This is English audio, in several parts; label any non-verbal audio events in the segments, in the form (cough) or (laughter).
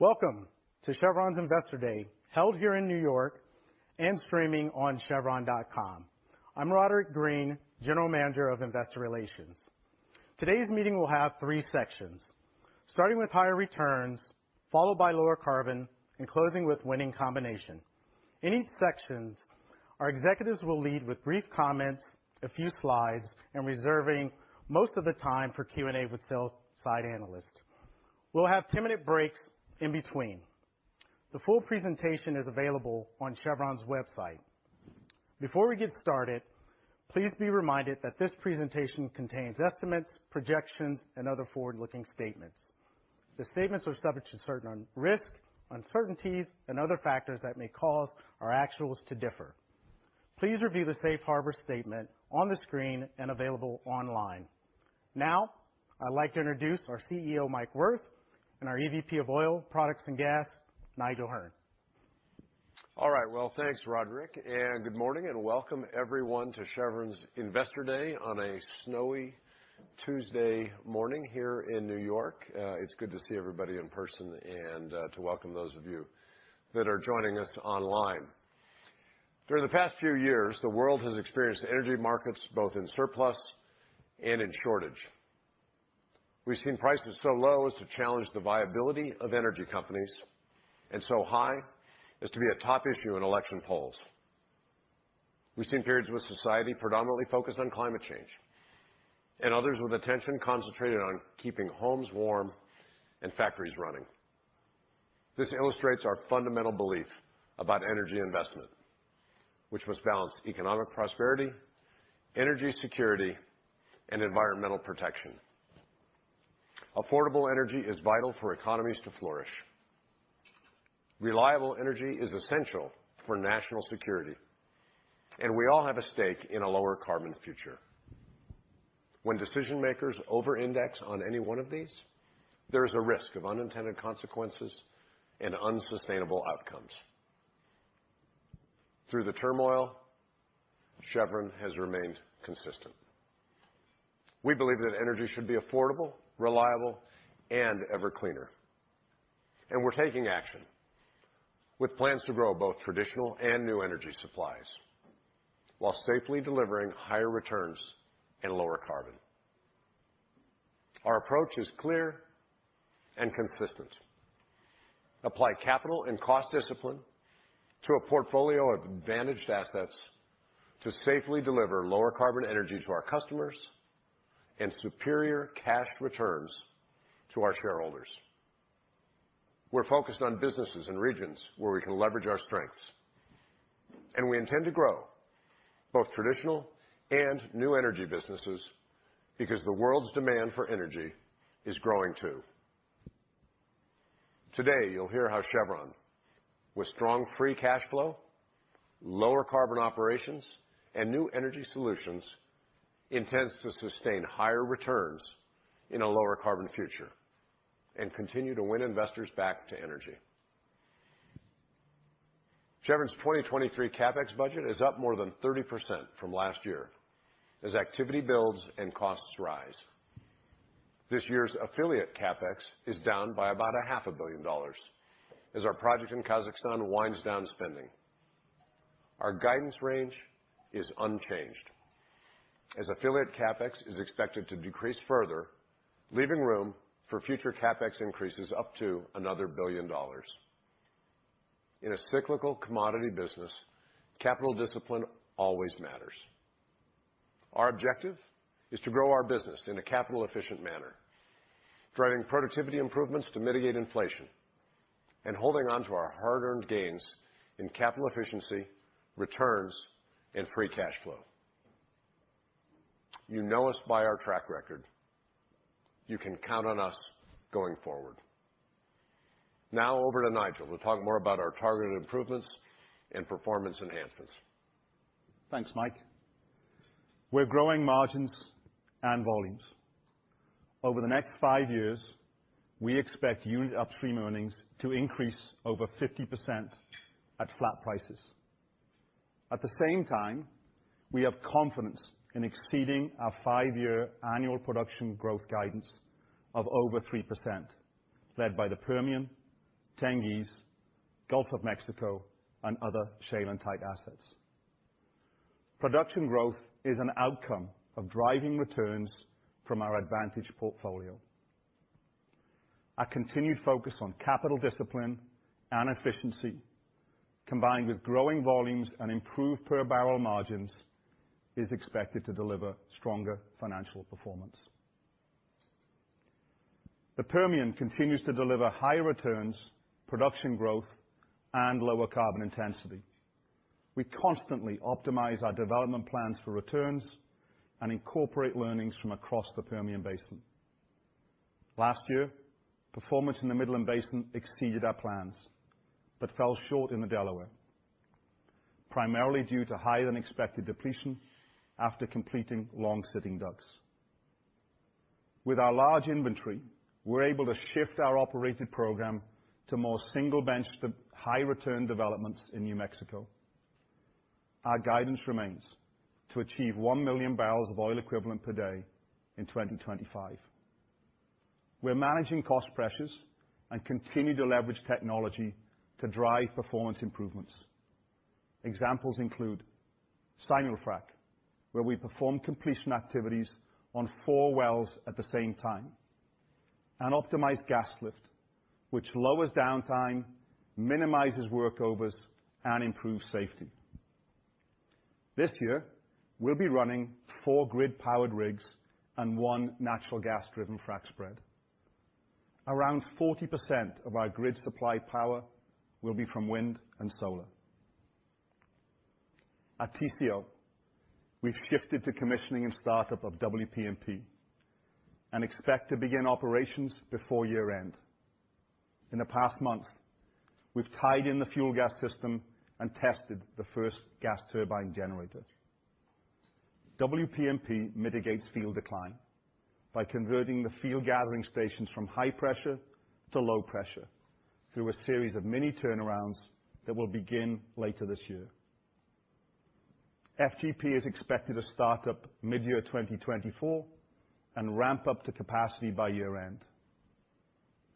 Welcome to Chevron's Investor Day, held here in New York and streaming on chevron.com. I'm Roderick Green, General Manager of Investor Relations. Today's meeting will have three sections, starting with higher returns, followed by lower carbon, closing with winning combination. In each sections, our executives will lead with brief comments, a few slides, reserving most of the time for Q&A with sell-side analysts. We'll have two minute breaks in between. The full presentation is available on Chevron's website. Before we get started, please be reminded that this presentation contains estimates, projections, and other forward-looking statements. The statements are subject to certain risk, uncertainties, and other factors that may cause our actuals to differ. Please review the safe harbor statement on the screen and available online. Now, I'd like to introduce our CEO, Mike Wirth, and our EVP of Oil Products and Gas, Nigel Hearne. Well, thanks, Roderick, good morning and welcome everyone to Chevron's Investor Day on a snowy Tuesday morning here in New York. It's good to see everybody in person and to welcome those of you that are joining us online. Through the past few years, the world has experienced energy markets both in surplus and in shortage. We've seen prices so low as to challenge the viability of energy companies and so high as to be a top issue in election polls. We've seen periods with society predominantly focused on climate change, and others with attention concentrated on keeping homes warm and factories running. This illustrates our fundamental belief about energy investment, which must balance economic prosperity, energy security, and environmental protection. Affordable energy is vital for economies to flourish. Reliable energy is essential for national security, and we all have a stake in a lower carbon future. When decision-makers over-index on any one of these, there is a risk of unintended consequences and unsustainable outcomes. Through the turmoil, Chevron has remained consistent. We believe that energy should be affordable, reliable, and ever cleaner, and we're taking action with plans to grow both traditional and new energy supplies while safely delivering higher returns and lower carbon. Our approach is clear and consistent. Apply capital and cost discipline to a portfolio of advantaged assets to safely deliver lower carbon energy to our customers and superior cash returns to our shareholders. We're focused on businesses and regions where we can leverage our strengths, and we intend to grow both traditional and new energy businesses because the world's demand for energy is growing, too. Today, you'll hear how Chevron, with strong free cash flow, lower carbon operations, and new energy solutions intends to sustain higher returns in a lower carbon future and continue to win investors back to energy. Chevron's 2023 CapEx budget is up more than 30% from last year as activity builds and costs rise. This year's affiliate CapEx is down by about a half a billion dollars as our project in Kazakhstan winds down spending. Our guidance range is unchanged as affiliate CapEx is expected to decrease further, leaving room for future CapEx increases up to another billion dollars. In a cyclical commodity business, capital discipline always matters. Our objective is to grow our business in a capital efficient manner, driving productivity improvements to mitigate inflation, and holding onto our hard-earned gains in capital efficiency, returns, and free cash flow. You know us by our track record. You can count on us going forward. Now over to Nigel to talk more about our targeted improvements and performance enhancements. Thanks, Mike. We're growing margins and volumes. Over the next five years, we expect unit upstream earnings to increase over 50% at flat prices. At the same time, we have confidence in exceeding our five-year annual production growth guidance of over 3%, led by the Permian, Tengiz, Gulf of Mexico, and other shale and type assets. Production growth is an outcome of driving returns from our advantage portfolio. Our continued focus on capital discipline and efficiency, combined with growing volumes and improved per barrel margins, is expected to deliver stronger financial performance. The Permian continues to deliver high returns, production growth, and lower carbon intensity. We constantly optimize our development plans for returns and incorporate learnings from across the Permian Basin. Last year, performance in the Midland Basin exceeded our plans, but fell short in the Delaware, primarily due to higher than expected depletion after completing long-sitting DUCs. With our large inventory, we're able to shift our operated program to more single bench, the high return developments in New Mexico. Our guidance remains to achieve 1 million barrels of oil equivalent per day in 2025. We're managing cost pressures and continue to leverage technology to drive performance improvements. Examples include Simul-Frac, where we perform completion activities on four wells at the same time, and optimized gas lift, which lowers downtime, minimizes workovers, and improves safety. This year, we'll be running four grid-powered rigs and one natural gas-driven frac spread. Around 40% of our grid supply power will be from wind and solar. At TCO, we've shifted to commissioning and startup of WPMP and expect to begin operations before year-end. In the past month, we've tied in the fuel gas system and tested the first gas turbine generator. WPMP mitigates field decline by converting the field gathering stations from high pressure to low pressure through a series of mini turnarounds that will begin later this year. FGP is expected to start up midyear 2024 and ramp up to capacity by year-end.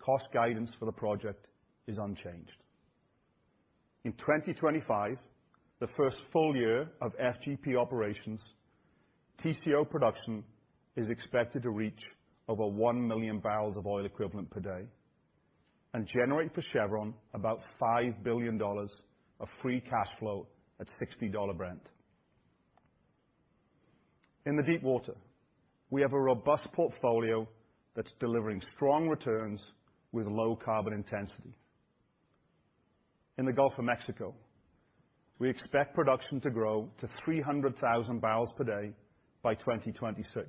Cost guidance for the project is unchanged. In 2025, the first full year of FGP operations, TCO production is expected to reach over 1 million barrels of oil equivalent per day and generate for Chevron about $5 billion of free cash flow at $60 Brent. In the deepwater, we have a robust portfolio that's delivering strong returns with low carbon intensity. In the Gulf of Mexico, we expect production to grow to 300,000 barrels per day by 2026.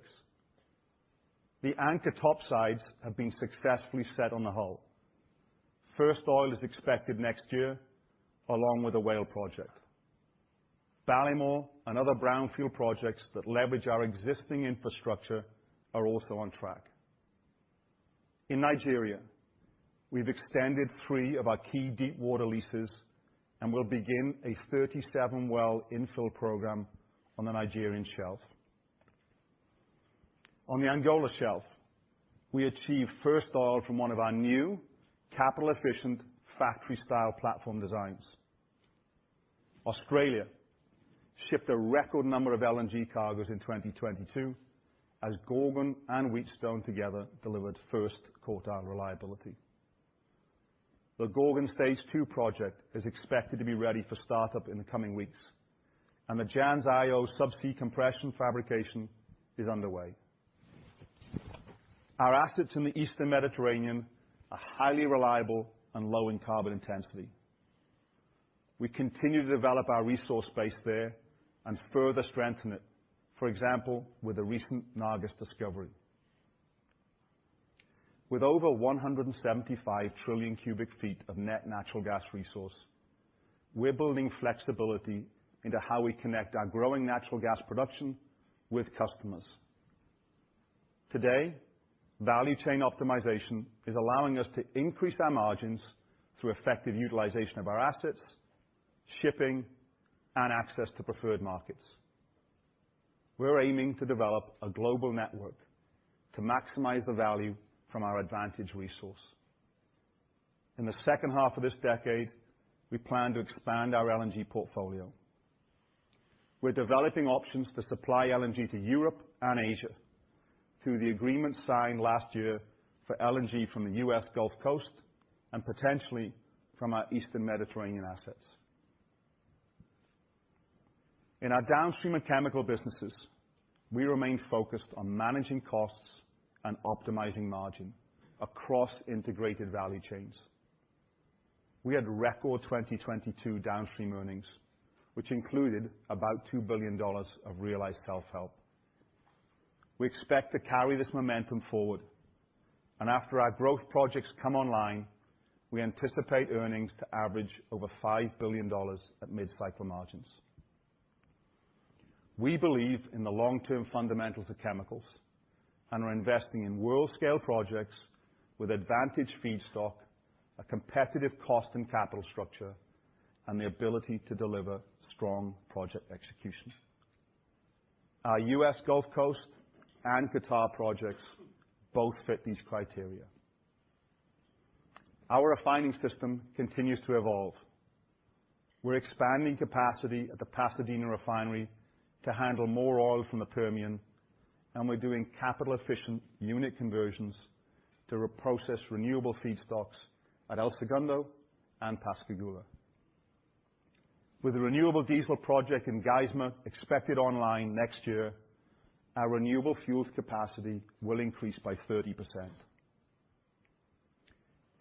The Anchor topsides have been successfully set on the hull. First oil is expected next year, along with the Whale project. Ballymore and other brownfield projects that leverage our existing infrastructure are also on track. In Nigeria, we've extended three of our key deepwater leases and will begin a 37 well infill program on the Nigerian shelf. On the Angola shelf, we achieved first oil from one of our new capital-efficient factory-style platform designs. Australia shipped a record number of LNG cargos in 2022 as Gorgon and Wheatstone together delivered first quartile reliability. The Gorgon phase II project is expected to be ready for startup in the coming weeks, and the Jansz-Io subsea compression fabrication is underway. Our assets in the Eastern Mediterranean are highly reliable and low in carbon intensity. We continue to develop our resource base there and further strengthen it, for example, with the recent Nargis discovery. With over 175 trillion cubic feet of net natural gas resource, we're building flexibility into how we connect our growing natural gas production with customers. Today, value chain optimization is allowing us to increase our margins through effective utilization of our assets, shipping, and access to preferred markets. We're aiming to develop a global network to maximize the value from our advantage resource. In the second half of this decade, we plan to expand our LNG portfolio. We're developing options to supply LNG to Europe and Asia through the agreement signed last year for LNG from the U.S. Gulf Coast and potentially from our Eastern Mediterranean assets. In our downstream and chemical businesses, we remain focused on managing costs and optimizing margin across integrated value chains. We had record 2022 downstream earnings, which included about $2 billion of realized tail help. We expect to carry this momentum forward, and after our growth projects come online, we anticipate earnings to average over $5 billion at mid-cycle margins. We believe in the long-term fundamentals of chemicals and are investing in world-scale projects with advantage feedstock, a competitive cost and capital structure, and the ability to deliver strong project execution. Our U.S. Gulf Coast and Qatar projects both fit these criteria. Our refining system continues to evolve. We're expanding capacity at the Pasadena Refinery to handle more oil from the Permian, and we're doing capital-efficient unit conversions to reprocess renewable feedstocks at El Segundo and Pascagoula. With the renewable diesel project in Geismar expected online next year, our renewable fuels capacity will increase by 30%.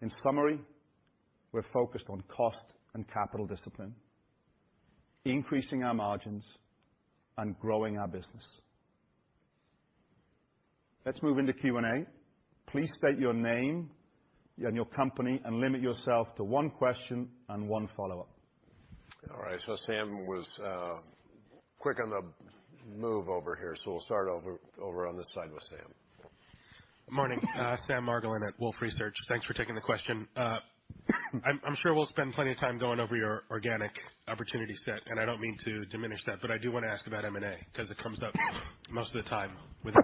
In summary, we're focused on cost and capital discipline, increasing our margins, and growing our business. Let's move into Q&A. Please state your name and your company and limit yourself to one question and one follow-up. All right. Sam was quick on the move over here, so we'll start over on this side with Sam. Morning. Sam Margolin at Wolfe Research. Thanks for taking the question. I'm sure we'll spend plenty of time going over your organic opportunity set, and I don't mean to diminish that, but I do want to ask about M&A because it comes up most of the time with.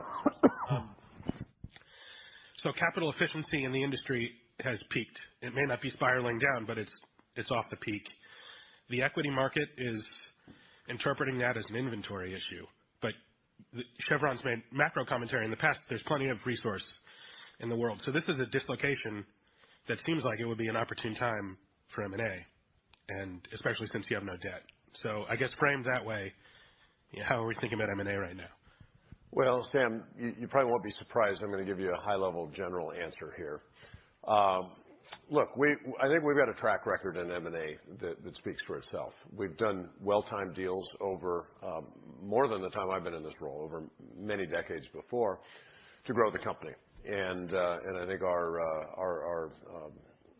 Capital efficiency in the industry has peaked. It may not be spiraling down, but it's off the peak. The equity market is interpreting that as an inventory issue. Chevron's made macro commentary in the past. There's plenty of resource in the world. This is a dislocation that seems like it would be an opportune time for M&A, and especially since you have no debt. I guess framed that way, how are we thinking about M&A right now? Well, Sam, you probably won't be surprised I'm gonna give you a high-level general answer here. Look, I think we've got a track record in M&A that speaks for itself. We've done well-timed deals over more than the time I've been in this role, over many decades before, to grow the company. I think our,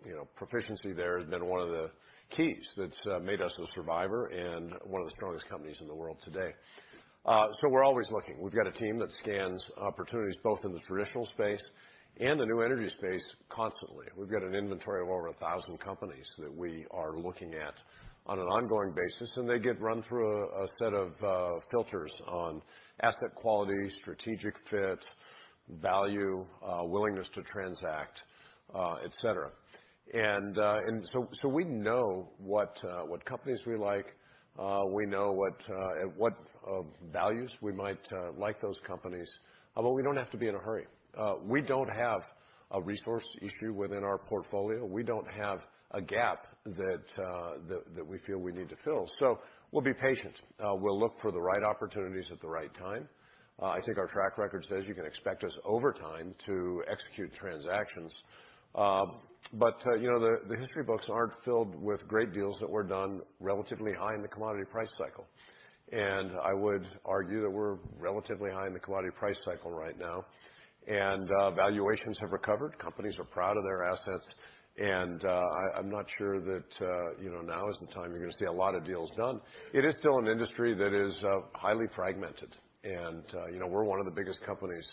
you know, proficiency there has been one of the keys that's made us a survivor and one of the strongest companies in the world today. We're always looking. We've got a team that scans opportunities both in the traditional space and the new energy space constantly. We've got an inventory of over 1,000 companies that we are looking at on an ongoing basis. They get run through a set of filters on asset quality, strategic fit, value, willingness to transact, et cetera. We know what companies we like. We know what at what values we might like those companies. Although we don't have to be in a hurry. We don't have a resource issue within our portfolio. We don't have a gap that we feel we need to fill. We'll be patient. We'll look for the right opportunities at the right time. I think our track record says you can expect us over time to execute transactions. You know, the history books aren't filled with great deals that were done relatively high in the commodity price cycle. I would argue that we're relatively high in the commodity price cycle right now. Valuations have recovered. Companies are proud of their assets. I'm not sure that, you know, now is the time you're gonna see a lot of deals done. It is still an industry that is highly fragmented. You know, we're one of the biggest companies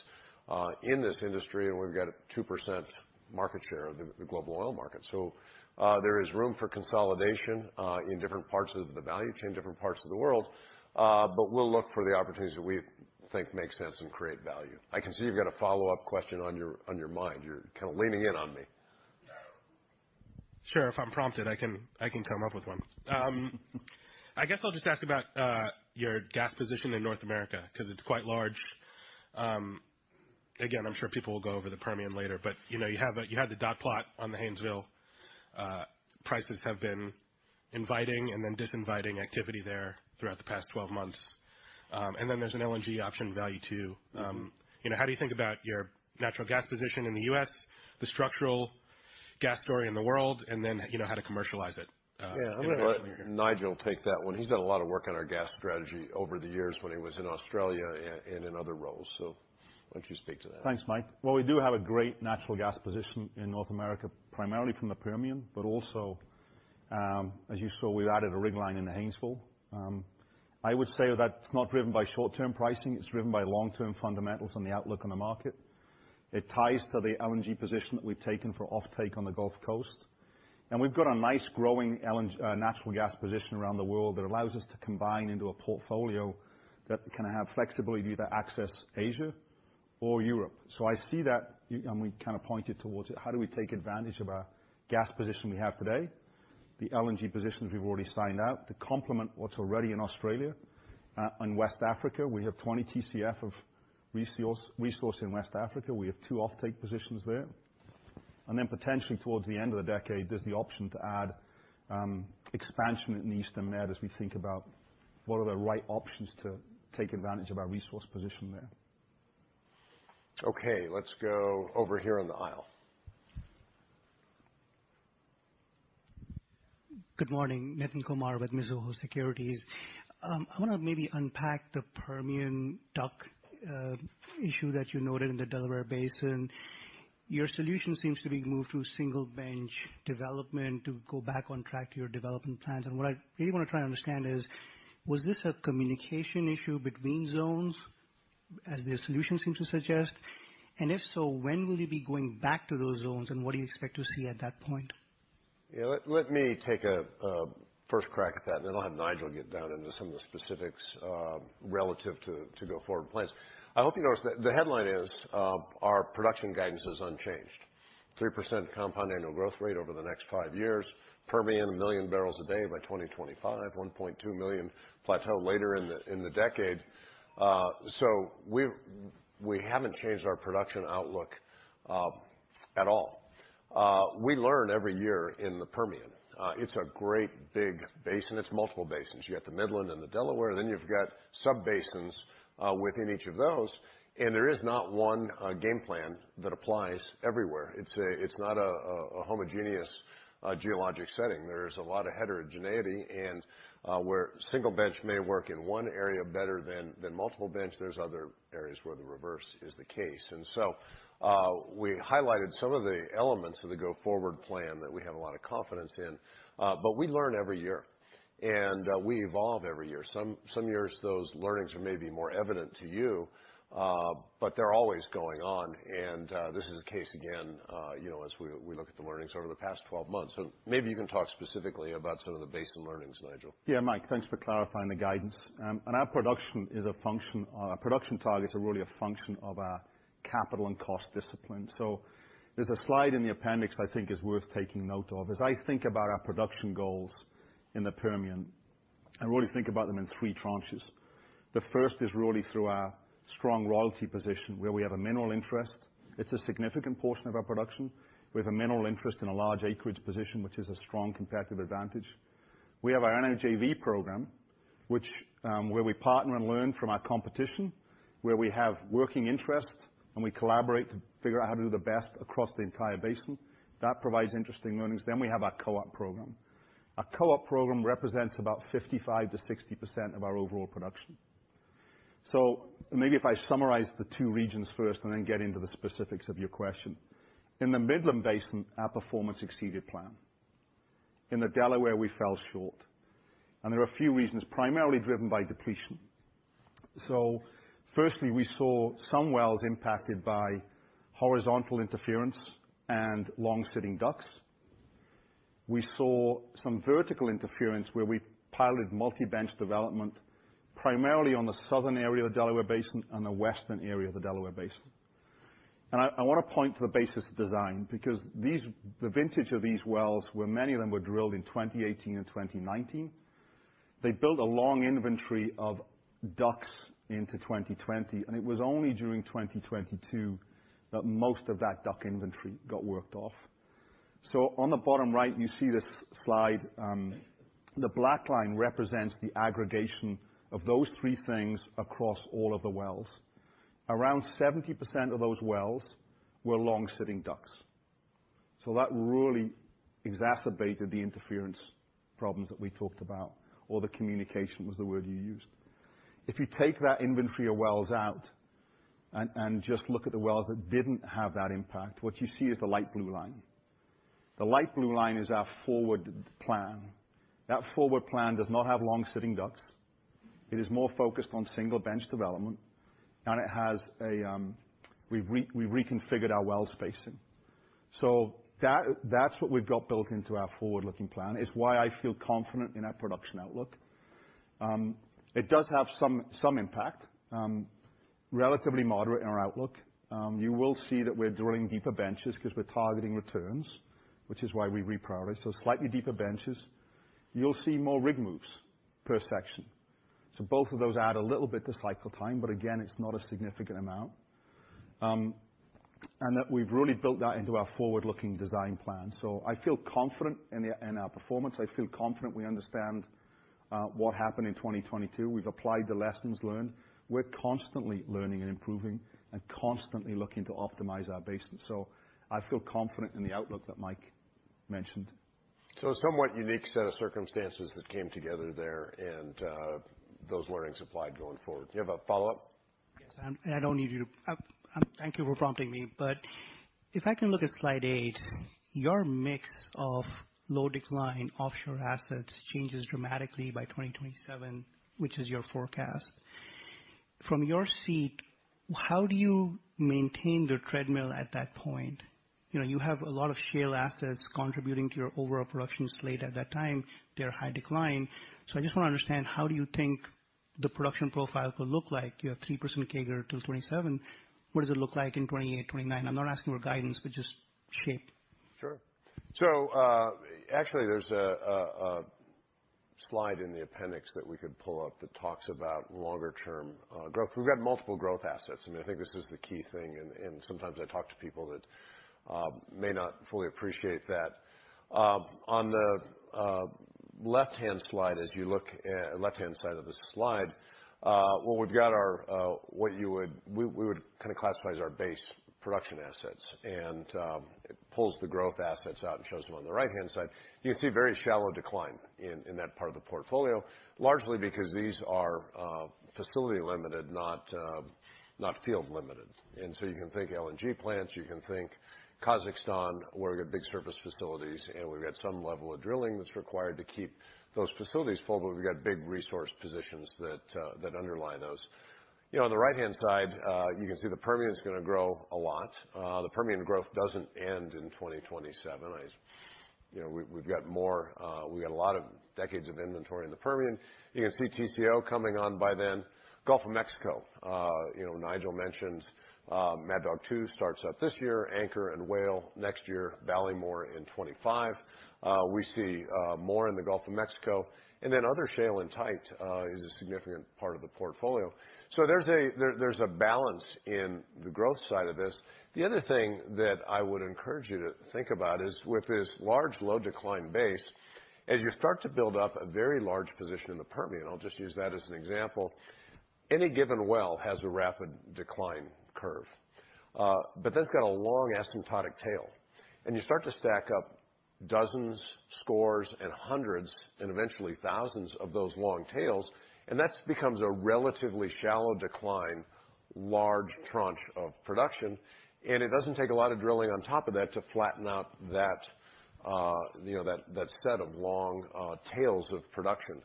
in this industry, and we've got a 2% market share of the global oil market. There is room for consolidation in different parts of the value chain, different parts of the world. We'll look for the opportunities that we think make sense and create value. I can see you've got a follow-up question on your, on your mind. You're kind of leaning in on me. Sure. If I'm prompted, I can come up with one. I guess I'll just ask about your gas position in North America because it's quite large. Again, I'm sure people will go over the Permian later, but, you know, you have, you had the dot plot on the Haynesville. Prices have been inviting and then disinviting activity there throughout the past 12 months. There's an LNG option value too. Mm-hmm. you know, how do you think about your natural gas position in the U.S., the structural gas story in the world, and then, you know, how to commercialize it, internationally. Yeah. I'm gonna let Nigel take that one. He's done a lot of work on our gas strategy over the years when he was in Australia and in other roles. Why don't you speak to that? Thanks, Mike. Well, we do have a great natural gas position in North America, primarily from the Permian, but also, as you saw, we've added a rig line in the Haynesville. I would say that's not driven by short-term pricing. It's driven by long-term fundamentals on the outlook on the market. It ties to the LNG position that we've taken for offtake on the Gulf Coast. We've got a nice growing LNG, natural gas position around the world that allows us to combine into a portfolio that can have flexibility to either access Asia or Europe. I see that, and we kind of pointed towards it. How do we take advantage of our gas position we have today? The LNG positions we've already signed up to complement what's already in Australia, and West Africa. We have 20 TCF of resource in West Africa. We have two offtake positions there. Potentially towards the end of the decade, there's the option to add expansion in the Eastern Med as we think about what are the right options to take advantage of our resource position there. Okay. Let's go over here on the aisle. Good morning. Nitin Kumar with Mizuho Securities. I wanna maybe unpack the Permian DUC issue that you noted in the Delaware Basin. Your solution seems to be move to single-bench development to go back on track to your development plans. What I really wanna try and understand is, was this a communication issue between zones as the solution seems to suggest? If so, when will you be going back to those zones, and what do you expect to see at that point? Yeah. Let me take a first crack at that, then I'll have Nigel get down into some of the specifics relative to go-forward plans. I hope you noticed that the headline is our production guidance is unchanged. 3% compound annual growth rate over the next five years. Permian, 1 million barrels a day by 2025, 1.2 million plateau later in the decade. We haven't changed our production outlook at all. We learn every year in the Permian. It's a great big basin. It's multiple basins. You have the Midland and the Delaware, then you've got sub-basins within each of those, there is not one game plan that applies everywhere. It's not a homogeneous geologic setting. There's a lot of heterogeneity, and where single bench may work in one area better than multiple bench, there's other areas where the reverse is the case. We highlighted some of the elements of the go-forward plan that we have a lot of confidence in, but we learn every year, we evolve every year. Some years, those learnings are maybe more evident to you, but they're always going on. This is the case again, you know, as we look at the learnings over the past 12 months. Maybe you can talk specifically about some of the basin learnings, Nigel. Yeah, Mike, thanks for clarifying the guidance. Our production is a function, our production target is really a function of our capital and cost discipline. There's a slide in the appendix I think is worth taking note of. As I think about our production goals in the Permian, I really think about them in three tranches. The first is really through our strong royalty position where we have a mineral interest. It's a significant portion of our production. We have a mineral interest in a large acreage position, which is a strong competitive advantage. We have our energy JV program, which, where we partner and learn from our competition, where we have working interests, and we collaborate to figure out how to do the best across the entire basin. That provides interesting learnings. We have our co-op program. Our co-op program represents about 55%-60% of our overall production. Maybe if I summarize the two regions first and then get into the specifics of your question. In the Midland Basin, our performance exceeded plan. In the Delaware, we fell short, and there are a few reasons, primarily driven by depletion. Firstly, we saw some wells impacted by horizontal interference and long-sitting DUCs. We saw some vertical interference where we piloted multi-bench development, primarily on the southern area of the Delaware Basin and the western area of the Delaware Basin. I wanna point to the basis of design because the vintage of these wells, where many of them were drilled in 2018 and 2019, they built a long inventory of DUCs into 2020, and it was only during 2022 that most of that DUC inventory got worked off. On the bottom right, you see this slide, the black line represents the aggregation of those three things across all of the wells. Around 70% of those wells were long-sitting DUCs. That really exacerbated the interference problems that we talked about, or the communication was the word you used. If you take that inventory of wells out and just look at the wells that didn't have that impact, what you see is the light blue line. The light blue line is our forward plan. That forward plan does not have long-sitting DUCs. It is more focused on single-bench development, and it has a, we've reconfigured our well spacing. That, that's what we've got built into our forward-looking plan. It's why I feel confident in our production outlook. It does have some impact, relatively moderate in our outlook. You will see that we're drilling deeper benches 'cause we're targeting returns, which is why we reprioritized. Slightly deeper benches. You'll see more rig moves per section. Both of those add a little bit to cycle time, but again, it's not a significant amount. And that we've really built that into our forward-looking design plan. I feel confident in our performance. I feel confident we understand what happened in 2022. We've applied the lessons learned. We're constantly learning and improving and constantly looking to optimize our basin. I feel confident in the outlook that Mike mentioned. A somewhat unique set of circumstances that came together there and those learnings applied going forward. Do you have a follow-up? Yes. I don't need you... thank you for prompting me. If I can look at slide eight, your mix of low decline offshore assets changes dramatically by 2027, which is your forecast. From your seat, how do you maintain the treadmill at that point? You know, you have a lot of shale assets contributing to your overall production slate at that time. They're high decline. I just wanna understand, how do you think the production profile will look like? You have 3% CAGR till 2027. What does it look like in 2028, 2029? I'm not asking for guidance, but just shape. Sure. Actually, there's a slide in the appendix that we could pull up that talks about longer term growth. We've got multiple growth assets. I mean, I think this is the key thing, and sometimes I talk to people that may not fully appreciate that. On the left-hand slide as you look, left-hand side of this slide, what we've got are what we would kinda classify as our base production assets. It pulls the growth assets out and shows them on the right-hand side. You can see very shallow decline in that part of the portfolio, largely because these are facility limited, not field limited. You can think LNG plants. You can think Kazakhstan, where we've got big surface facilities, and we've got some level of drilling that's required to keep those facilities full, but we've got big resource positions that underlie those. You know, on the right-hand side, you can see the Permian is gonna grow a lot. The Permian growth doesn't end in 2027. You know, we've got more, we've got a lot of decades of inventory in the Permian. You can see TCO coming on by then. Gulf of Mexico, you know Nigel mentioned, Mad Dog 2 starts up this year, Anchor and Whale next year, Ballymore in 2025. We see more in the Gulf of Mexico, and then other shale and tight is a significant part of the portfolio. There's a balance in the growth side of this. The other thing that I would encourage you to think about is with this large low decline base, as you start to build up a very large position in the Permian, I'll just use that as an example, any given well has a rapid decline curve. but that's becomes a long asymptotic tail, and you start to stack up dozens, scores, and hundreds, and eventually thousands of those long tails, and that's becomes a relatively shallow decline, large tranche of production. It doesn't take a lot of drilling on top of that to flatten out that, you know, that set of long, tails of production.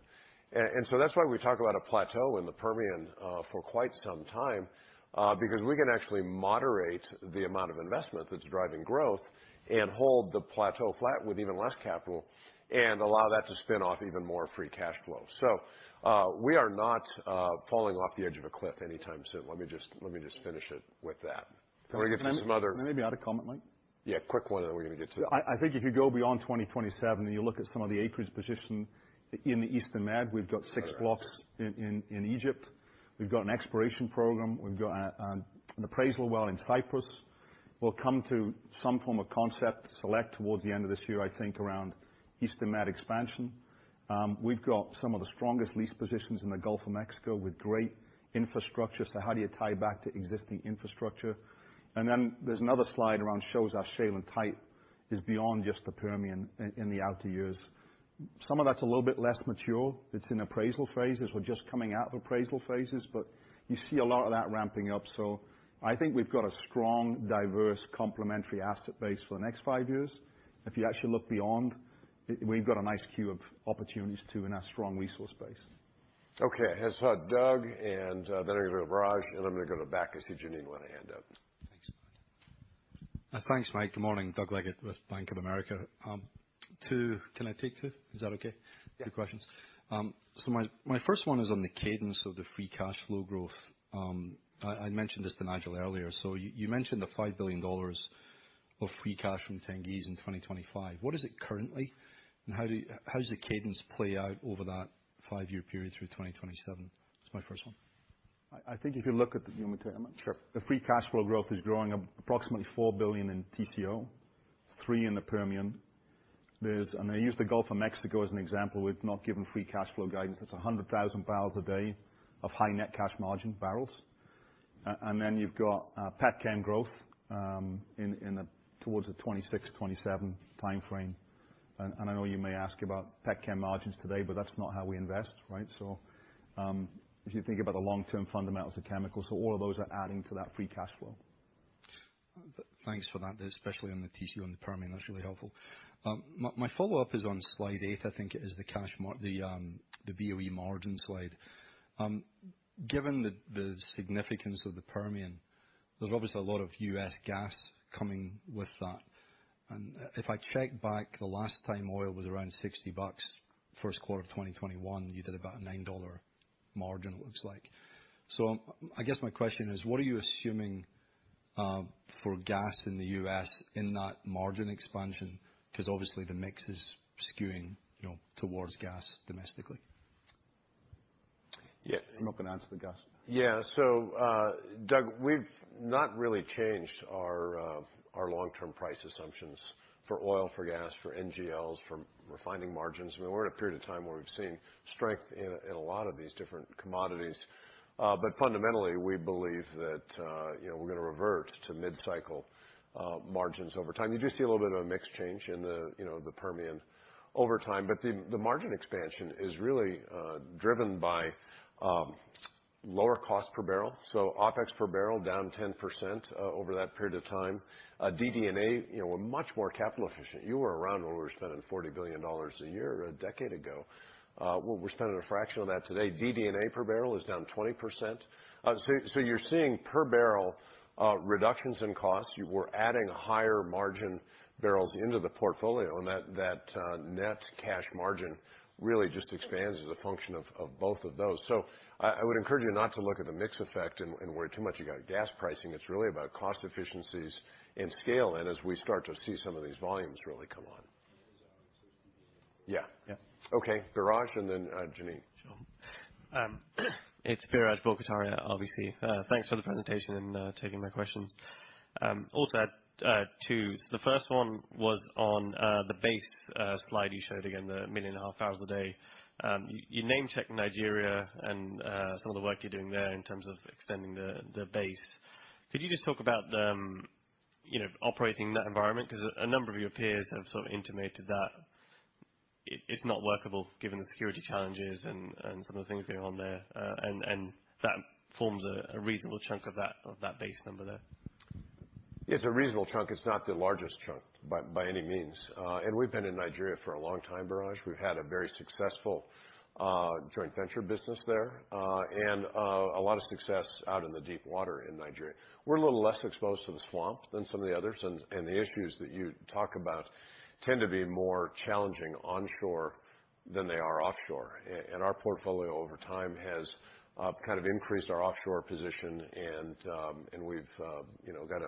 That's why we talk about a plateau in the Permian for quite some time because we can actually moderate the amount of investment that's driving growth and hold the plateau flat with even less capital and allow that to spin off even more free cash flow. We are not falling off the edge of a cliff anytime soon. Let me just finish it with that. I wanna get to some other-. Can I maybe add a comment, Mike? Yeah, quick one, and then we're gonna get to. I think if you go beyond 2027, you look at some of the acreage position in the Eastern Med, we've got six blocks in Egypt. We've got an exploration program. We've got an appraisal well in Cyprus. We'll come to some form of concept select towards the end of this year, I think, around Eastern Med expansion. We've got some of the strongest lease positions in the Gulf of Mexico with great infrastructure. How do you tie back to existing infrastructure? Then there's another slide around shows our shale and tight is beyond just the Permian in the outer years. Some of that's a little bit less mature. It's in appraisal phases. We're just coming out of appraisal phases, you see a lot of that ramping up. I think we've got a strong, diverse complementary asset base for the next five years. If you actually look beyond, we've got a nice queue of opportunities too in our strong resource base. Okay. Let's have Doug, and then we're gonna go Biraj, and I'm gonna go to the back. I see Jeanine with her hand up. Thanks. thanks, Mike. Good morning. Doug Leggate with Bank of America. Can I take two? Is that okay? Yeah. Two questions. My first one is on the cadence of the free cash flow growth. I mentioned this to Nigel earlier. You mentioned the $5 billion of free cash from Tengiz in 2025. What is it currently? How does the cadence play out over that five year period through 2027? That's my first one. I think if you look at the Sure. The free cash flow growth is growing approximately $4 billion in TCO, $3 billion in the Permian. I use the Gulf of Mexico as an example. We've not given free cash flow guidance. That's 100,000 barrels a day of high net cash margin barrels. Then you've got pet chem growth in the towards the 2026, 2027 timeframe. I know you may ask about pet chem margins today, but that's not how we invest, right? If you think about the long-term fundamentals of chemicals. All of those are adding to that free cash flow. Thanks for that, especially on the TCO and the Permian. That's really helpful. My follow-up is on slide eight. I think it is the cash the BOE margin slide. Given the significance of the Permian, there's obviously a lot of U.S. gas coming with that. If I check back, the last time oil was around $60, first quarter of 2021, you did about a $9 margin, it looks like. I guess my question is, what are you assuming for gas in the U.S. in that margin expansion? Obviously the mix is skewing, you know, towards gas domestically. Yeah. I'm not gonna answer the gas. Doug, we've not really changed our long-term price assumptions for oil, for gas, for NGLs, for refining margins. We're in a period of time where we've seen strength in a lot of these different commodities. Fundamentally, we believe that, you know, we're gonna revert to mid-cycle margins over time. You do see a little bit of a mix change in the, you know, the Permian over time, but the margin expansion is really driven by lower cost per barrel. OpEx per barrel down 10% over that period of time. DD&A, you know, we're much more capital efficient. You were around when we were spending $40 billion a year a decade ago. We're spending a fraction of that today. DD&A per barrel is down 20%. So, you're seeing per barrel reductions in costs. You were adding higher margin barrels into the portfolio, and that net cash margin really just expands as a function of both of those. I would encourage you not to look at the mix effect and worry too much about gas pricing. It's really about cost efficiencies and scale, and as we start to see some of these volumes really come on. Yeah. Okay. Biraj and then, Jeanine. Sure. It's Biraj Borkhataria, RBC. Thanks for the presentation and taking my questions. Also had two. The first one was on the base slide you showed again, the 1.5 million barrels a day. You, you name-checked Nigeria and some of the work you're doing there in terms of extending the base. Could you just talk about, you know, operating in that environment? Cause a number of your peers have sort of intimated that it's not workable given the security challenges and some of the things going on there. That forms a reasonable chunk of that base number there. It's a reasonable chunk. It's not the largest chunk by any means. We've been in Nigeria for a long time, Biraj. We've had a very successful joint venture business there, and a lot of success out in the deep water in Nigeria. We're a little less exposed to the swamp than some of the others, and the issues that you talk about tend to be more challenging onshore than they are offshore. Our portfolio over time has kind of increased our offshore position and we've, you know, got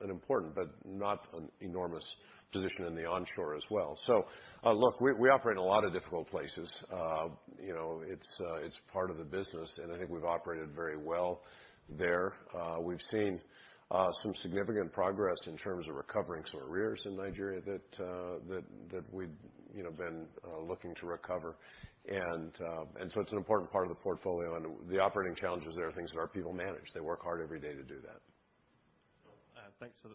an important but not an enormous position in the onshore as well. Look, we operate in a lot of difficult places. You know, it's part of the business, and I think we've operated very well there. We've seen some significant progress in terms of recovering some arrears in Nigeria that we'd, you know, been looking to recover. It's an important part of the portfolio, and the operating challenges there are things that our people manage. They work hard every day to do that. Thanks for the,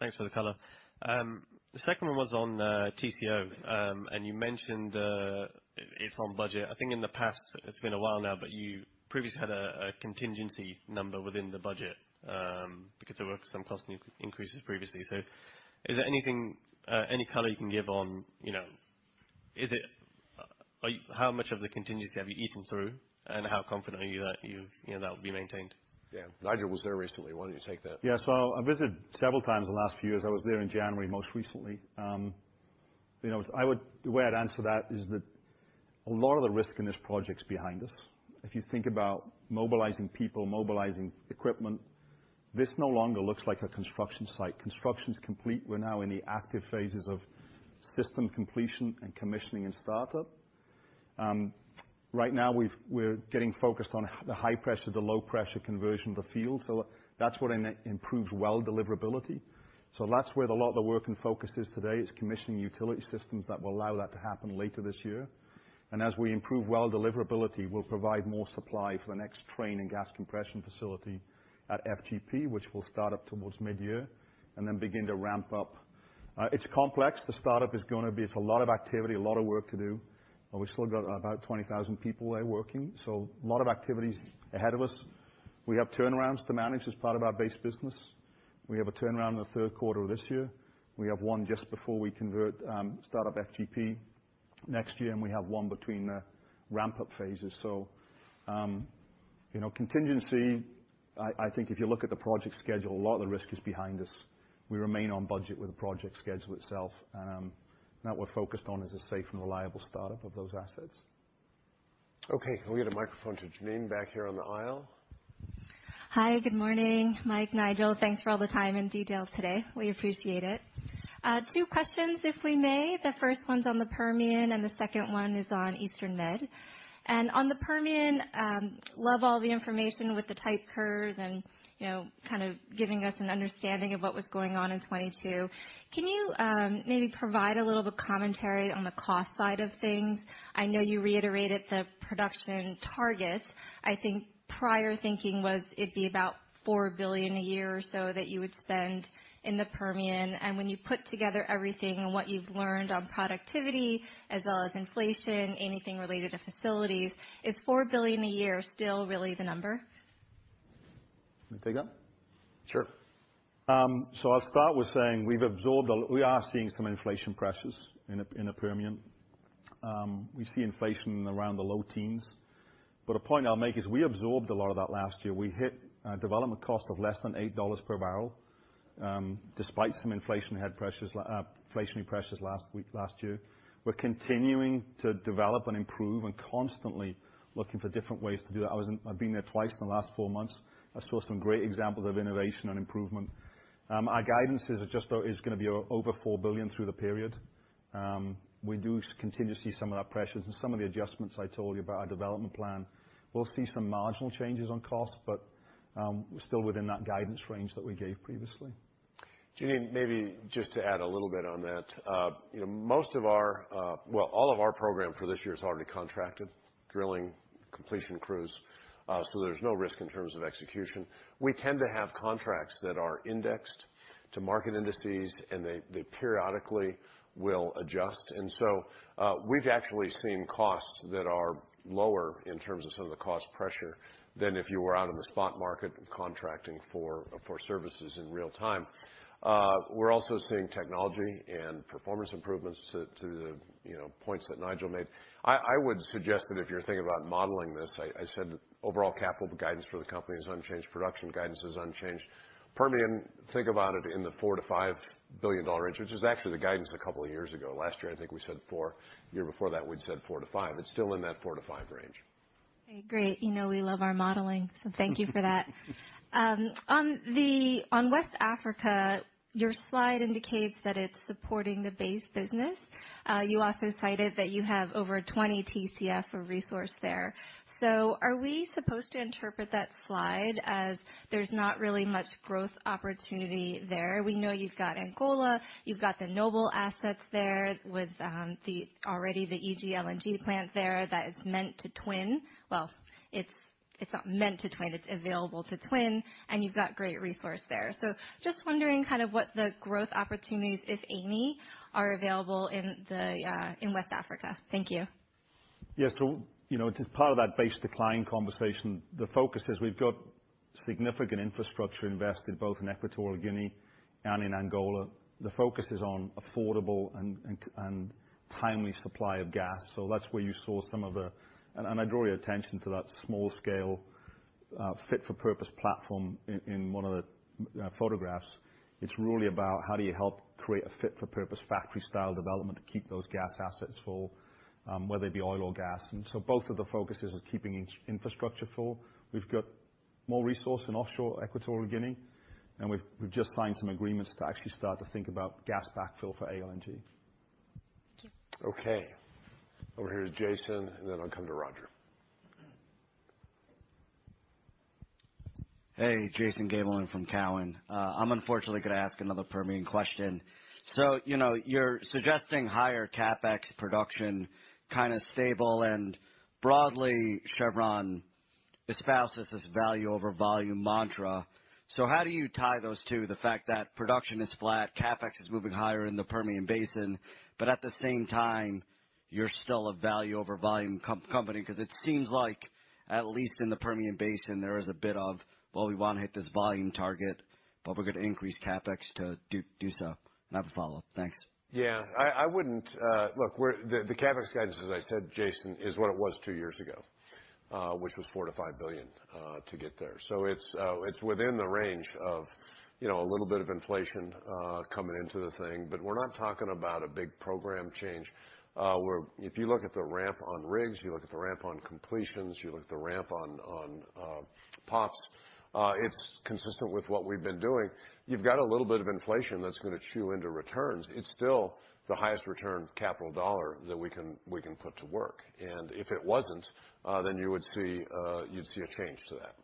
thanks for the color. The second one was on TCO. You mentioned it's on budget. I think in the past, it's been a while now, but you previously had a contingency number within the budget, because there were some cost increases previously. Is there anything, any color you can give on, you know, how much of the contingency have you eaten through, and how confident are you that you know, that will be maintained? Yeah. Nigel was there recently. Why don't you take that? Yeah. I visited several times in the last few years. I was there in January most recently. You know, the way I'd answer that is that a lot of the risk in this project's behind us. If you think about mobilizing people, mobilizing equipment, this no longer looks like a construction site. Construction's complete. We're now in the active phases of system completion and commissioning and startup. Right now we're getting focused on the high pressure to low pressure conversion of the field. That's what improves well deliverability. That's where a lot of the work and focus is today, is commissioning utility systems that will allow that to happen later this year. As we improve well deliverability, we'll provide more supply for the next train and gas compression facility at FGP, which will start up towards midyear and then begin to ramp up. It's complex. The startup is a lot of activity, a lot of work to do, and we've still got about 20,000 people there working, a lot of activities ahead of us. We have turnarounds to manage as part of our base business. We have a turnaround in the third quarter of this year. We have one just before we convert, start up FGP next year, and we have one between the ramp-up phases. You know, contingency, I think if you look at the project schedule, a lot of the risk is behind us. We remain on budget with the project schedule itself. Now we're focused on is a safe and reliable startup of those assets. Okay, can we get a microphone to Jeanine back here on the aisle? Hi, good morning, Mike, Nigel. Thanks for all the time and detail today. We appreciate it. Two questions, if we may. The first one's on the Permian, the second one is on Eastern Med. On the Permian, love all the information with the type curves and, you know, kind of giving us an understanding of what was going on in 2022. Can you maybe provide a little bit of commentary on the cost side of things? I know you reiterated the production targets. I think prior thinking was it'd be about $4 billion a year or so that you would spend in the Permian. When you put together everything and what you've learned on productivity as well as inflation, anything related to facilities, is $4 billion a year still really the number? Want me to take that? Sure. I'll start with saying we are seeing some inflation pressures in the Permian. We see inflation around the low teens. A point I'll make is we absorbed a lot of that last year. We hit a development cost of less than $8 per barrel, despite some inflation head pressures last year. We're continuing to develop and improve and constantly looking for different ways to do that. I've been there twice in the last four months. I saw some great examples of innovation and improvement. Our guidance is just gonna be over $4 billion through the period. We do continue to see some of that pressures and some of the adjustments I told you about our development plan. We'll see some marginal changes on cost, but, still within that guidance range that we gave previously. Jeanine, maybe just to add a little bit on that. you know, most of our, well, all of our program for this year is already contracted, drilling, completion crews, so there's no risk in terms of execution. We tend to have contracts that are indexed to market indices, and they periodically will adjust. we've actually seen costs that are lower in terms of some of the cost pressure than if you were out in the spot market contracting for services in real time. we're also seeing technology and performance improvements to the, you know, points that Nigel made. I would suggest that if you're thinking about modeling this, I said overall capital guidance for the company is unchanged. Production guidance is unchanged. Permian, think about it in the $4 billion-$5 billion range, which is actually the guidance a couple of years ago. Last year, I think we said $4 billion. Year before that, we'd said $4 billion-$5 billion. It's still in that $4 billion-$5 billion range. Okay, great. You know we love our modeling, thank you for that. On West Africa, your slide indicates that it's supporting the base business. You also cited that you have over 20 TCF of resource there. Are we supposed to interpret that slide as there's not really much growth opportunity there? We know you've got Angola, you've got the Noble assets there with the already the EG LNG plant there that is meant to twin. Well, it's not meant to twin, it's available to twin, you've got great resource there. Just wondering kind of what the growth opportunities, if any, are available in West Africa. Thank you. Yes. it is part of that base decline conversation. The focus is we've got significant infrastructure invested both in Equatorial Guinea and in Angola. The focus is on affordable and timely supply of gas. That's where you saw some of the. I draw your attention to that small scale fit for purpose platform in one of the photographs. It's really about how do you help create a fit for purpose factory-style development to keep those gas assets full, whether it be oil or gas. Both of the focuses is keeping infrastructure full. We've got more resource in offshore Equatorial Guinea, and we've just signed some agreements to actually start to think about gas backfill for ALNG. Thank you. Okay. Over here to Jason, and then I'll come to Roger. Hey, Jason Gabelman from Cowen. I'm unfortunately gonna ask another Permian question. You know, you're suggesting higher CapEx production, kinda stable and broadly, Chevron espouses this value over volume mantra. How do you tie those two? The fact that production is flat, CapEx is moving higher in the Permian Basin, but at the same time, you're still a value over volume company, 'cause it seems like, at least in the Permian Basin, there is a bit of, well, we wanna hit this volume target, but we're gonna increase CapEx to do so. I have a follow-up. Thanks. Yeah. I wouldn't. Look, the CapEx guidance, as I said, Jason, is what it was two years ago, which was $4 billion-$5 billion to get there. It's within the range of, you know, a little bit of inflation coming into the thing, but we're not talking about a big program change. If you look at the ramp on rigs, you look at the ramp on completions, you look at the ramp on pots, it's consistent with what we've been doing. You've got a little bit of inflation that's gonna chew into returns. It's still the highest return capital dollar that we can, we can put to work. If it wasn't, then you would see, you'd see a change to that.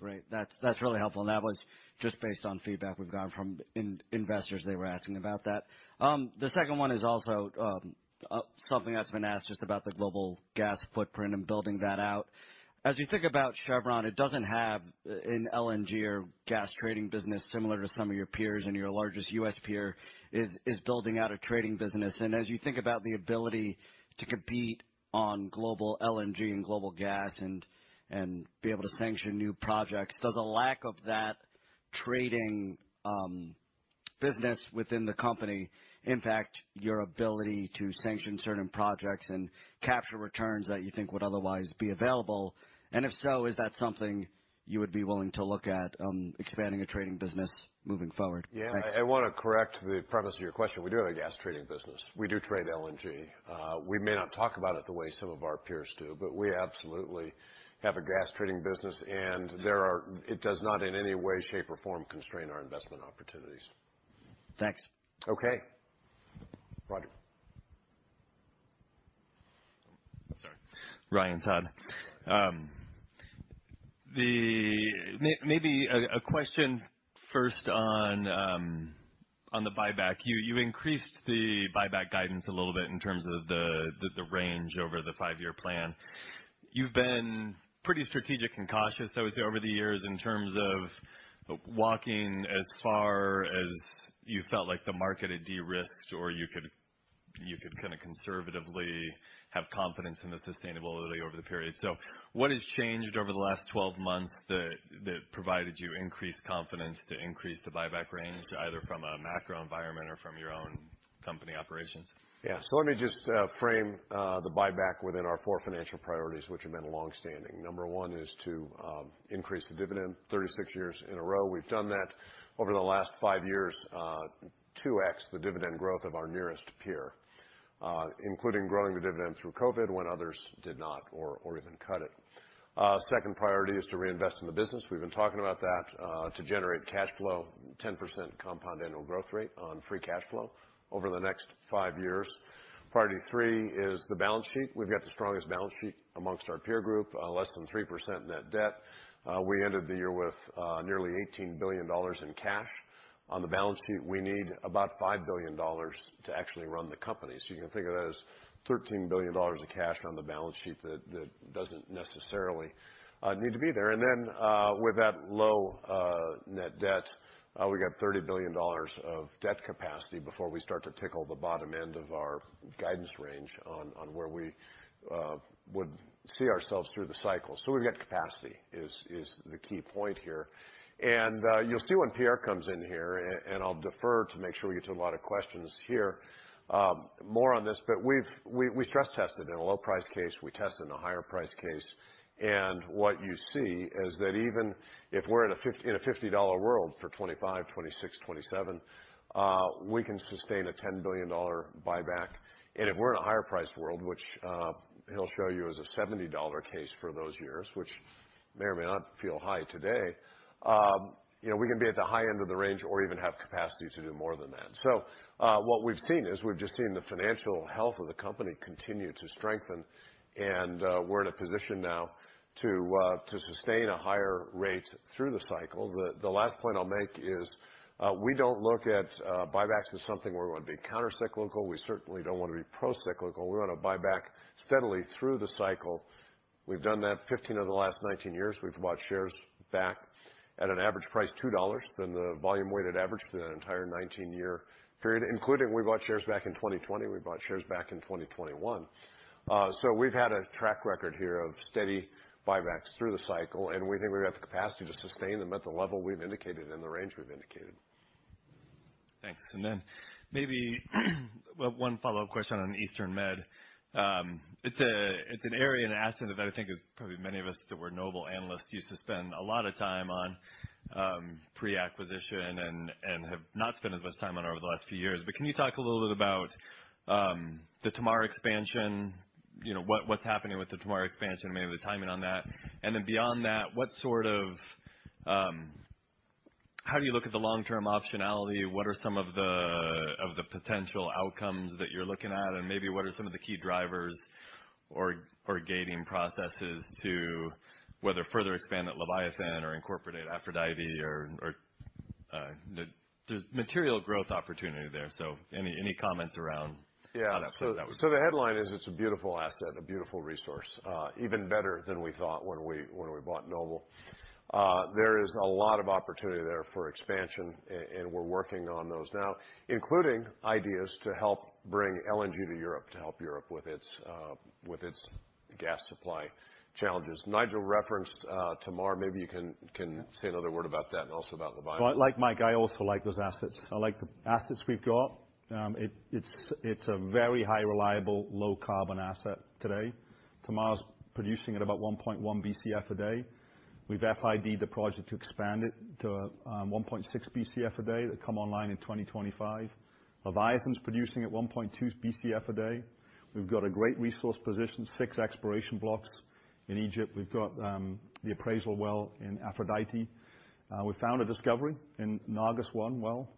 Great. That's really helpful, and that was just based on feedback we've gotten from investors. They were asking about that. The second one is also something that's been asked just about the global gas footprint and building that out. As you think about Chevron, it doesn't have an LNG or gas trading business similar to some of your peers and your largest U.S. peer is building out a trading business. As you think about the ability to compete on global LNG and global gas and be able to sanction new projects, does a lack of that trading business within the company impact your ability to sanction certain projects and capture returns that you think would otherwise be available? If so, is that something you would be willing to look at expanding a trading business moving forward? Thanks. Yeah. I wanna correct the premise of your question. We do have a gas trading business. We do trade LNG. We may not talk about it the way some of our peers do, but we absolutely have a gas trading business. It does not in any way, shape, or form constrain our investment opportunities. Thanks. Okay. Roger. Sorry. Ryan Todd. A question first on the buyback. You increased the buyback guidance a little bit in terms of the range over the five year plan. You've been pretty strategic and cautious, I would say, over the years in terms of walking as far as you felt like the market had de-risked or you could kinda conservatively have confidence in the sustainability over the period. What has changed over the last 12 months that provided you increased confidence to increase the buyback range, either from a macro environment or from your own company operations? Yeah. Let me just frame the buyback within our four financial priorities, which have been longstanding. Number one is to increase the dividend. 36 years in a row, we've done that. Over the last five years, 2x the dividend growth of our nearest peer, including growing the dividend through COVID when others did not or even cut it. Second priority is to reinvest in the business, we've been talking about that, to generate cash flow, 10% compound annual growth rate on free cash flow over the next five years. Priority 3 is the balance sheet. We've got the strongest balance sheet amongst our peer group, less than 3% net debt. We ended the year with nearly $18 billion in cash. On the balance sheet, we need about $5 billion to actually run the company. You can think of that as $13 billion of cash on the balance sheet that doesn't necessarily need to be there. Then, with that low net debt, we got $30 billion of debt capacity before we start to tickle the bottom end of our guidance range on where we would see ourselves through the cycle. We've got capacity is the key point here. You'll see when Pierre comes in here, I'll defer to make sure we get to a lot of questions here, more on this, we stress tested in a low price case, we tested in a higher price case, and what you see is that even if we're in a $50 world for 2025, 2026, 2027, we can sustain a $10 billion buyback. If we're in a higher priced world, which he'll show you is a $70 case for those years, which may or may not feel high today, you know, we can be at the high end of the range or even have capacity to do more than that. What we've seen is we've just seen the financial health of the company continue to strengthen, and we're in a position now to sustain a higher rate through the cycle. The last point I'll make is we don't look at buybacks as something where we wanna be countercyclical. We certainly don't wanna be procyclical. We wanna buy back steadily through the cycle. We've done that 15 of the last 19 years. We've bought shares back at an average price $2 than the volume weighted average through the entire 19-year period, including we bought shares back in 2020, we bought shares back in 2021. We've had a track record here of steady buybacks through the cycle, and we think we have the capacity to sustain them at the level we've indicated and the range we've indicated. Thanks. Maybe one follow-up question on Eastern Med. It's an area in asset that I think is probably many of us that were Noble analysts used to spend a lot of time on, pre-acquisition and have not spent as much time on over the last few years. Can you talk a little bit about the Tamar expansion, you know, what's happening with the Tamar expansion, maybe the timing on that? Beyond that, what sort of? How do you look at the long-term optionality? What are some of the potential outcomes that you're looking at, and maybe what are some of the key drivers or gating processes to whether further expand at Leviathan or incorporate Aphrodite or the material growth opportunity there? Any comments around how that fits? The headline is it's a beautiful asset, a beautiful resource, even better than we thought when we bought Noble. There is a lot of opportunity there for expansion and we're working on those now, including ideas to help bring LNG to Europe, to help Europe with its gas supply challenges. Nigel referenced Tamar. Maybe you can say another word about that and also about Leviathan. Well, like Mike, I also like those assets. I like the assets we've got. It's a very high reliable, low carbon asset today. Tamar's producing at about 1.1 BCF a day. We've FID-ed the project to expand it to 1.6 BCF a day that come online in 2025. Leviathan's producing at 1.2 BCF a day. We've got a great resource position, six exploration blocks in Egypt. We've got the appraisal well in Aphrodite. We found a discovery in August 1 well.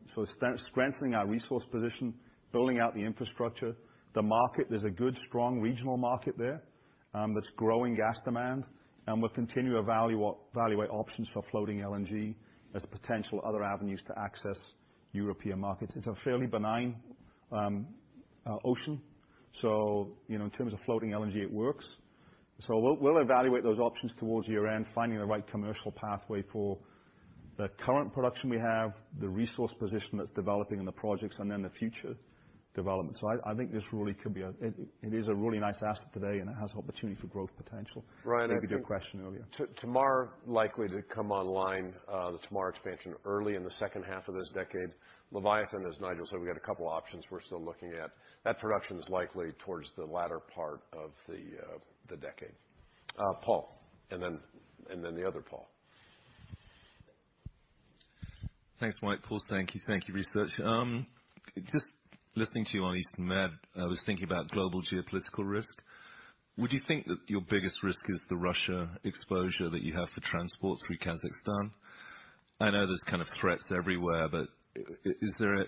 Strengthening our resource position, building out the infrastructure. The market, there's a good, strong regional market there, that's growing gas demand, and we'll continue to evaluate options for floating LNG as potential other avenues to access European markets. It's a fairly benign ocean, you know, in terms of floating LNG, it works. We'll evaluate those options towards year-end, finding the right commercial pathway for the current production we have, the resource position that's developing in the projects, and then the future development. I think this really could be a. It is a really nice asset today, and it has opportunity for growth potential. Brian. Maybe to your question earlier. Tamar likely to come online, the Tamar expansion early in the second half of this decade. Leviathan, as Nigel said, we got a couple options we're still looking at. That production is likely towards the latter part of the decade. Paul, and then the other Paul. Thanks, Mike. Paul Sankey, Sankey Research. Just listening to you on Eastern Med, I was thinking about global geopolitical risk. Would you think that your biggest risk is the Russia exposure that you have for transport through Kazakhstan? I know there's kind of threats everywhere, but is there a,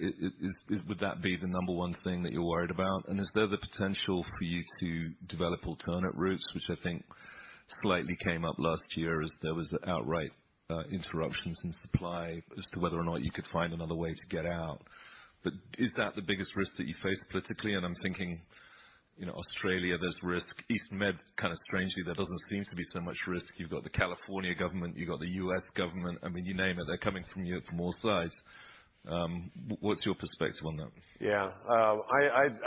would that be the number one thing that you're worried about? Is there the potential for you to develop alternate routes, which I think slightly came up last year as there was outright interruptions in supply as to whether or not you could find another way to get out. Is that the biggest risk that you face politically? I'm thinking, you know, Australia, there's risk. East Med, kind of strangely, there doesn't seem to be so much risk. You've got the California government, you've got the U.S. government. I mean, you name it, they're coming from you from all sides. What's your perspective on that? Yeah.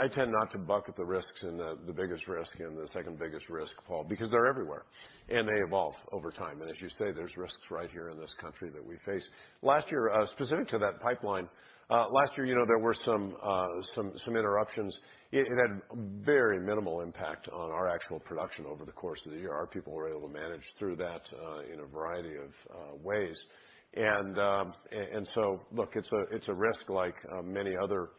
I tend not to bucket the risks and the biggest risk and the second biggest risk, Paul, because they're everywhere, and they evolve over time. As you say, there's risks right here in this country that we face. Last year, specific to that pipeline, last year, you know, there were some interruptions. It had very minimal impact on our actual production over the course of the year. Our people were able to manage through that in a variety of ways. So look, it's a risk like many other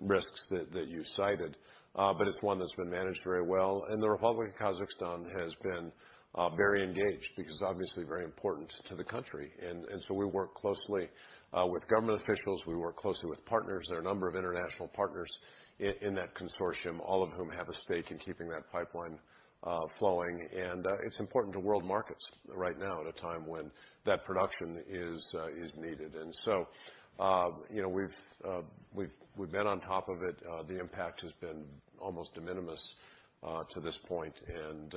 risks that you cited, but it's one that's been managed very well. The Republic of Kazakhstan has been very engaged because obviously very important to the country. So we work closely with government officials. We work closely with partners. There are a number of international partners in that consortium, all of whom have a stake in keeping that pipeline flowing. It's important to world markets right now at a time when that production is needed. You know, we've been on top of it. The impact has been almost de minimis to this point, and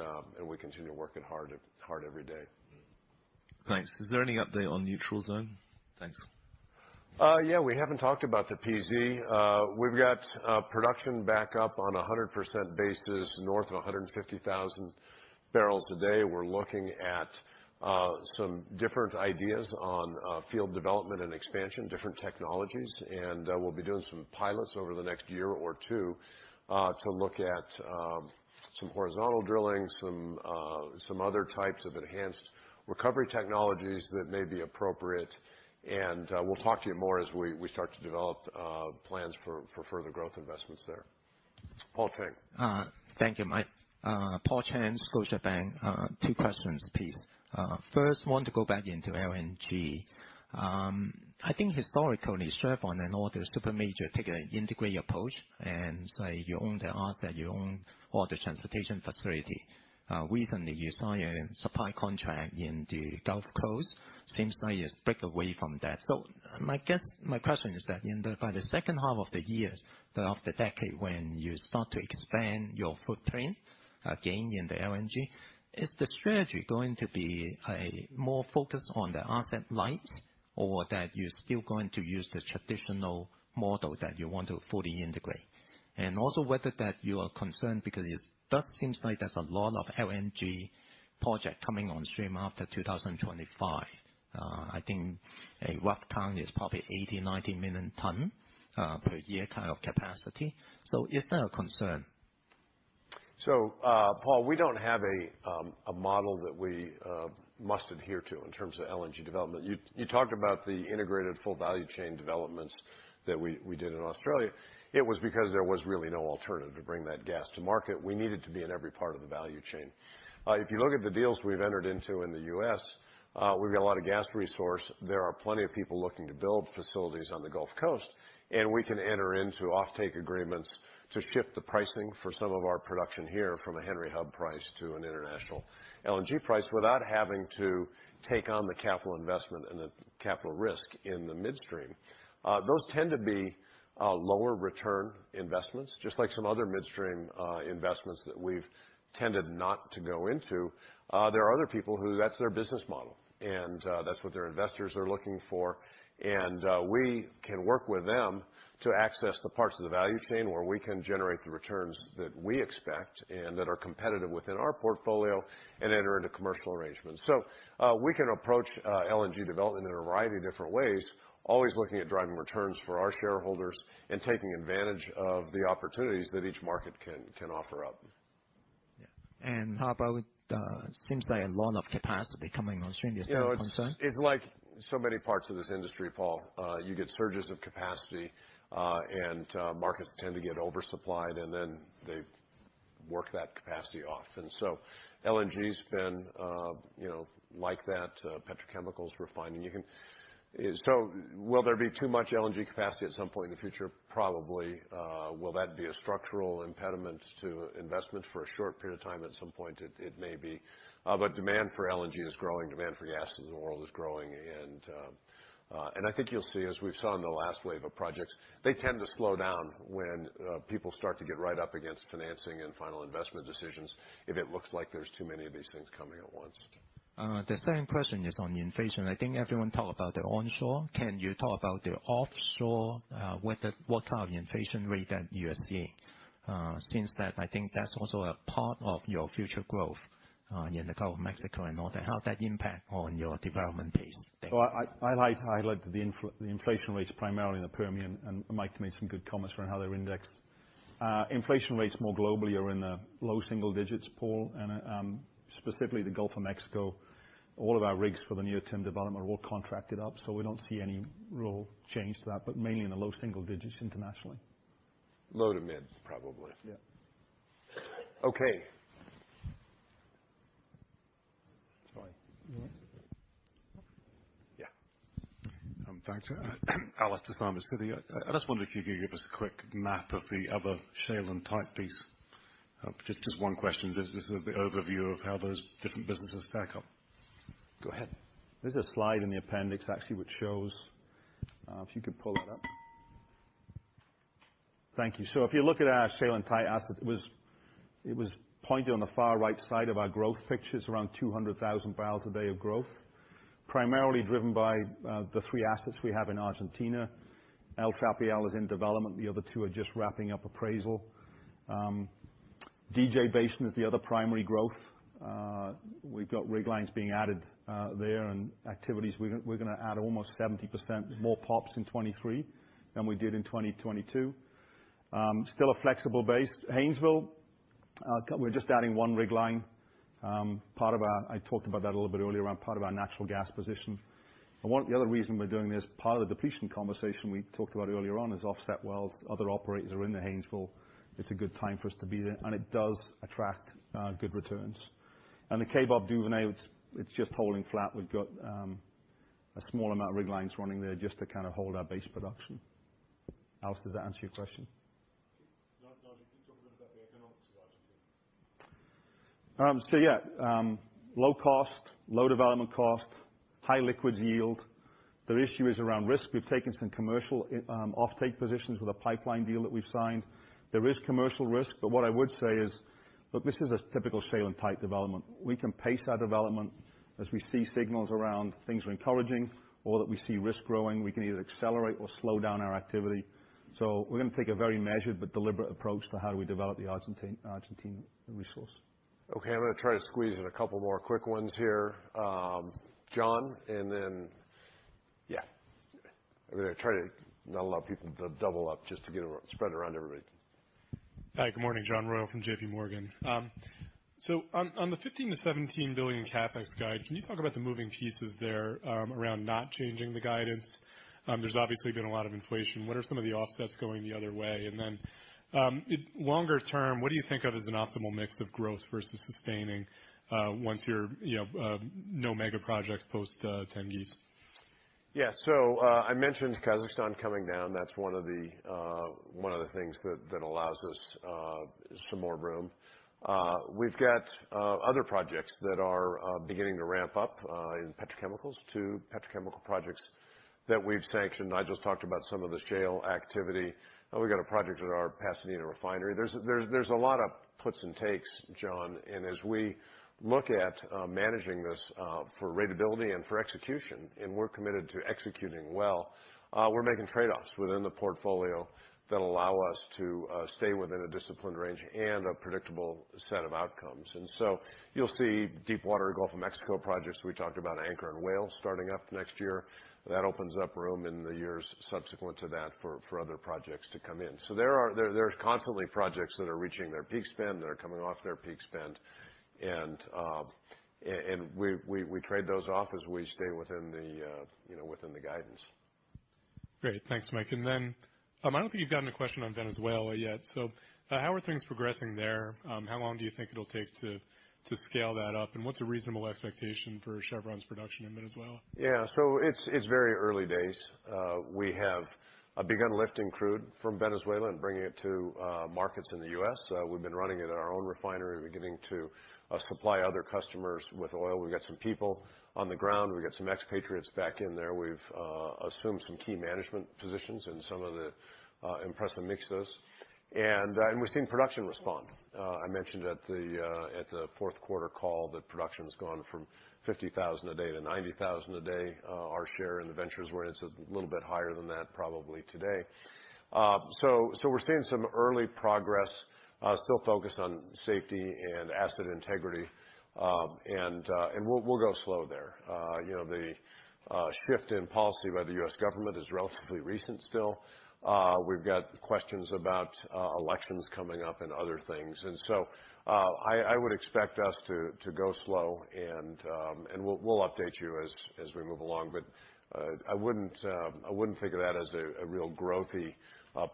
we continue working hard every day. Thanks. Is there any update on Neutral Zone? Thanks. Yeah, we haven't talked about the PZ. We've got production back up on a 100% basis north of 150,000 barrels a day. We're looking at some different ideas on field development and expansion, different technologies. We'll be doing some pilots over the next year or two to look at some horizontal drilling, some other types of enhanced recovery technologies that may be appropriate. We'll talk to you more as we start to develop plans for further growth investments there. Paul Cheng. Thank you, Mike. Paul Cheng, Scotiabank. Two questions a piece. First, want to go back into LNG. I think historically, Shell point and all the super major take an integrated approach and say you own the asset, you own all the transportation facility. Recently you sign a supply contract in the Gulf Coast. Seems like it's break away from that. My question is that in the, by the second half of the year, of the decade when you start to expand your footprint, again, in the LNG, is the strategy going to be a more focused on the asset light or that you're still going to use the traditional model that you want to fully integrate? Also whether that you are concerned because it does seem like there's a lot of LNG project coming on stream after 2025. I think a rough count is probably 80 million, 90 million ton per year kind of capacity. Is that a concern? Paul, we don't have a model that we must adhere to in terms of LNG development. You talked about the integrated full value chain developments that we did in Australia. It was because there was really no alternative to bring that gas to market. We needed to be in every part of the value chain. If you look at the deals we've entered into in the U.S., we've got a lot of gas resource. There are plenty of people looking to build facilities on the Gulf Coast, and we can enter into offtake agreements to shift the pricing for some of our production here from a Henry Hub price to an international LNG price without having to take on the capital investment and the capital risk in the midstream. Those tend to be lower return investments, just like some other midstream investments that we've tended not to go into. There are other people who that's their business model, and that's what their investors are looking for. We can work with them to access the parts of the value chain where we can generate the returns that we expect and that are competitive within our portfolio and enter into commercial arrangements. We can approach LNG development in a variety of different ways, always looking at driving returns for our shareholders and taking advantage of the opportunities that each market can offer up. Yeah. How about with, seems like a lot of capacity coming on stream. Is that a concern? You know, it's like so many parts of this industry, Paul. You get surges of capacity, and markets tend to get oversupplied, and then Work that capacity off. So LNG has been, you know, like that, petrochemicals refining. So will there be too much LNG capacity at some point in the future? Probably. Will that be a structural impediment to investment for a short period of time? At some point, it may be. Demand for LNG is growing. Demand for gas as the world is growing. I think you'll see as we saw in the last wave of projects, they tend to slow down when people start to get right up against financing and final investment decisions if it looks like there's too many of these things coming at once. The second question is on inflation. I think everyone talk about the onshore. Can you talk about the offshore, what kind of inflation rate that you are seeing? Since that, I think that's also a part of your future growth in the Gulf of Mexico and all that. How will that impact on your development pace there? Well, I highlight the inflation rates primarily in the Permian, and Mike made some good comments around how they're indexed. Inflation rates more globally are in the low single digits, Paul, and specifically the Gulf of Mexico, all of our rigs for the near-term development are all contracted up, so we don't see any real change to that, but mainly in the low single digits internationally. Low to mid, probably. Yeah. Okay. It's fine. All right. Yeah. Thanks. Alastair Syme, Citi. I just wonder if you could give us a quick map of the other shale and type piece. Just one question. This is the overview of how those different businesses stack up. Go ahead. There's a slide in the appendix, actually, which shows, if you could pull that up. Thank you. If you look at our shale and tight assets, it was pointed on the far right side of our growth pictures around 200,000 barrels a day of growth, primarily driven by the three assets we have in Argentina. El Trapial is in development. The other two are just wrapping up appraisal. DJ Basin is the other primary growth. We've got rig lines being added there and activities. We're gonna add almost 70% more POPs in 2023 than we did in 2022. Still a flexible base. Haynesville, we're just adding one rig line. Part of our I talked about that a little bit earlier around part of our natural gas position. The other reason we're doing this, part of the depletion conversation we talked about earlier on is offset wells. Other operators are in the Haynesville. It's a good time for us to be there, and it does attract good returns. The Kaybob Duvernay, it's just holding flat. We've got a small amount of rig lines running there just to kind of hold our base production. Alastair, does that answer your question? No, no. Can you talk a little about the economics of Argentina? Yeah. Low cost, low development cost, high liquids yield. The issue is around risk. We've taken some commercial offtake positions with a pipeline deal that we've signed. There is commercial risk. What I would say is, look, this is a typical shale and tight development. We can pace our development as we see signals around things we're encouraging or that we see risk growing, we can either accelerate or slow down our activity. We're gonna take a very measured but deliberate approach to how do we develop the Argentine resource. Okay, I'm gonna try to squeeze in a couple more quick ones here. John, then, yeah. I mean, I try to not allow people to double up just to spread it around everybody. Hi, good morning. John Royall from JPMorgan. On the $15 billion-$17 billion CapEx guide, can you talk about the moving pieces there around not changing the guidance? There's obviously been a lot of inflation. What are some of the offsets going the other way? Longer term, what do you think of as an optimal mix of growth versus sustaining, once you're, you know, no mega projects post Tengiz? I mentioned Kazakhstan coming down. That's one of the things that allows us some more room. We've got other projects that are beginning to ramp up in petrochemicals. Two petrochemical projects that we've sanctioned. I just talked about some of the shale activity. We got a project at our Pasadena refinery. There's a lot of puts and takes, John. As we look at managing this for ratability and for execution, we're committed to executing well, we're making trade-offs within the portfolio that allow us to stay within a disciplined range and a predictable set of outcomes. You'll see deepwater Gulf of Mexico projects. We talked about Anchor and Whale starting up next year. That opens up room in the years subsequent to that for other projects to come in. There's constantly projects that are reaching their peak spend, that are coming off their peak spend. And we trade those off as we stay within the, you know, within the guidance. Great. Thanks, Mike. I don't think you've gotten a question on Venezuela yet. How are things progressing there? How long do you think it'll take to scale that up? What's a reasonable expectation for Chevron's production in Venezuela? It's very early days. We have begun lifting crude from Venezuela and bringing it to markets in the U.S. We've been running it in our own refinery. We're beginning to supply other customers with oil. We've got some people on the ground. We've got some expatriates back in there. We've assumed some key management positions in some of the empresas mixtas. We're seeing production respond. I mentioned at the fourth quarter call that production's gone from 50,000 a day to 90,000 a day. Our share in the ventures where it's a little bit higher than that probably today. We're seeing some early progress, still focused on safety and asset integrity. We'll go slow there. You know, the shift in policy by the U.S. government is relatively recent still. We've got questions about elections coming up and other things. I would expect us to go slow and we'll update you as we move along. I wouldn't figure that as a real growth-y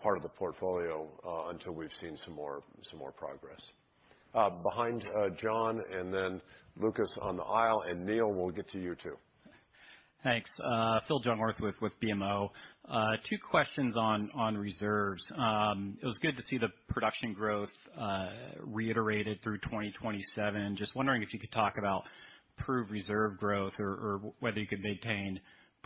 part of the portfolio until we've seen some more progress. Behind John, and then Lucas on the aisle, and Neil, we'll get to you too. Thanks. Phillip Jungwirth with BMO. Two questions on reserves. It was good to see the production growth reiterated through 2027. Just wondering if you could talk about proved reserve growth or whether you could maintain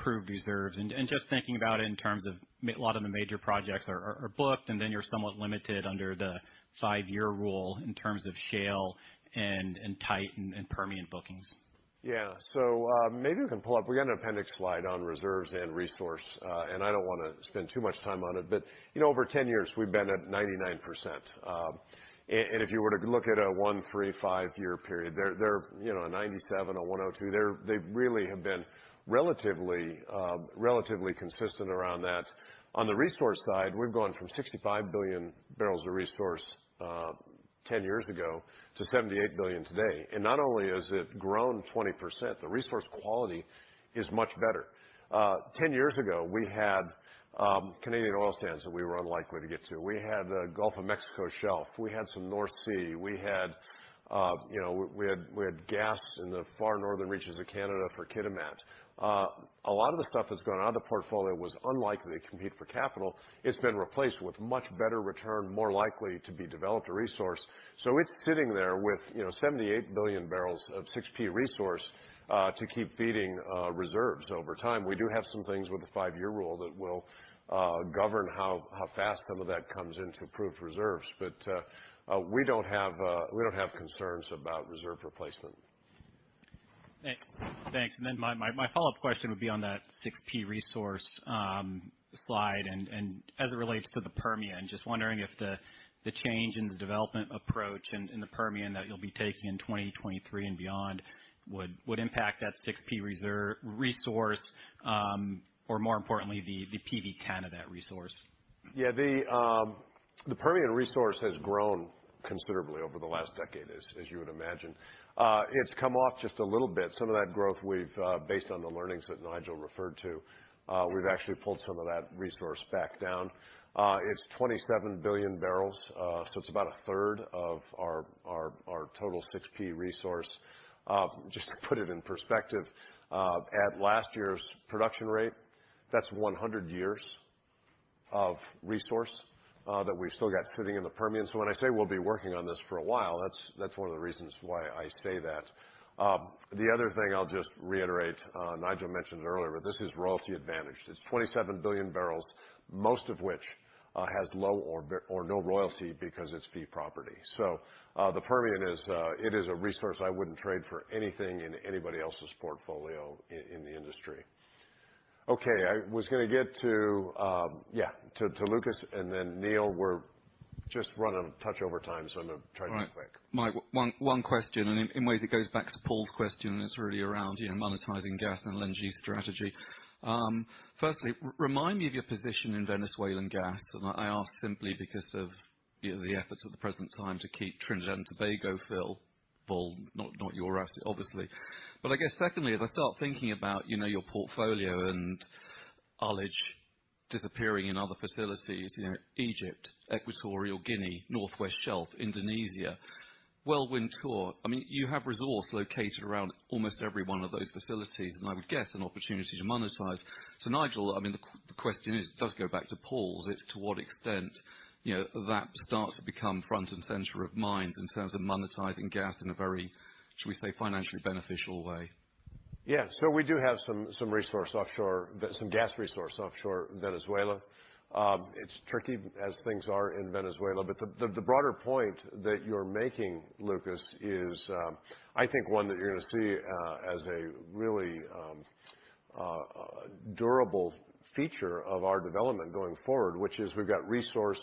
proved reserves. Just thinking about it in terms of a lot of the major projects are booked, and then you're somewhat limited under the five year rule in terms of shale and tight and Permian bookings. Maybe we can pull up. We got an appendix slide on reserves and resource, and I don't wanna spend too much time on it. You know, over 10 years, we've been at 99%. If you were to look at a one, three, five year period, they're, you know, a 97%, a 102%. They really have been relatively consistent around that. On the resource side, we've gone from 65 billion barrels of resource, 10 years ago to 78 billion barrels today. Not only has it grown 20%, the resource quality is much better. 10 years ago, we had Canadian oil sands that we were unlikely to get to. We had the Gulf of Mexico shelf. We had some North Sea. We had, you know, we had gas in the far northern reaches of Canada for Kitimat. A lot of the stuff that's gone out of the portfolio was unlikely to compete for capital. It's been replaced with much better return, more likely to be developed or resourced. So it's sitting there with, you know, 78 billion barrels of 6P resource, to keep feeding reserves over time. We do have some things with the five year rule that will govern how fast some of that comes into proved reserves. But we don't have concerns about reserve replacement. Thanks. My follow-up question would be on that 6P resource slide and as it relates to the Permian. Just wondering if the change in the development approach in the Permian that you'll be taking in 2023 and beyond would impact that 6P reserve resource or more importantly, the PV10 of that resource. The Permian resource has grown considerably over the last decade, as you would imagine. It's come off just a little bit. Some of that growth we've based on the learnings that Nigel referred to, we've actually pulled some of that resource back down. It's 27 billion barrels, so it's about a third of our total 6P resource. Just to put it in perspective, at last year's production rate, that's 100 years of resource that we've still got sitting in the Permian. When I say we'll be working on this for a while, that's one of the reasons why I say that. The other thing I'll just reiterate, Nigel mentioned it earlier, this is royalty advantage. It's 27 billion barrels, most of which has low or no royalty because it's fee property. The Permian is it is a resource I wouldn't trade for anything in anybody else's portfolio in the industry. Okay. I was gonna get to Lucas, and then Neil. We're just running a touch over time, so I'm gonna try to be quick. Right. Mike, one question, and in ways it goes back to Paul's question, and it's really around, you know, monetizing gas and LNG strategy. Firstly, remind me of your position in Venezuelan gas. And I ask simply because of, you know, the efforts at the present time to keep Trinidad and Tobago filled. Paul, not your asset, obviously. But I guess secondly, as I start thinking about, you know, your portfolio and Ullage disappearing in other facilities, you know, Egypt, Equatorial Guinea, Northwest Shelf, Indonesia, West Nile Delta. I mean, you have resource located around almost every one of those facilities, and I would guess an opportunity to monetize. To Nigel, I mean, the question is, does go back to Paul's, it's to what extent, you know, that starts to become front and center of minds in terms of monetizing gas in a very, should we say, financially beneficial way? We do have some resource offshore, some gas resource offshore Venezuela. It's tricky as things are in Venezuela. The broader point that you're making, Lucas, is I think one that you're gonna see as a really durable feature of our development going forward, which is we've got resource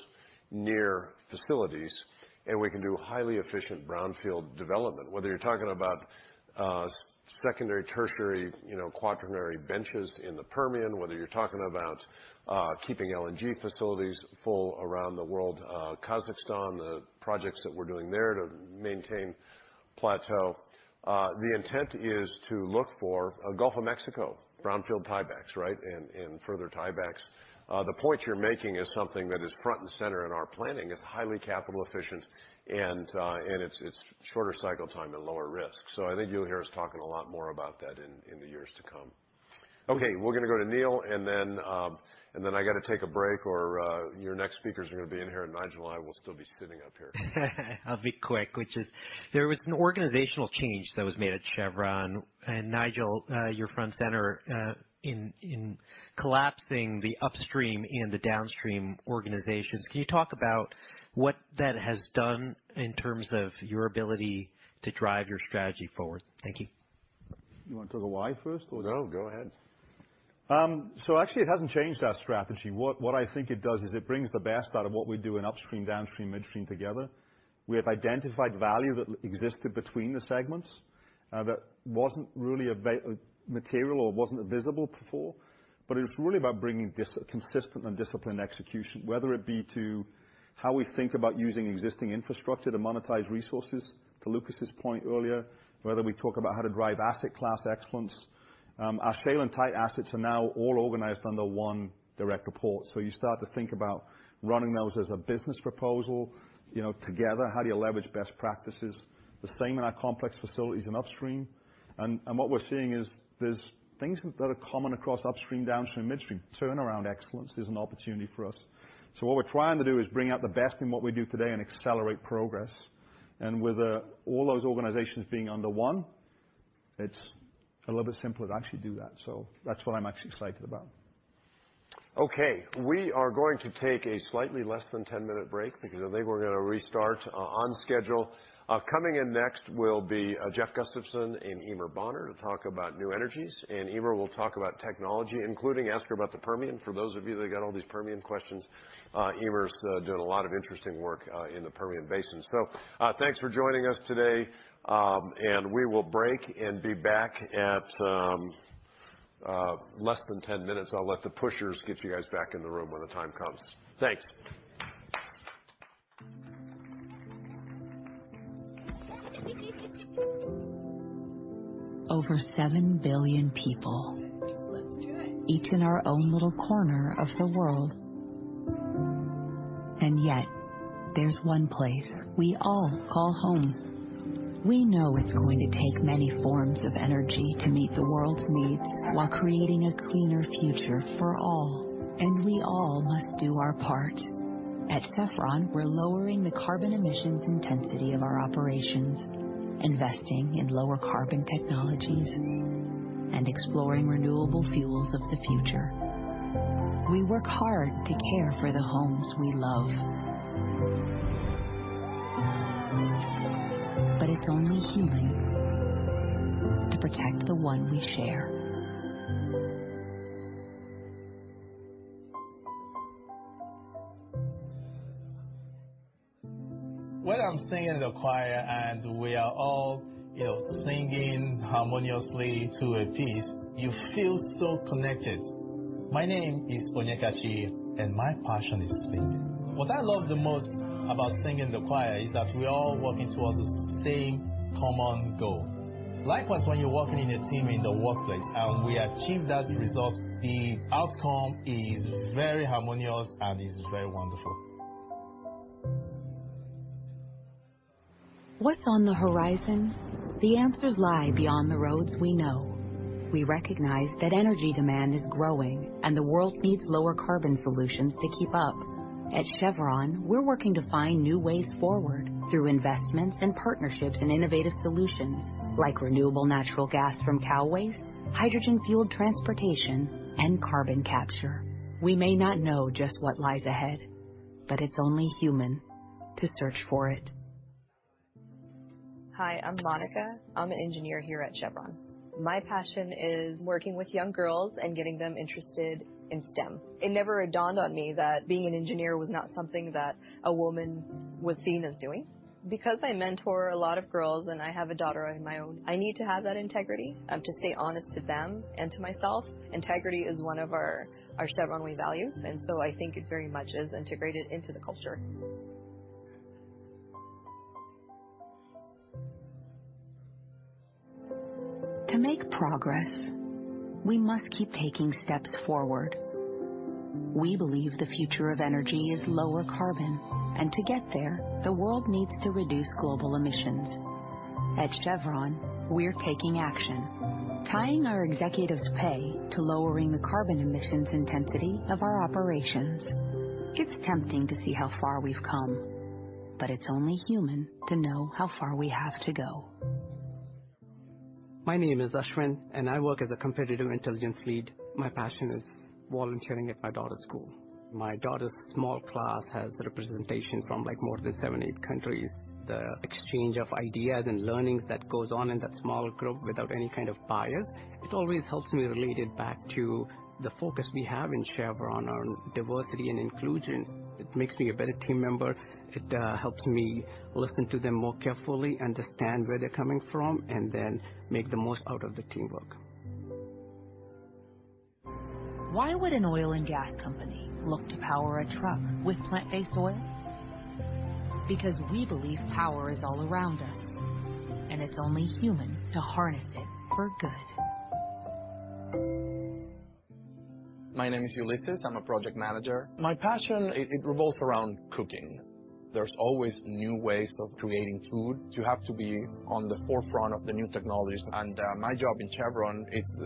near facilities, and we can do highly efficient brownfield development, whether you're talking about secondary, tertiary, you know, quaternary benches in the Permian, whether you're talking about keeping LNG facilities full around the world. Kazakhstan, the projects that we're doing there to maintain plateau. The intent is to look for a Gulf of Mexico brownfield tiebacks, right? Further tiebacks. The point you're making is something that is front and center in our planning. It's highly capital efficient, and it's shorter cycle time and lower risk. I think you'll hear us talking a lot more about that in the years to come. Okay. We're gonna go to Neil, and then, and then I gotta take a break or, your next speakers are gonna be in here, and Nigel and I will still be sitting up here. I'll be quick, which is there was an organizational change that was made at Chevron. Nigel, you're front and center in collapsing the upstream and the downstream organizations. Can you talk about what that has done in terms of your ability to drive your strategy forward? Thank you. You wanna talk the why first or-? No, go ahead. Actually, it hasn't changed our strategy. What I think it does is it brings the best out of what we do in upstream, downstream, midstream together. We have identified value that existed between the segments that wasn't really material or wasn't visible before. It's really about bringing consistent and disciplined execution, whether it be to how we think about using existing infrastructure to monetize resources, to Lucas' point earlier, whether we talk about how to drive asset class excellence. Our shale and tight assets are now all organized under one direct report. You start to think about running those as a business proposal, you know, together. How do you leverage best practices? The same in our complex facilities in upstream. What we're seeing is there's things that are common across upstream, downstream and midstream. Turnaround excellence is an opportunity for us. What we're trying to do is bring out the best in what we do today and accelerate progress. With all those organizations being under one, it's a little bit simpler to actually do that. That's what I'm actually excited about. Okay. We are going to take a slightly less than 10-minute break because I think we're gonna restart on schedule. Coming in next will be Jeff Gustavson and Eimear Bonner to talk about New Energies. Eimear will talk about technology, including ask her about the Permian. For those of you that got all these Permian questions, Eimear's doing a lot of interesting work in the Permian Basin. Thanks for joining us today. We will break and be back at less than 10 minutes. I'll let the pushers get you guys back in the room when the time comes. Thanks. Over 7 billion people. Let's do it. Each in our own little corner of the world. Yet there's one place we all call home. We know it's going to take many forms of energy to meet the world's needs while creating a cleaner future for all. We all must do our part. At Chevron, we're lowering the carbon emissions intensity of our operations, investing in lower carbon technologies and exploring renewable fuels of the future. We work hard to care for the homes we love. It's only human to protect the one we share. When I'm singing in the choir and we are all, you know, singing harmoniously to a piece, you feel so connected. My name is Onyekachi, and my passion is singing. What I love the most about singing in the choir is that we're all working towards the same common goal. Likewise, when you're working in a team in the workplace and we achieve that result, the outcome is very harmonious and is very wonderful. What's on the horizon? The answers lie beyond the roads we know. We recognize that energy demand is growing, and the world needs lower carbon solutions to keep up. At Chevron, we're working to find new ways forward through investments and partnerships and innovative solutions like renewable natural gas from cow waste, hydrogen-fueled transportation and carbon capture. We may not know just what lies ahead, but it's only human to search for it. Hi, I'm Monica. I'm an engineer here at Chevron. My passion is working with young girls and getting them interested in STEM. It never dawned on me that being an engineer was not something that a woman was seen as doing. I mentor a lot of girls and I have a daughter of my own, I need to have that integrity to stay honest to them and to myself. Integrity is one of our Chevron Way values. I think it very much is integrated into the culture. To make progress, we must keep taking steps forward. We believe the future of energy is lower carbon, and to get there, the world needs to reduce global emissions. At Chevron, we're taking action, tying our executives' pay to lowering the carbon emissions intensity of our operations. It's tempting to see how far we've come, but it's only human to know how far we have to go. My name is Ashwin, and I work as a competitive intelligence lead. My passion is volunteering at my daughter's school. My daughter's small class has representation from, like, more than seven, eight countries. The exchange of ideas and learnings that goes on in that small group without any kind of bias, it always helps me relate it back to the focus we have in Chevron on diversity and inclusion. It makes me a better team member. It helps me listen to them more carefully, understand where they're coming from, and then make the most out of the teamwork. Why would an oil and gas company look to power a truck with plant-based oil? We believe power is all around us, and it's only human to harness it for good. My name is Ulises. I'm a project manager. My passion, it revolves around cooking. There's always new ways of creating food. You have to be on the forefront of the new technologies. My job in Chevron, it's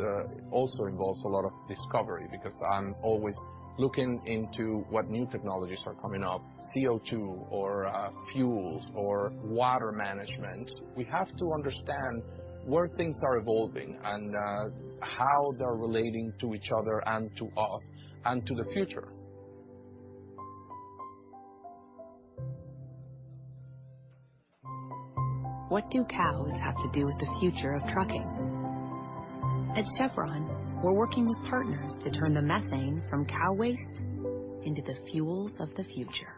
also involves a lot of discovery because I'm always looking into what new technologies are coming up, CO₂ or, fuels or water management. We have to understand where things are evolving and, how they're relating to each other and to us and to the future. What do cows have to do with the future of trucking? At Chevron, we're working with partners to turn the methane from cow waste into the fuels of the future.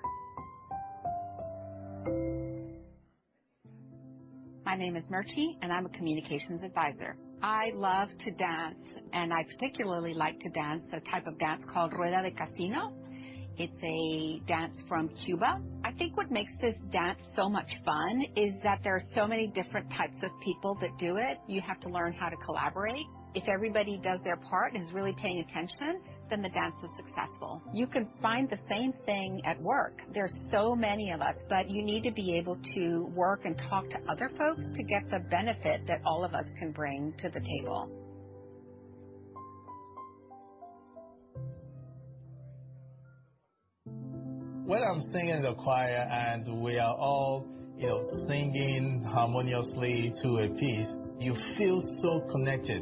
My name is Merche, and I'm a communications advisor. I love to dance, and I particularly like to dance a type of dance called Rueda de Casino. It's a dance from Cuba. I think what makes this dance so much fun is that there are so many different types of people that do it. You have to learn how to collaborate. If everybody does their part and is really paying attention, then the dance is successful. You can find the same thing at work. There are so many of us. You need to be able to work and talk to other folks to get the benefit that all of us can bring to the table. When I'm singing in the choir, and we are all, you know, singing harmoniously to a piece, you feel so connected.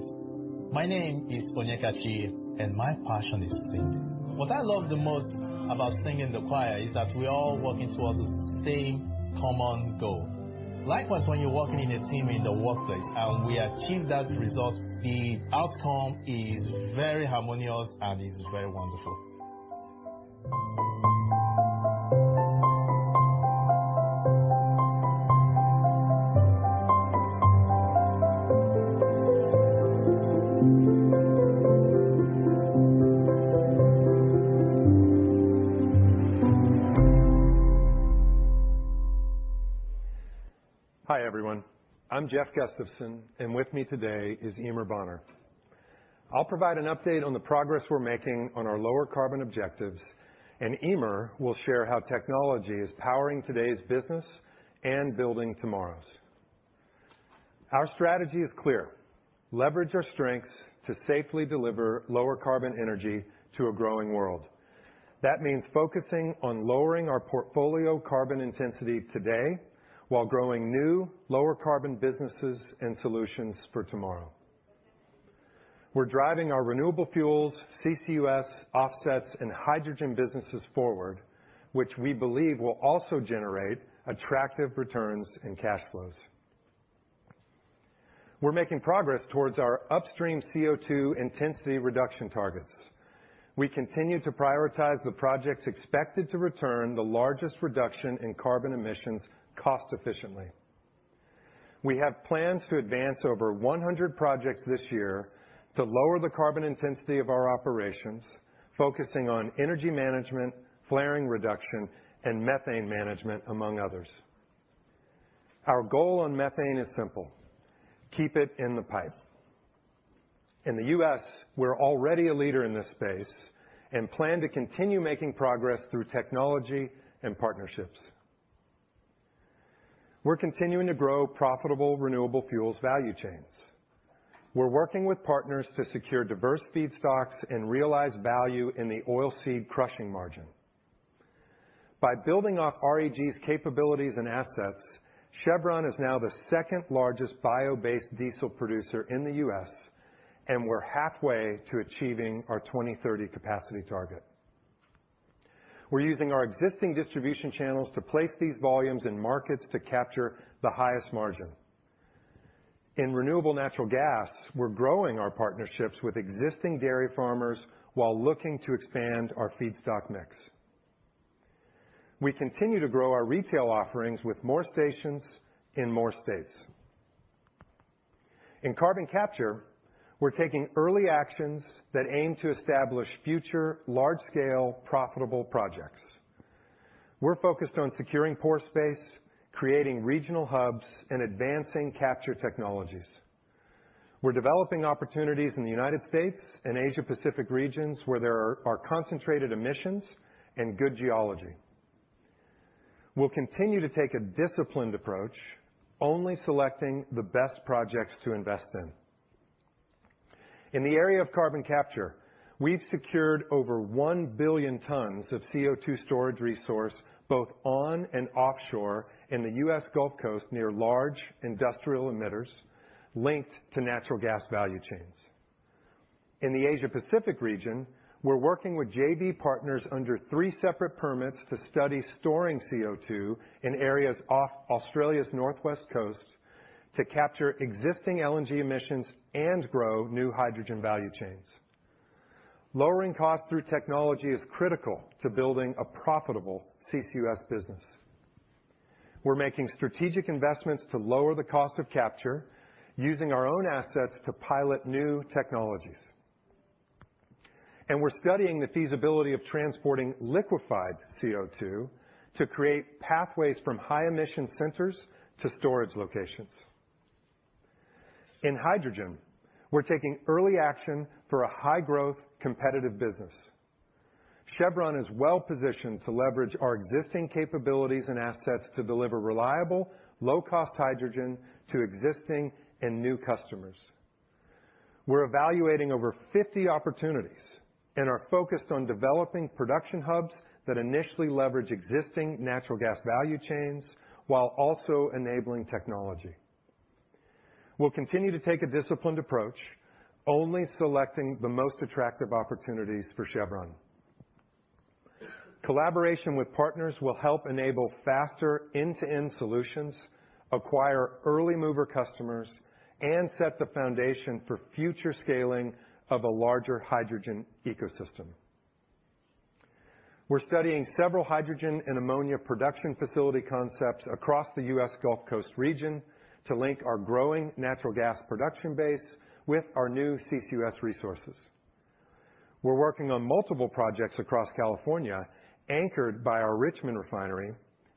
My name is Onyekachi, and my passion is singing. What I love the most about singing in the choir is that we're all working towards the same common goal. Likewise, when you're working in a team in the workplace, and we achieve that result, the outcome is very harmonious, and it's very wonderful. Hi, everyone. I'm Jeff Gustavson, and with me today is Eimear Bonner. I'll provide an update on the progress we're making on our lower carbon objectives, and Eimear will share how technology is powering today's business and building tomorrow's. Our strategy is clear: leverage our strengths to safely deliver lower carbon energy to a growing world. That means focusing on lowering our portfolio carbon intensity today while growing new lower carbon businesses and solutions for tomorrow. We're driving our renewable fuels, CCUS offsets, and hydrogen businesses forward, which we believe will also generate attractive returns and cash flows. We're making progress towards our upstream CO₂ intensity reduction targets. We continue to prioritize the projects expected to return the largest reduction in carbon emissions cost efficiently. We have plans to advance over 100 projects this year to lower the carbon intensity of our operations, focusing on energy management, flaring reduction, and methane management, among others. Our goal on methane is simple: keep it in the pipe. In the U.S., we're already a leader in this space and plan to continue making progress through technology and partnerships. We're continuing to grow profitable renewable fuels value chains. We're working with partners to secure diverse feedstocks and realize value in the oil seed crushing margin. By building off REG's capabilities and assets, Chevron is now the second-largest bio-based diesel producer in the U.S., and we're halfway to achieving our 2030 capacity target. We're using our existing distribution channels to place these volumes in markets to capture the highest margin. In renewable natural gas, we're growing our partnerships with existing dairy farmers while looking to expand our feedstock mix. We continue to grow our retail offerings with more stations in more states. In carbon capture, we're taking early actions that aim to establish future large-scale profitable projects. We're focused on securing pore space, creating regional hubs, and advancing capture technologies. We're developing opportunities in the U.S. and Asia Pacific regions where there are concentrated emissions and good geology. We'll continue to take a disciplined approach, only selecting the best projects to invest in. In the area of carbon capture, we've secured over 1 billion tons of CO₂ storage resource, both on and offshore in the U.S. Gulf Coast, near large industrial emitters linked to natural gas value chains. In the Asia Pacific region, we're working with JV partners under three separate permits to study storing CO₂ in areas off Australia's northwest coast to capture existing LNG emissions and grow new hydrogen value chains. Lowering costs through technology is critical to building a profitable CCUS business. We're making strategic investments to lower the cost of capture, using our own assets to pilot new technologies. We're studying the feasibility of transporting liquefied CO₂ to create pathways from high emission centers to storage locations. In hydrogen, we're taking early action for a high growth competitive business. Chevron is well positioned to leverage our existing capabilities and assets to deliver reliable, low cost hydrogen to existing and new customers. We're evaluating over 50 opportunities and are focused on developing production hubs that initially leverage existing natural gas value chains while also enabling technology. We'll continue to take a disciplined approach, only selecting the most attractive opportunities for Chevron. Collaboration with partners will help enable faster end-to-end solutions, acquire early mover customers, and set the foundation for future scaling of a larger hydrogen ecosystem. We're studying several hydrogen and ammonia production facility concepts across the U.S. Gulf Coast region to link our growing natural gas production base with our new CCUS resources. We're working on multiple projects across California, anchored by our Richmond refinery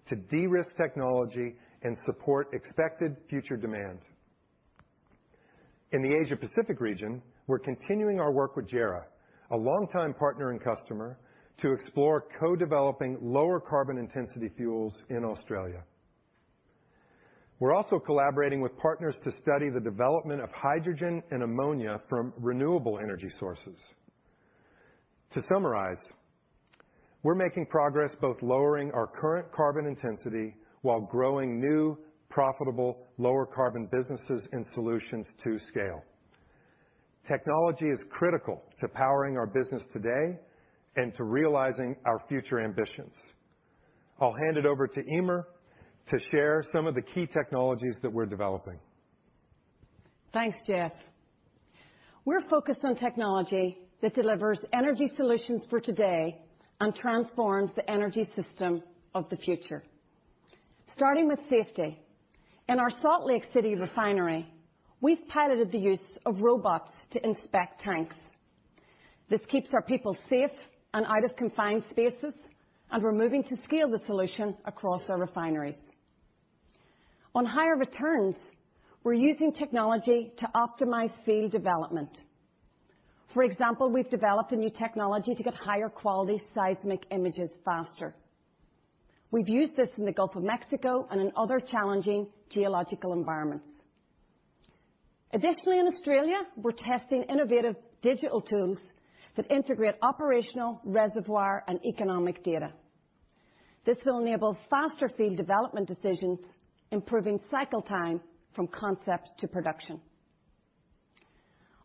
to de-risk technology and support expected future demand. In the Asia-Pacific region, we're continuing our work with JERA, a longtime partner and customer, to explore co-developing lower carbon intensity fuels in Australia. We're also collaborating with partners to study the development of hydrogen and ammonia from renewable energy sources. To summarize, we're making progress both lowering our current carbon intensity while growing new, profitable, lower carbon businesses and solutions to scale. Technology is critical to powering our business today and to realizing our future ambitions. I'll hand it over to Eimear to share some of the key technologies that we're developing. Thanks, Jeff. We're focused on technology that delivers energy solutions for today and transforms the energy system of the future. Starting with safety. In our Salt Lake City refinery, we've piloted the use of robots to inspect tanks. This keeps our people safe and out of confined spaces, and we're moving to scale the solution across our refineries. On higher returns, we're using technology to optimize field development. For example, we've developed a new technology to get higher quality seismic images faster. We've used this in the Gulf of Mexico and in other challenging geological environments. Additionally, in Australia, we're testing innovative digital tools that integrate operational reservoir and economic data. This will enable faster field development decisions, improving cycle time from concept to production.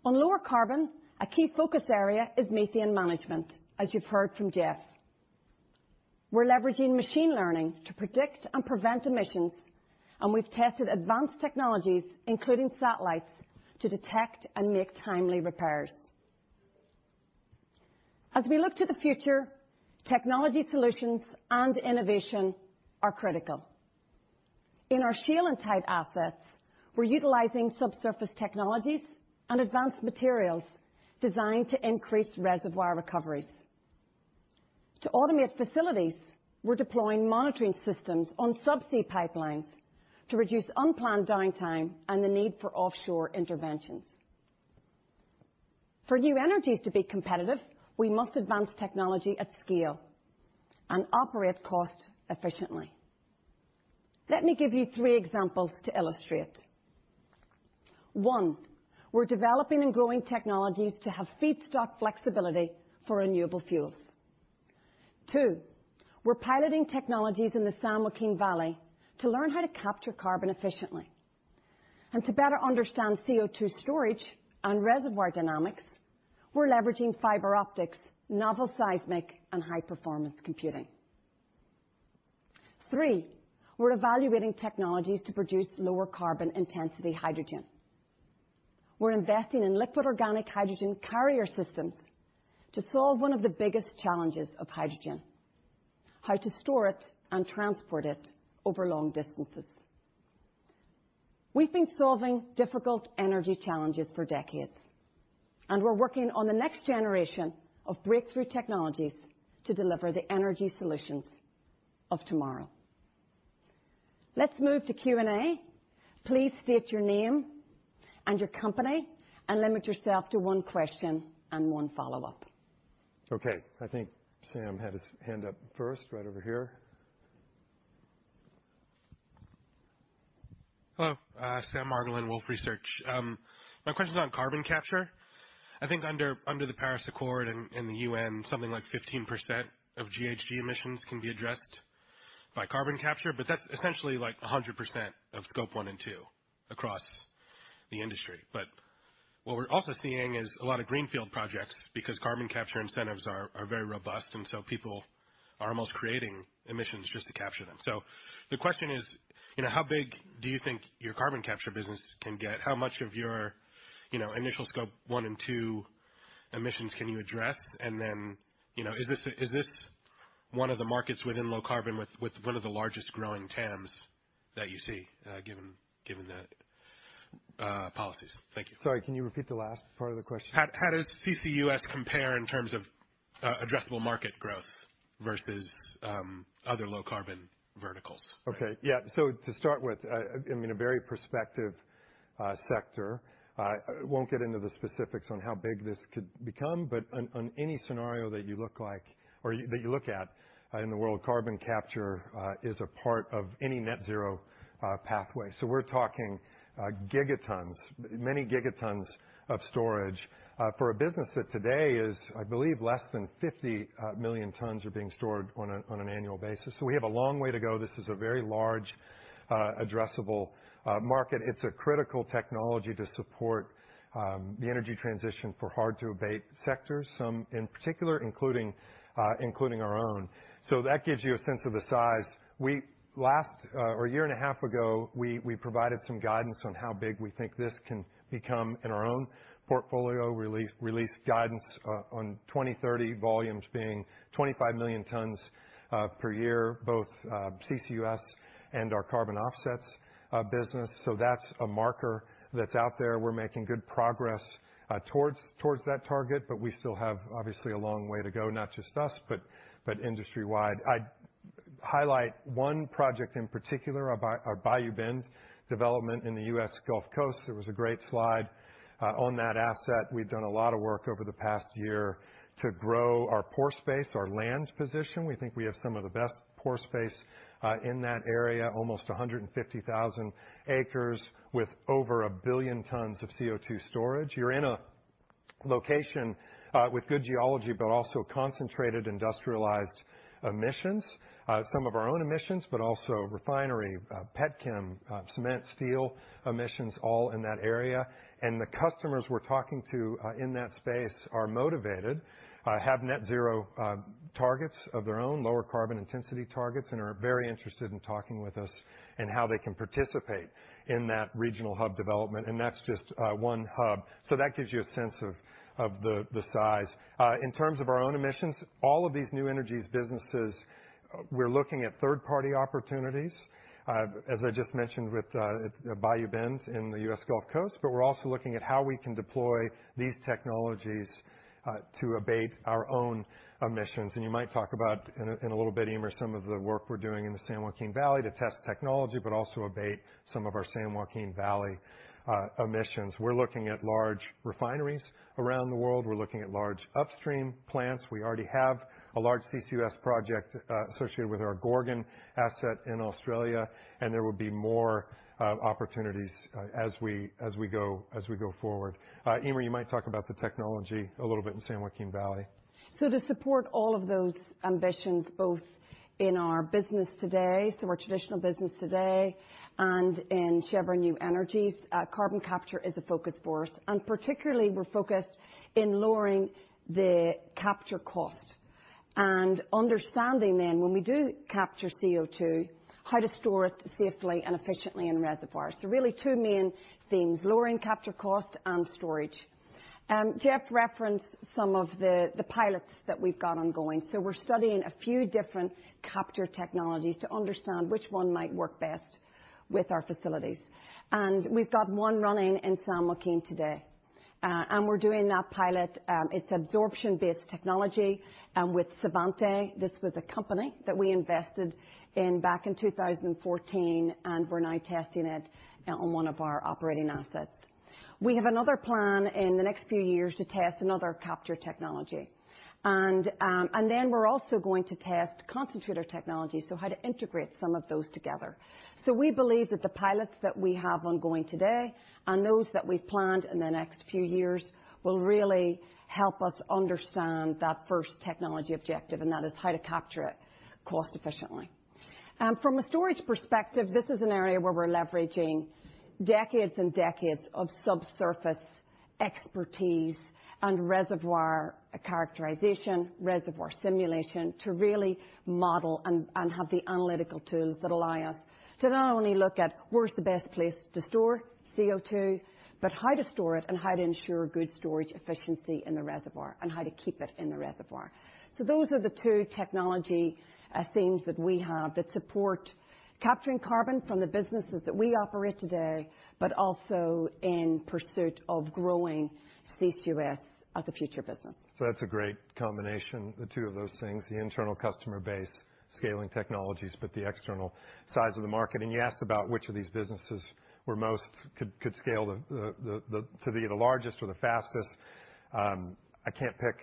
On lower carbon, a key focus area is methane management, as you've heard from Jeff. We're leveraging machine learning to predict and prevent emissions, and we've tested advanced technologies, including satellites, to detect and make timely repairs. As we look to the future, technology solutions and innovation are critical. In our shale and tight assets, we're utilizing subsurface technologies and advanced materials designed to increase reservoir recoveries. To automate facilities, we're deploying monitoring systems on subsea pipelines to reduce unplanned downtime and the need for offshore interventions. For new energies to be competitive, we must advance technology at scale and operate cost efficiently. Let me give you three examples to illustrate. One, we're developing and growing technologies to have feedstock flexibility for renewable fuels. Two, we're piloting technologies in the San Joaquin Valley to learn how to capture carbon efficiently. To better understand CO₂ storage and reservoir dynamics, we're leveraging fiber optics, novel seismic, and high-performance computing. Three, we're evaluating technologies to produce lower carbon intensity hydrogen. We're investing in Liquid Organic Hydrogen Carrier systems to solve one of the biggest challenges of hydrogen: how to store it and transport it over long distances. We've been solving difficult energy challenges for decades. We're working on the next generation of breakthrough technologies to deliver the energy solutions of tomorrow. Let's move to Q&A. Please state your name and your company and limit yourself to one question and one follow-up. I think Sam had his hand up first, right over here. Hello. Sam Margolin, Wolfe Research. My question's on carbon capture. I think under the Paris Agreement in the UN, something like 15% of GHG emissions can be addressed by carbon capture. That's essentially like 100% of Scope 1 and 2 across the industry. What we're also seeing is a lot of greenfield projects because carbon capture incentives are very robust, and people are almost creating emissions just to capture them. The question is, you know, how big do you think your carbon capture business can get? How much of your, you know, initial Scope 1 and 2 emissions can you address? Then, you know, is this one of the markets within low carbon with one of the largest growing TAMs that you see, given the policies? Thank you. Sorry, can you repeat the last part of the question? How does CCUS compare in terms of addressable market growth versus other low carbon verticals? To start with, I mean, a very prospective sector. I won't get into the specifics on how big this could become, but on any scenario that you look like or that you look at, in the world, carbon capture is a part of any net zero pathway. We're talking gigatons, many gigatons of storage, for a business that today is, I believe, less than 50 million tons are being stored on an annual basis. We have a long way to go. This is a very large addressable market. It's a critical technology to support the energy transition for hard to abate sectors, some in particular including including our own. That gives you a sense of the size. Last or a year and a half ago, we provided some guidance on how big we think this can become in our own portfolio. Released guidance on 2030 volumes being 25 million tons per year, both CCUS and our carbon offsets business. That's a marker that's out there. We're making good progress towards that target, we still have obviously a long way to go, not just us, but industry wide. I'd highlight one project in particular, our Bayou Bend development in the U.S. Gulf Coast. There was a great slide on that asset. We've done a lot of work over the past year to grow our pore space, our land position. We think we have some of the best pore space in that area, almost 150,000 acres with over 1 billion tons of CO₂ storage. You're in a location with good geology, but also concentrated industrialized emissions. Some of our own emissions, but also refinery, petchem, cement, steel emissions, all in that area. The customers we're talking to in that space are motivated, have net zero targets of their own, lower carbon intensity targets, and are very interested in talking with us and how they can participate in that regional hub development. That's just one hub. That gives you a sense of the size. In terms of our own emissions, all of these New Energies businesses, we're looking at third-party opportunities, as I just mentioned, with Bayou Bend in the U.S. Gulf Coast. We're also looking at how we can deploy these technologies to abate our own emissions. You might talk about in a little bit, Eimear, some of the work we're doing in the San Joaquin Valley to test technology, but also abate some of our San Joaquin Valley emissions. We're looking at large refineries around the world. We're looking at large upstream plants. We already have a large CCUS project associated with our Gorgon asset in Australia. There will be more opportunities as we go forward. Eimear, you might talk about the technology a little bit in San Joaquin Valley. To support all of those ambitions, both in our business today, our traditional business today and in Chevron New Energies, carbon capture is a focus for us, and particularly we're focused in lowering the capture cost. Understanding then when we do capture CO2, how to store it safely and efficiently in reservoirs. Really two main themes, lowering capture cost and storage. Jeff referenced some of the pilots that we've got ongoing. We're studying a few different capture technologies to understand which one might work best with our facilities. We've got one running in San Joaquin today. We're doing that pilot, it's absorption-based technology, with Svante. This was a company that we invested in back in 2014, and we're now testing it on one of our operating assets. We have another plan in the next few years to test another capture technology. Then we're also going to test concentrator technology, so how to integrate some of those together. We believe that the pilots that we have ongoing today and those that we've planned in the next few years will really help us understand that first technology objective, and that is how to capture it cost efficiently. From a storage perspective, this is an area where we're leveraging decades and decades of subsurface expertise and reservoir characterization, reservoir simulation to really model and have the analytical tools that allow us to not only look at where's the best place to store CO2, but how to store it and how to ensure good storage efficiency in the reservoir and how to keep it in the reservoir. Those are the two technology themes that we have that support capturing carbon from the businesses that we operate today, but also in pursuit of growing CCUS as a future business. That's a great combination, the two of those things, the internal customer base, scaling technologies, but the external size of the market. You asked about which of these businesses could scale the to be the largest or the fastest. I can't pick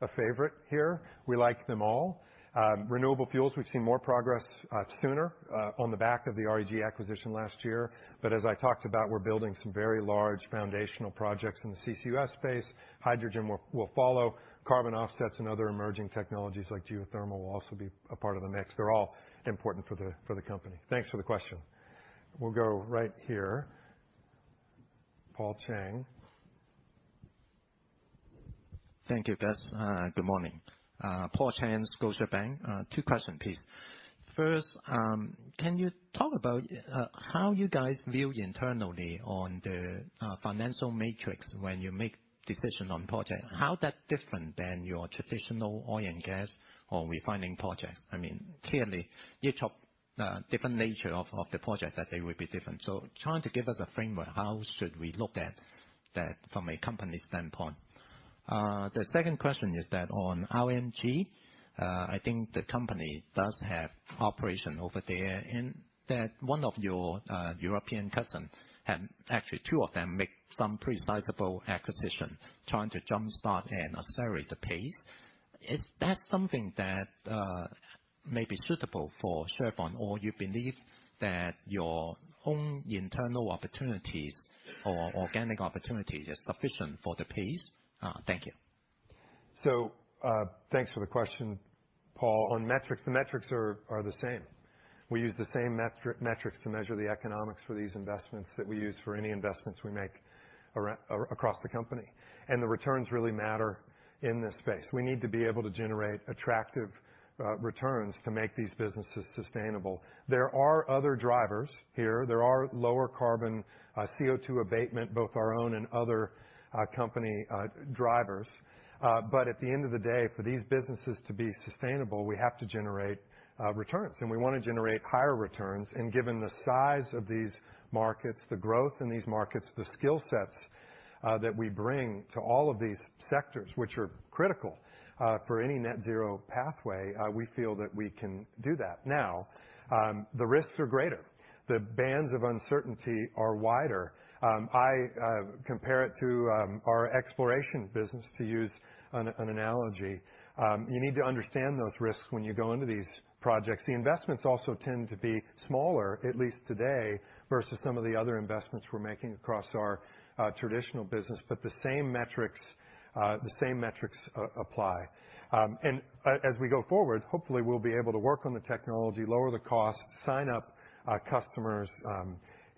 a favorite here. We like them all. Renewable fuels, we've seen more progress sooner on the back of the REG acquisition last year. As I talked about, we're building some very large foundational projects in the CCUS space. Hydrogen will follow. Carbon offsets and other emerging technologies like geothermal will also be a part of the mix. They're all important for the company. Thanks for the question. We'll go right here. Paul Cheng. Thank you, guys. good morning. Paul Cheng, Scotiabank. two question, please. First, can you talk about how you guys view internally on the financial matrix when you make decision on project? How that different than your traditional oil and gas or refining projects? I mean, clearly, you talk, different nature of the project that they would be different. Trying to give us a framework, how should we look at that from a company standpoint? The second question is that on LNG, I think the company does have operation over there in that one of your European cousin, actually two of them make some pretty sizable acquisition, trying to jump-start and accelerate the pace. Is that something that, may be suitable for Chevron, or you believe that your own internal opportunities or organic opportunities are sufficient for the pace? Thank you. Thanks for the question, Paul. On metrics, the metrics are the same. We use the same metric, metrics to measure the economics for these investments that we use for any investments we make across the company. The returns really matter in this space. We need to be able to generate attractive returns to make these businesses sustainable. There are other drivers here. There are lower carbon CO2 abatement, both our own and other company drivers. At the end of the day, for these businesses to be sustainable, we have to generate returns. We wanna generate higher returns, and given the size of these markets, the growth in these markets, the skill sets that we bring to all of these sectors, which are critical for any net zero pathway, we feel that we can do that. The risks are greater. The bands of uncertainty are wider. I compare it to our exploration business, to use an analogy. You need to understand those risks when you go into these projects. The investments also tend to be smaller, at least today, versus some of the other investments we're making across our traditional business, but the same metrics, the same metrics apply. As we go forward, hopefully, we'll be able to work on the technology, lower the costs, sign up our customers,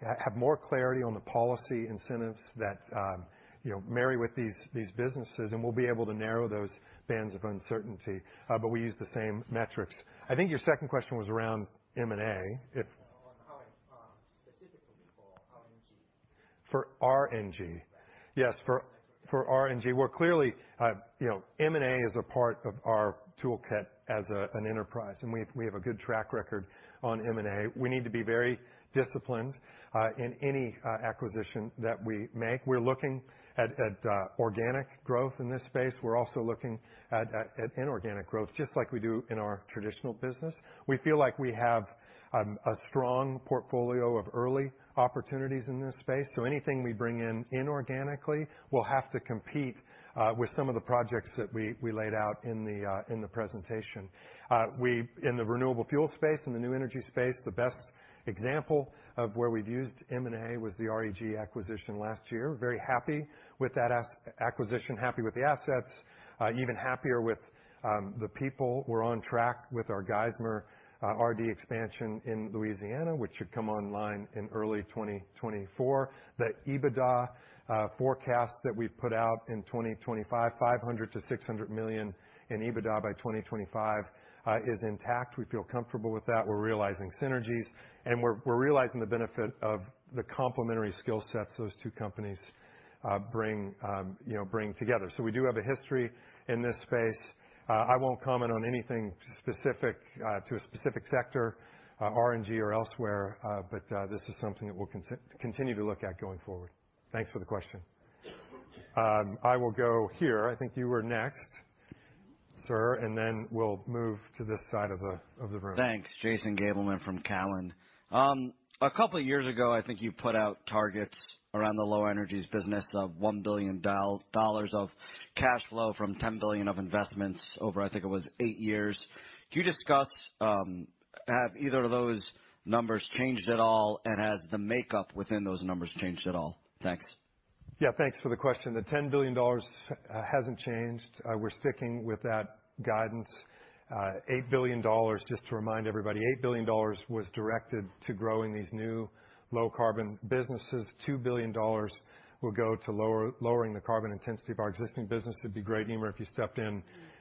have more clarity on the policy incentives that, you know, marry with these businesses, and we'll be able to narrow those bands of uncertainty. We use the same metrics. I think your second question was around M&A. If- On how it, specifically for RNG. For RNG. Right. Yes, for RNG. Well, clearly, you know, M&A is a part of our toolkit as an enterprise, and we have a good track record on M&A. We need to be very disciplined in any acquisition that we make. We're looking at organic growth in this space. We're also looking at inorganic growth, just like we do in our traditional business. We feel like we have a strong portfolio of early opportunities in this space, so anything we bring in inorganically will have to compete with some of the projects that we laid out in the presentation. In the renewable fuel space and the new energy space, the best example of where we've used M&A was the REG acquisition last year. Very happy with that as-acquisition, happy with the assets, even happier with the people. We're on track with our Geismar RD expansion in Louisiana, which should come online in early 2024. The EBITDA forecast that we put out in 2025, $500 million-$600 million in EBITDA by 2025, is intact. We feel comfortable with that. We're realizing synergies, and we're realizing the benefit of the complementary skill sets those two companies, you know, bring together. We do have a history in this space. I won't comment on anything specific to a specific sector, RNG or elsewhere, but this is something that we'll continue to look at going forward. Thanks for the question. I will go here. I think you were next, sir. Then we'll move to this side of the room. Thanks. Jason Gabelman from Cowen. A couple years ago, I think you put out targets around the lower energies business of $1 billion of cash flow from $10 billion of investments over, I think it was eight years. Can you discuss, have either of those numbers changed at all? Has the makeup within those numbers changed at all? Thanks. Yeah. Thanks for the question. The $10 billion hasn't changed. We're sticking with that guidance. $8 billion, just to remind everybody, $8 billion was directed to growing these new low carbon businesses. $2 billion will go to lowering the carbon intensity of our existing business. It'd be great, Eimear if you stepped in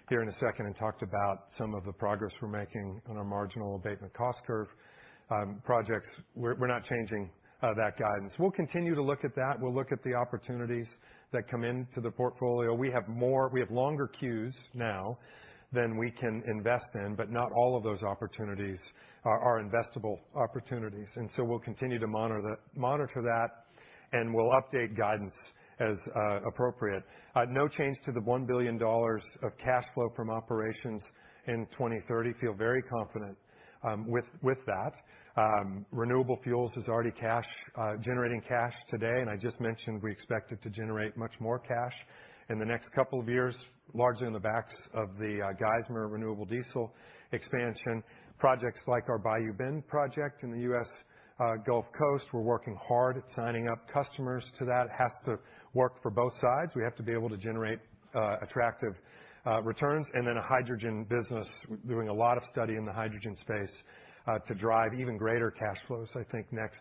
here in a second and talked about some of the progress we're making on our marginal abatement cost curve projects. We're not changing that guidance. We'll continue to look at that. We'll look at the opportunities that come into the portfolio. We have longer queues now than we can invest in, but not all of those opportunities are investable opportunities. We'll continue to monitor that, and we'll update guidance as appropriate. No change to the $1 billion of cash flow from operations in 2030. Feel very confident with that. Renewable fuels is already cash generating cash today, and I just mentioned we expect it to generate much more cash in the next couple of years, largely on the backs of the Geismar renewable diesel expansion. Projects like our Bayou Bend project in the U.S. Gulf Coast, we're working hard at signing up customers to that. It has to work for both sides. We have to be able to generate attractive returns. A hydrogen business. We're doing a lot of study in the hydrogen space to drive even greater cash flows, I think, next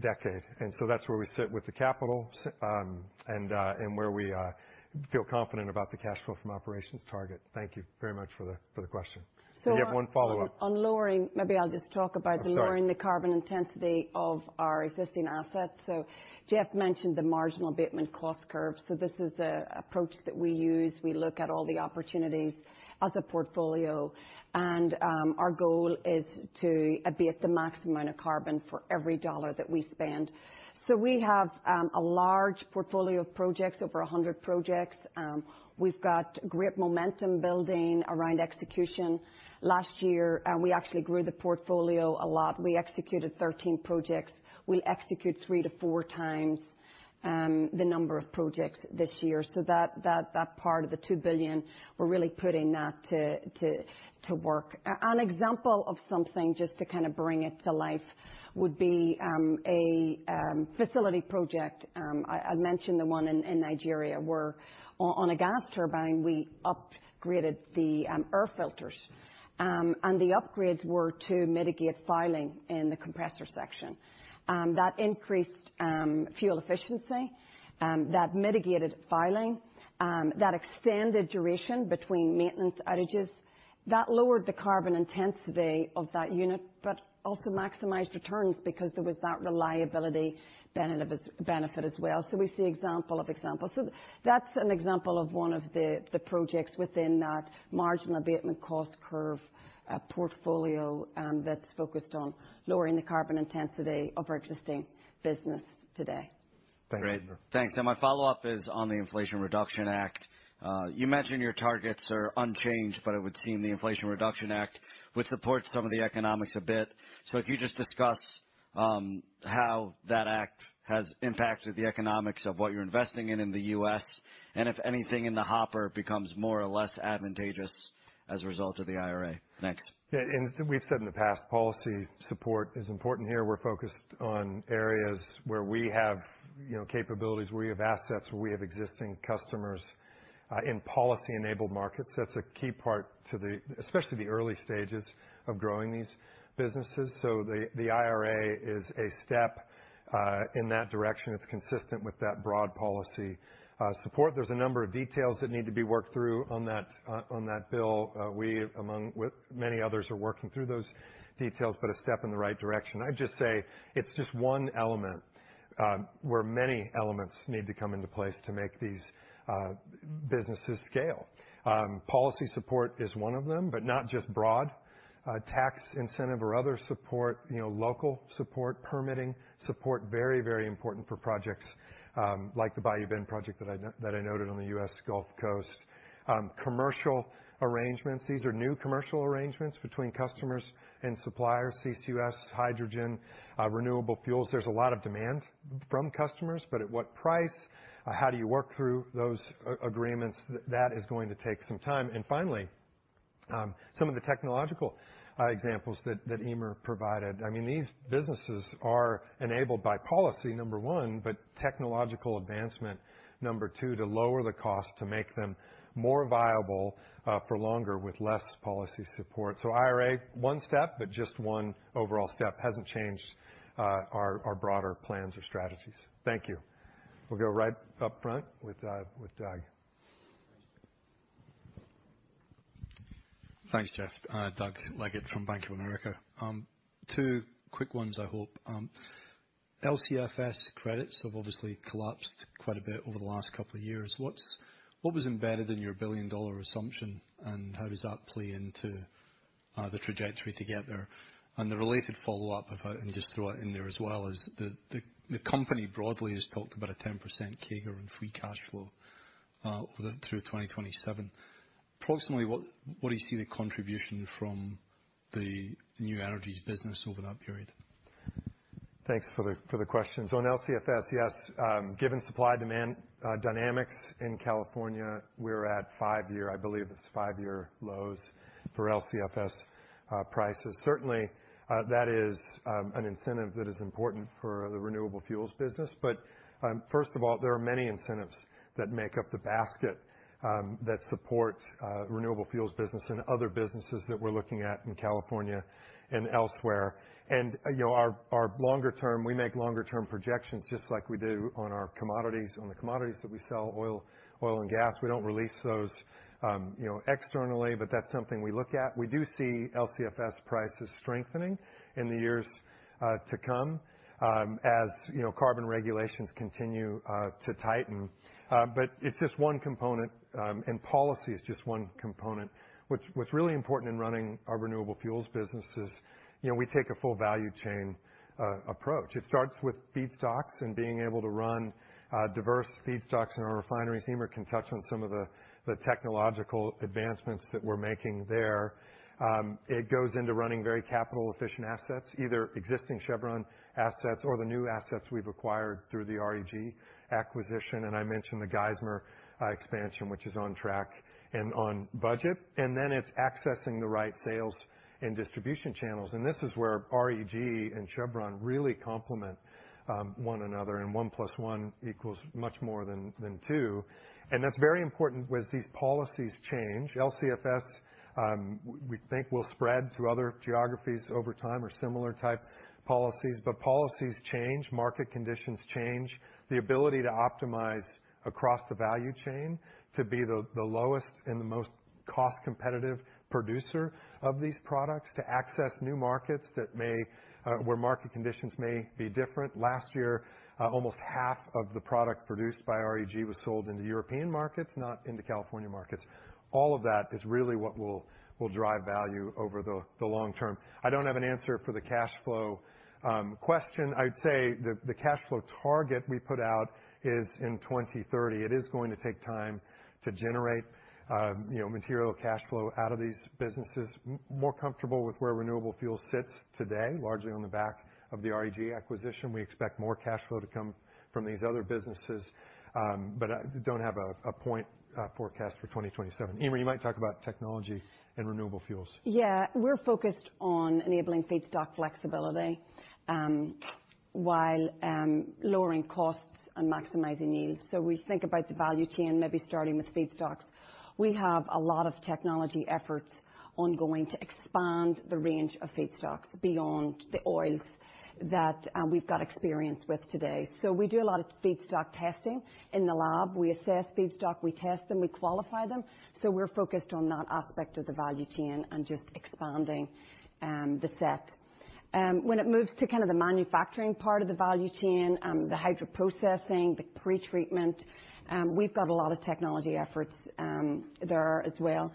decade. That's where we sit with the capital, and where we feel confident about the cash flow from operations target. Thank you very much for the question. So, uh- We have one follow-up. On lowering, maybe I'll just talk about- I'm sorry. lowering the carbon intensity of our existing assets. Jeff mentioned the marginal abatement cost curve. This is the approach that we use. We look at all the opportunities as a portfolio, and our goal is to abate the maximum amount of carbon for every dollar that we spend. We have a large portfolio of projects, over 100 projects. We've got great momentum building around execution. Last year, we actually grew the portfolio a lot. We executed 13 projects. We'll execute three to four times the number of projects this year. That part of the $2 billion, we're really putting that to work. An example of something just to kind of bring it to life would be a facility project. I mentioned the one in Nigeria, where on a gas turbine, we upgraded the air filters. The upgrades were to mitigate fouling in the compressor section. That increased fuel efficiency. That mitigated filing, that extended duration between maintenance outages, that lowered the carbon intensity of that unit, but also maximized returns because there was that reliability benefit as well. We see example of examples. That's an example of one of the projects within that marginal abatement cost curve portfolio, and that's focused on lowering the carbon intensity of our existing business today. Thank you. Great. Thanks. My follow-up is on the Inflation Reduction Act. You mentioned your targets are unchanged, but it would seem the Inflation Reduction Act would support some of the economics a bit. If you just discuss how that act has impacted the economics of what you're investing in in the U.S., and if anything in the hopper becomes more or less advantageous as a result of the IRA. Thanks. Yeah. We've said in the past, policy support is important here. We're focused on areas where we have, you know, capabilities, where we have assets, where we have existing customers, in policy-enabled markets. That's a key part to the, especially the early stages of growing these businesses. The IRA is a step in that direction. It's consistent with that broad policy support. There's a number of details that need to be worked through on that, on that bill. We, among with many others, are working through those details, but a step in the right direction. I'd just say it's just one element, where many elements need to come into place to make these businesses scale. Policy support is one of them. Not just broad tax incentive or other support, you know, local support, permitting support, very, very important for projects, like the Bayou Bend project that I noted on the U.S. Gulf Coast. Commercial arrangements. These are new commercial arrangements between customers and suppliers, CCS, hydrogen, renewable fuels. There's a lot of demand from customers, but at what price? How do you work through those agreements? That is going to take some time. Finally, some of the technological examples that Eimear provided. I mean, these businesses are enabled by policy, number one, but technological advancement, number two, to lower the cost to make them more viable, for longer with less policy support. IRA, one step, but just one overall step. Hasn't changed our broader plans or strategies. Thank you. We'll go right up front with Doug. Thanks, Jeff. Doug Leggate from Bank of America. Two quick ones, I hope. LCFS credits have obviously collapsed quite a bit over the last couple of years. What was embedded in your $1 billion assumption, and how does that play into the trajectory to get there? The related follow-up, if I can just throw it in there as well, is the company broadly has talked about a 10% CAGR in free cash flow through 2027. Approximately what do you see the contribution from the new energies business over that period? Thanks for the questions. On LCFS, yes, given supply-demand dynamics in California, we're at five year, I believe it's five-year lows for LCFS prices. Certainly, that is an incentive that is important for the renewable fuels business. First of all, there are many incentives that make up the basket that support renewable fuels business and other businesses that we're looking at in California and elsewhere. You know, our longer term, we make longer term projections just like we do on our commodities, on the commodities that we sell, oil and gas. We don't release those, you know, externally, but that's something we look at. We do see LCFS prices strengthening in the years to come, as, you know, carbon regulations continue to tighten. It's just one component, policy is just one component. What's really important in running our renewable fuels business is, you know, we take a full value chain approach. It starts with feedstocks and being able to run diverse feedstocks in our refineries. Eimear can touch on some of the technological advancements that we're making there. It goes into running very capital efficient assets, either existing Chevron assets or the new assets we've acquired through the REG acquisition. I mentioned the Geismar expansion, which is on track and on budget. It's accessing the right sales and distribution channels, and this is where REG and Chevron really complement one another, and 1+1 equals much more than 2. That's very important with these policies change. LCFS we think will spread to other geographies over time or similar type policies change, market conditions change. The ability to optimize across the value chain to be the lowest and the most cost competitive producer of these products, to access new markets that may where market conditions may be different. Last year, almost half of the product produced by REG was sold in the European markets, not in the California markets. All of that is really what will drive value over the long term. I don't have an answer for the cash flow question. I'd say the cash flow target we put out is in 2030. It is going to take time to generate, you know, material cash flow out of these businesses. More comfortable with where renewable fuel sits today, largely on the back of the REG acquisition. We expect more cash flow to come from these other businesses, but I don't have a point forecast for 2027. Eimear, you might talk about technology and renewable fuels. Yeah. We're focused on enabling feedstock flexibility, while lowering costs and maximizing yields. We think about the value chain, maybe starting with feedstocks. We have a lot of technology efforts ongoing to expand the range of feedstocks beyond the oil we've got experience with today. We do a lot of feedstock testing in the lab. We assess feedstock, we test them, we qualify them. We're focused on that aspect of the value chain and just expanding the set. When it moves to kind of the manufacturing part of the value chain, the hydroprocessing, the pretreatment, we've got a lot of technology efforts there as well.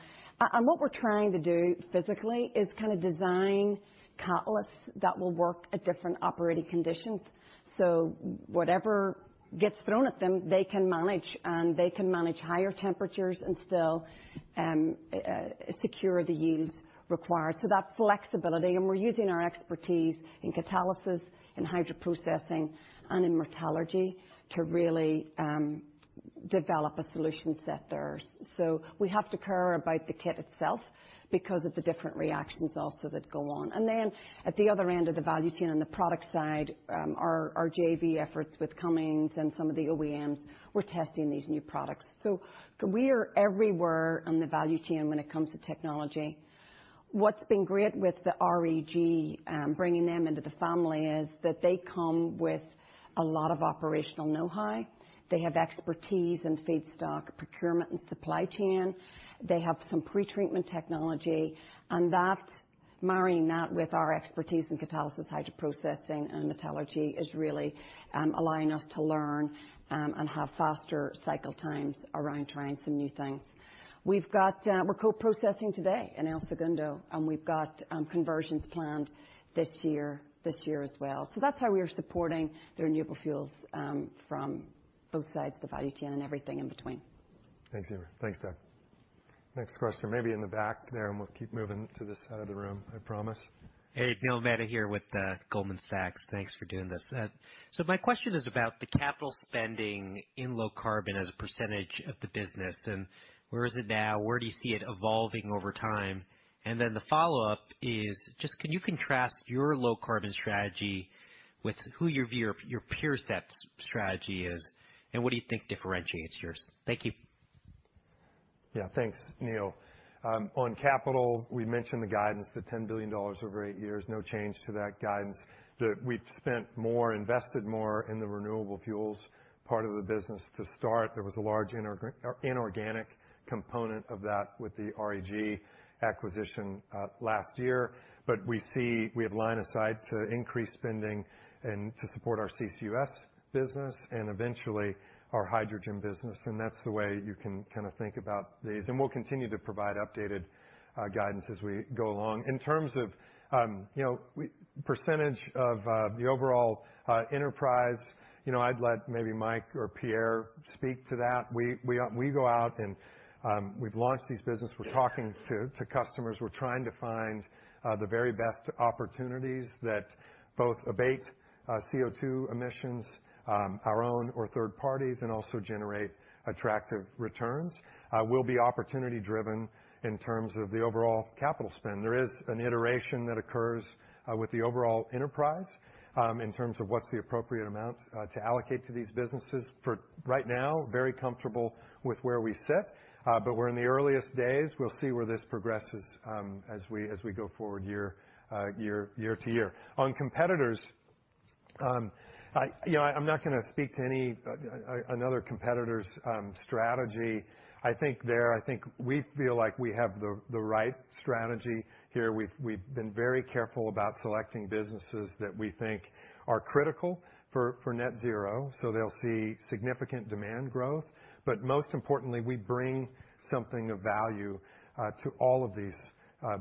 What we're trying to do physically is kind of design catalysts that will work at different operating conditions. Whatever gets thrown at them, they can manage, and they can manage higher temperatures and still secure the yields required. That flexibility, and we're using our expertise in catalysis and hydroprocessing and in metallurgy to really develop a solution set there. We have to care about the cat itself because of the different reactions also that go on. At the other end of the value chain on the product side, our JV efforts with Cummins and some of the OEMs, we're testing these new products. We are everywhere on the value chain when it comes to technology. What's been great with the REG, bringing them into the family, is that they come with a lot of operational know-how. They have expertise in feedstock procurement and supply chain. They have some pretreatment technology, and marrying that with our expertise in catalysis hydroprocessing and metallurgy is really allowing us to learn and have faster cycle times around trying some new things. We've got, we're co-processing today in El Segundo, and we've got conversions planned this year as well. That's how we are supporting the renewable fuels from both sides of the value chain and everything in between. Thanks, Eimear. Thanks, Doug. Next question, maybe in the back there, and we'll keep moving to this side of the room, I promise. Hey, Neil Mehta here with, Goldman Sachs. Thanks for doing this. My question is about the capital spending in low carbon as a percentage of the business, and where is it now? Where do you see it evolving over time? The follow-up is just can you contrast your low carbon strategy with who you view your peer set strategy is, and what do you think differentiates yours? Thank you. Yeah, thanks, Neil. On capital, we mentioned the guidance, the $10 billion over eight years. No change to that guidance. We've spent more, invested more in the renewable fuels part of the business to start. There was a large inorganic component of that with the REG acquisition last year. We see we have line of sight to increase spending and to support our CCUS business and eventually our hydrogen business, and that's the way you can kind of think about these. We'll continue to provide updated guidance as we go along. In terms of, you know, percentage of the overall enterprise, you know, I'd let maybe Mike or Pierre speak to that. We go out and we've launched these business. We're talking to customers. We're trying to find the very best opportunities that both abate CO₂ emissions, our own or third parties, and also generate attractive returns. We'll be opportunity driven in terms of the overall capital spend. There is an iteration that occurs with the overall enterprise in terms of what's the appropriate amount to allocate to these businesses. For right now, very comfortable with where we sit. We're in the earliest days. We'll see where this progresses as we go forward year-to-year. On competitors, I, you know, I'm not gonna speak to any another competitor's strategy. I think we feel like we have the right strategy here. We've been very careful about selecting businesses that we think are critical for net zero, so they'll see significant demand growth. But most importantly, we bring something of value to all of these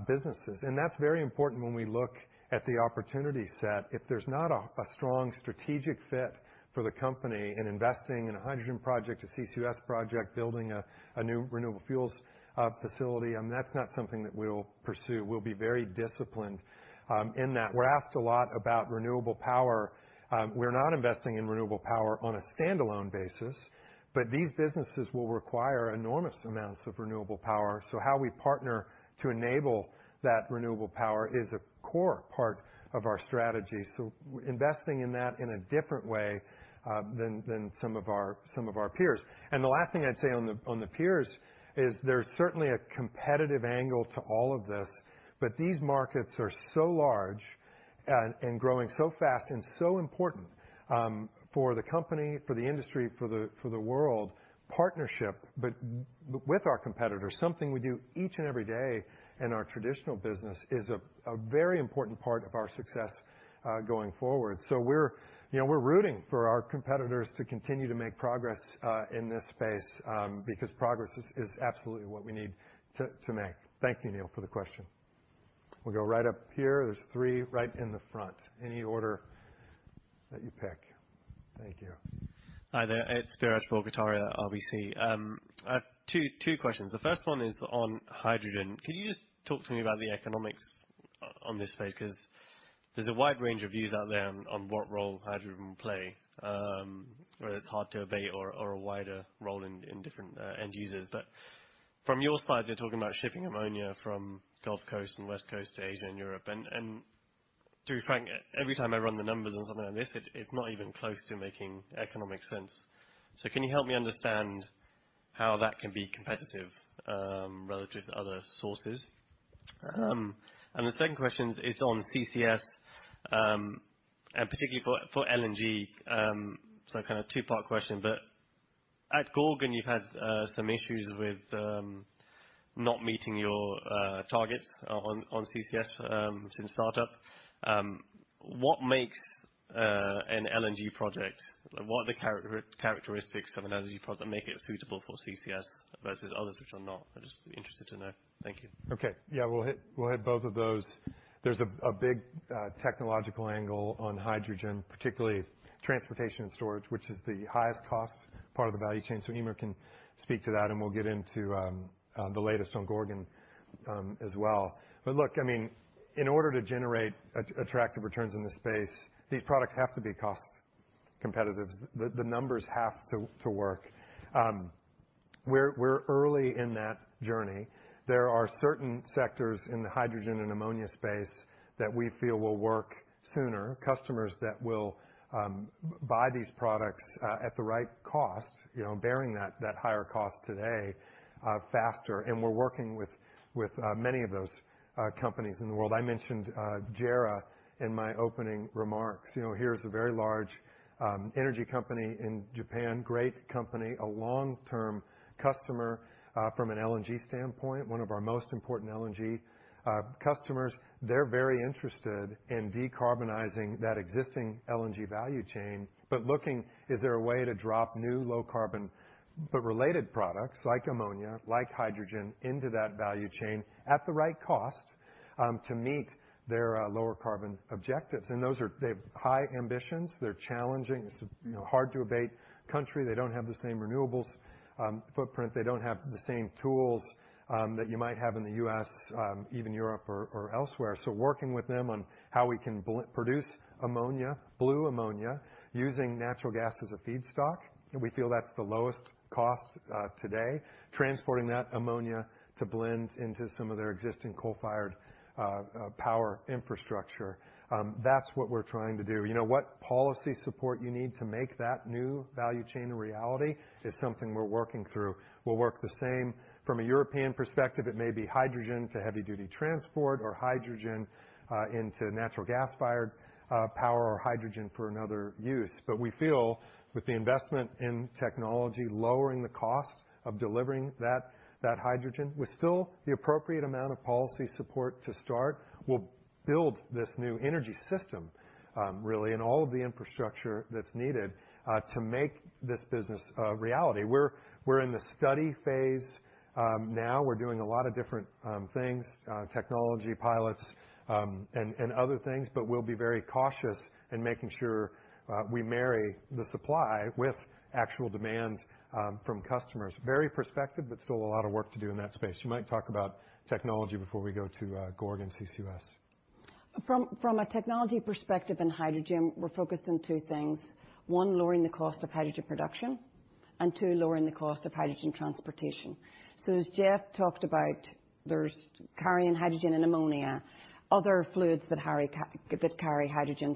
businesses. And that's very important when we look at the opportunity set. If there's not a strong strategic fit for the company in investing in a hydrogen project, a CCUS project, building a new renewable fuels facility, that's not something that we'll pursue. We'll be very disciplined in that. We're asked a lot about renewable power. We're not investing in renewable power on a standalone basis, but these businesses will require enormous amounts of renewable power. So how we partner to enable that renewable power is a core part of our strategy. We're investing in that in a different way than some of our peers. The last thing I'd say on the peers is there's certainly a competitive angle to all of this, but these markets are so large and growing so fast and so important for the company, for the industry, for the world, partnership, but with our competitors, something we do each and every day in our traditional business is a very important part of our success going forward. We're, you know, we're rooting for our competitors to continue to make progress in this space because progress is absolutely what we need to make. Thank you, Neil, for the question. We'll go right up here. There's three right in the front. Any order that you pick. Thank you. Hi there. It's Biraj Borkhataria, RBC. I have two questions. The first one is on hydrogen. Can you just talk to me about the economics on this space? 'Cause there's a wide range of views out there on what role hydrogen will play, whether it's hard to abate or a wider role in different end users. From your side, you're talking about shipping ammonia from Gulf Coast and West Coast to Asia and Europe. To be frank, every time I run the numbers on something like this, it's not even close to making economic sense. Can you help me understand- How that can be competitive relative to other sources. The second question is on CCS and particularly for LNG. Kind of two-part question, but at Gorgon you've had some issues with not meeting your targets on CCS since startup. What makes an LNG project? What are the characteristics of an LNG project that make it suitable for CCS versus others which are not? I'm just interested to know. Thank you. Okay. Yeah, we'll hit both of those. There's a big technological angle on hydrogen, particularly transportation storage, which is the highest cost part of the value chain. Eimear can speak to that. We'll get into the latest on Gorgon as well. Look, I mean, in order to generate at-attractive returns in this space, these products have to be cost competitive. The numbers have to work. We're early in that journey. There are certain sectors in the hydrogen and ammonia space that we feel will work sooner, customers that will buy these products at the right cost, you know, bearing that higher cost today faster. We're working with many of those companies in the world. I mentioned JERA in my opening remarks. You know, here's a very large energy company in Japan, great company, a long-term customer from an LNG standpoint. One of our most important LNG customers. They're very interested in decarbonizing that existing LNG value chain, but looking is there a way to drop new low carbon but related products like ammonia, like hydrogen into that value chain at the right cost to meet their lower carbon objectives. Those are. They've high ambitions. They're challenging. It's, you know, hard to abate country. They don't have the same renewables footprint. They don't have the same tools that you might have in the U.S., even Europe or elsewhere. Working with them on how we can produce ammonia, blue ammonia using natural gas as a feedstock. We feel that's the lowest cost today. Transporting that ammonia to blend into some of their existing coal-fired power infrastructure, that's what we're trying to do. You know what policy support you need to make that new value chain a reality is something we're working through. We'll work the same from a European perspective. It may be hydrogen to heavy-duty transport or hydrogen into natural gas-fired power or hydrogen for another use. We feel with the investment in technology, lowering the cost of delivering that hydrogen, with still the appropriate amount of policy support to start, we'll build this new energy system really, and all of the infrastructure that's needed to make this business a reality. We're in the study phase now. We're doing a lot of different things, technology pilots, and other things, but we'll be very cautious in making sure we marry the supply with actual demand from customers. Very prospective, but still a lot of work to do in that space. You might talk about technology before we go to Gorgon CCUS. From a technology perspective in hydrogen, we're focused on two things. One, lowering the cost of hydrogen production, and two, lowering the cost of hydrogen transportation. As Jeff talked about, there's carrying hydrogen and ammonia, other fluids that carry hydrogen.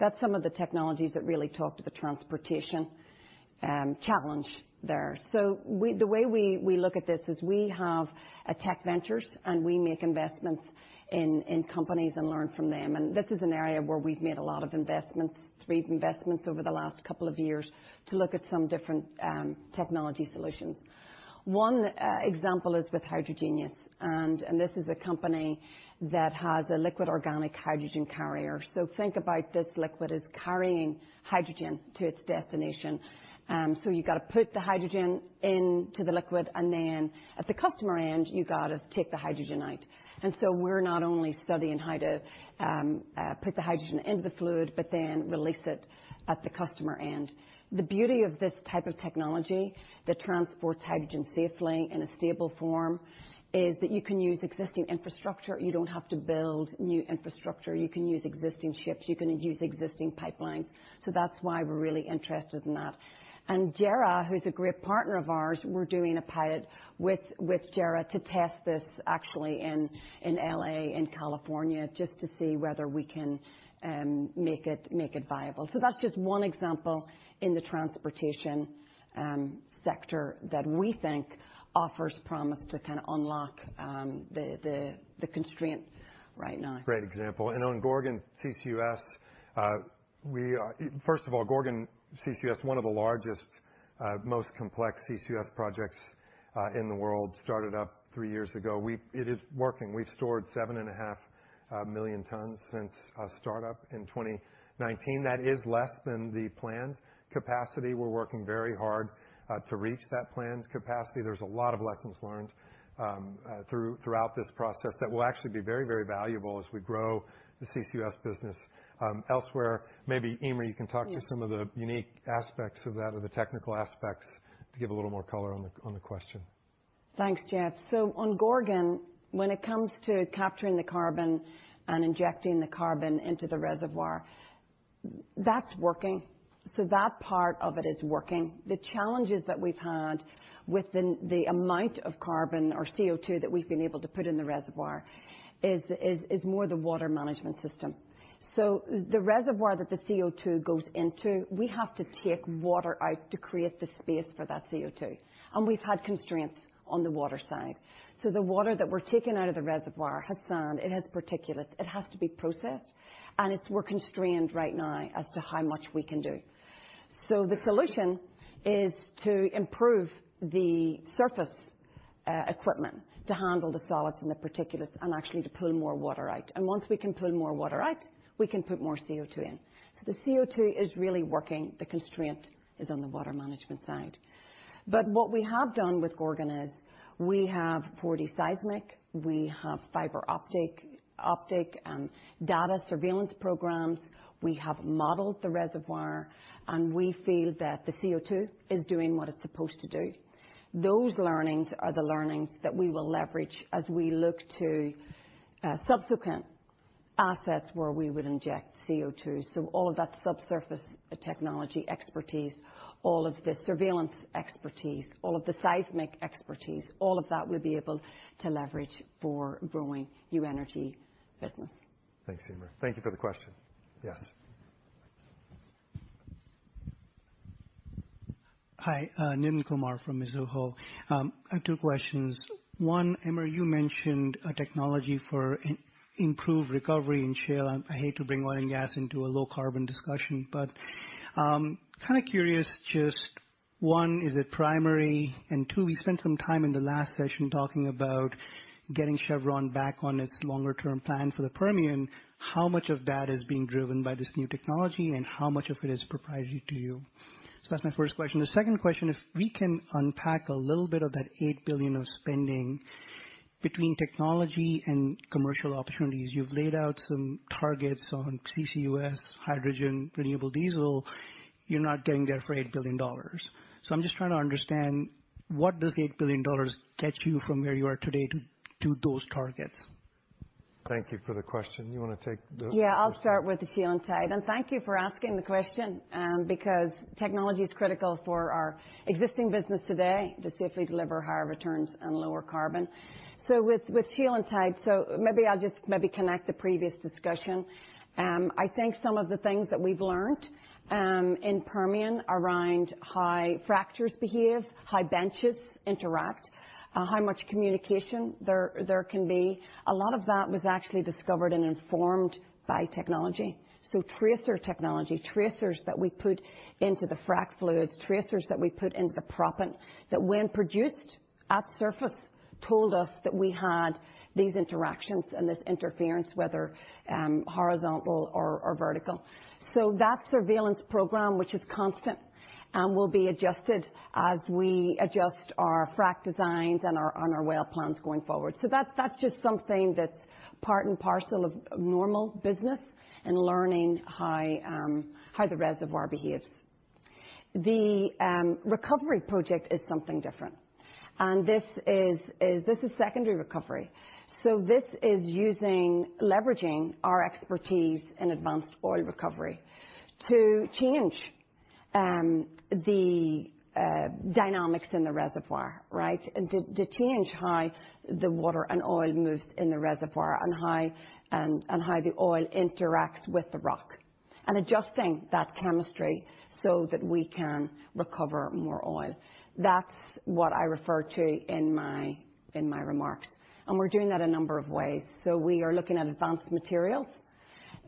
That's some of the technologies that really talk to the transportation challenge there. The way we look at this is we have tech ventures, and we make investments in companies and learn from them. This is an area where we've made a lot of investments, three investments over the last two years to look at some different technology solutions. One example is with Hydrogenious, and this is a company that has a Liquid Organic Hydrogen Carrier. Think about this liquid as carrying hydrogen to its destination. You gotta put the hydrogen into the liquid, at the customer end, you gotta take the hydrogen out. We're not only studying how to put the hydrogen into the fluid, release it at the customer end. The beauty of this type of technology that transports hydrogen safely in a stable form is that you can use existing infrastructure. You don't have to build new infrastructure. You can use existing ships. You can use existing pipelines. That's why we're really interested in that. JERA, who's a great partner of ours, we're doing a pilot with JERA to test this actually in L.A., in California, just to see whether we can make it viable. That's just one example in the transportation sector that we think offers promise to kind of unlock the constraint right now. Great example. On Gorgon CCUS, First of all, Gorgon CCUS, one of the largest, most complex CCUS projects in the world, started up three years ago. It is working. We've stored 7.5 million tons since startup in 2019. That is less than the planned capacity. We're working very hard to reach that planned capacity. There's a lot of lessons learned throughout this process that will actually be very, very valuable as we grow the CCUS business elsewhere. Maybe, Eimear, you can talk through some of the unique aspects of that or the technical aspects to give a little more color on the, on the question. Thanks, Jeff. On Gorgon, when it comes to capturing the carbon and injecting the carbon into the reservoir. That's working. That part of it is working. The challenges that we've had with the amount of carbon or CO₂ that we've been able to put in the reservoir is more the water management system. The reservoir that the CO₂ goes into, we have to take water out to create the space for that CO₂. We've had constraints on the water side. The water that we're taking out of the reservoir has sand, it has particulates. It has to be processed, and we're constrained right now as to how much we can do. The solution is to improve the surface equipment to handle the solids and the particulates and actually to pull more water out. Once we can pull more water out, we can put more CO2 in. The CO2 is really working. The constraint is on the water management side. What we have done with Gorgon is we have 4D seismic. We have fiber optic data surveillance programs. We have modeled the reservoir, and we feel that the CO2 is doing what it's supposed to do. Those learnings are the learnings that we will leverage as we look to subsequent assets where we would inject CO2. All of that subsurface technology expertise, all of the surveillance expertise, all of the seismic expertise, all of that we'll be able to leverage for growing new energy business. Thanks, Eimear. Thank you for the question. Yes. Hi, Nitin Kumar from Mizuho. I have two questions. One, Eimear, you mentioned a technology for improved recovery in shale. I hate to bring oil and gas into a low carbon discussion, kind of curious, just, one, is it primary? Two, we spent some time in the last session talking about getting Chevron back on its longer term plan for the Permian. How much of that is being driven by this new technology, and how much of it is proprietary to you? That's my first question. The second question, if we can unpack a little bit of that $8 billion of spending between technology and commercial opportunities. You've laid out some targets on CCUS, hydrogen, renewable diesel. You're not getting there for $8 billion. I'm just trying to understand what does $8 billion get you from where you are today to those targets? Thank you for the question. You wanna take the- Yeah, I'll start with the shale and tight. Thank you for asking the question, because technology is critical for our existing business today to safely deliver higher returns and lower carbon. With shale and tight, maybe I'll just maybe connect the previous discussion. I think some of the things that we've learned in Permian around how fractures behave, how benches interact, how much communication there can be, a lot of that was actually discovered and informed by technology. Tracer technology, tracers that we put into the frack fluids, tracers that we put into the proppant, that when produced at surface, told us that we had these interactions and this interference, whether horizontal or vertical. That surveillance program, which is constant and will be adjusted as we adjust our frack designs and our well plans going forward. That's just something that's part and parcel of normal business and learning how the reservoir behaves. The recovery project is something different. This is secondary recovery. This is using leveraging our expertise in advanced oil recovery to change the dynamics in the reservoir, right? To change how the water and oil moves in the reservoir and how the oil interacts with the rock, and adjusting that chemistry so that we can recover more oil. That's what I refer to in my remarks. We're doing that a number of ways. We are looking at advanced materials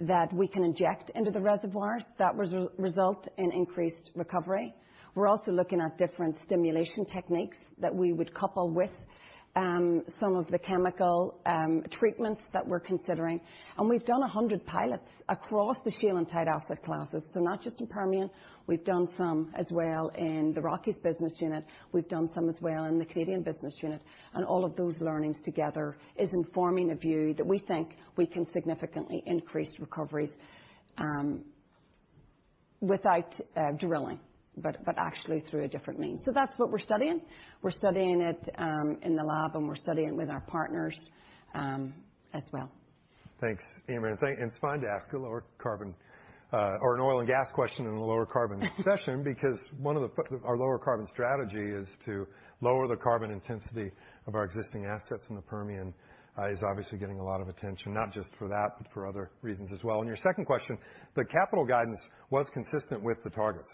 that we can inject into the reservoirs that result in increased recovery. We're also looking at different stimulation techniques that we would couple with some of the chemical treatments that we're considering. We've done 100 pilots across the shale and tight asset classes. Not just in Permian, we've done some as well in the Rockies business unit. We've done some as well in the Canadian business unit. All of those learnings together is informing a view that we think we can significantly increase recoveries without drilling, but actually through a different means. That's what we're studying. We're studying it in the lab, and we're studying with our partners as well. Thanks, Eimear. It's fine to ask a lower carbon or an oil and gas question in a lower carbon session because one of our lower carbon strategy is to lower the carbon intensity of our existing assets in the Permian. It's obviously getting a lot of attention, not just for that, but for other reasons as well. On your second question, the capital guidance was consistent with the target.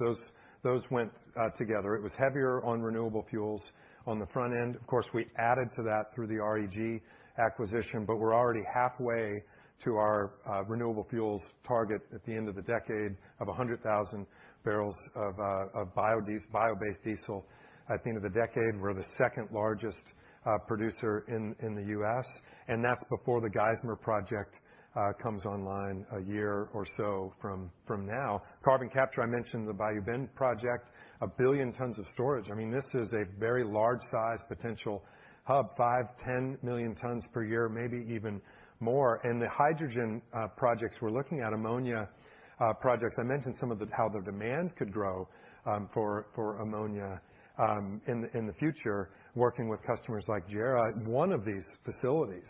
Those went together. It was heavier on renewable fuels on the front end. Of course, we added to that through the REG acquisition, but we're already halfway to our renewable fuels target at the end of the decade of 100,000 barrels of biodiesel, bio-based diesel at the end of the decade. We're the second-largest producer in the U.S. That's before the Geismar project comes online a year or so from now. Carbon capture, I mentioned the Bayou Bend project, 1 billion tons of storage. I mean, this is a very large size potential hub, 5 million-10 million tons per year, maybe even more. The hydrogen projects we're looking at, ammonia projects, I mentioned some of the how the demand could grow for ammonia in the future, working with customers like JERA. One of these facilities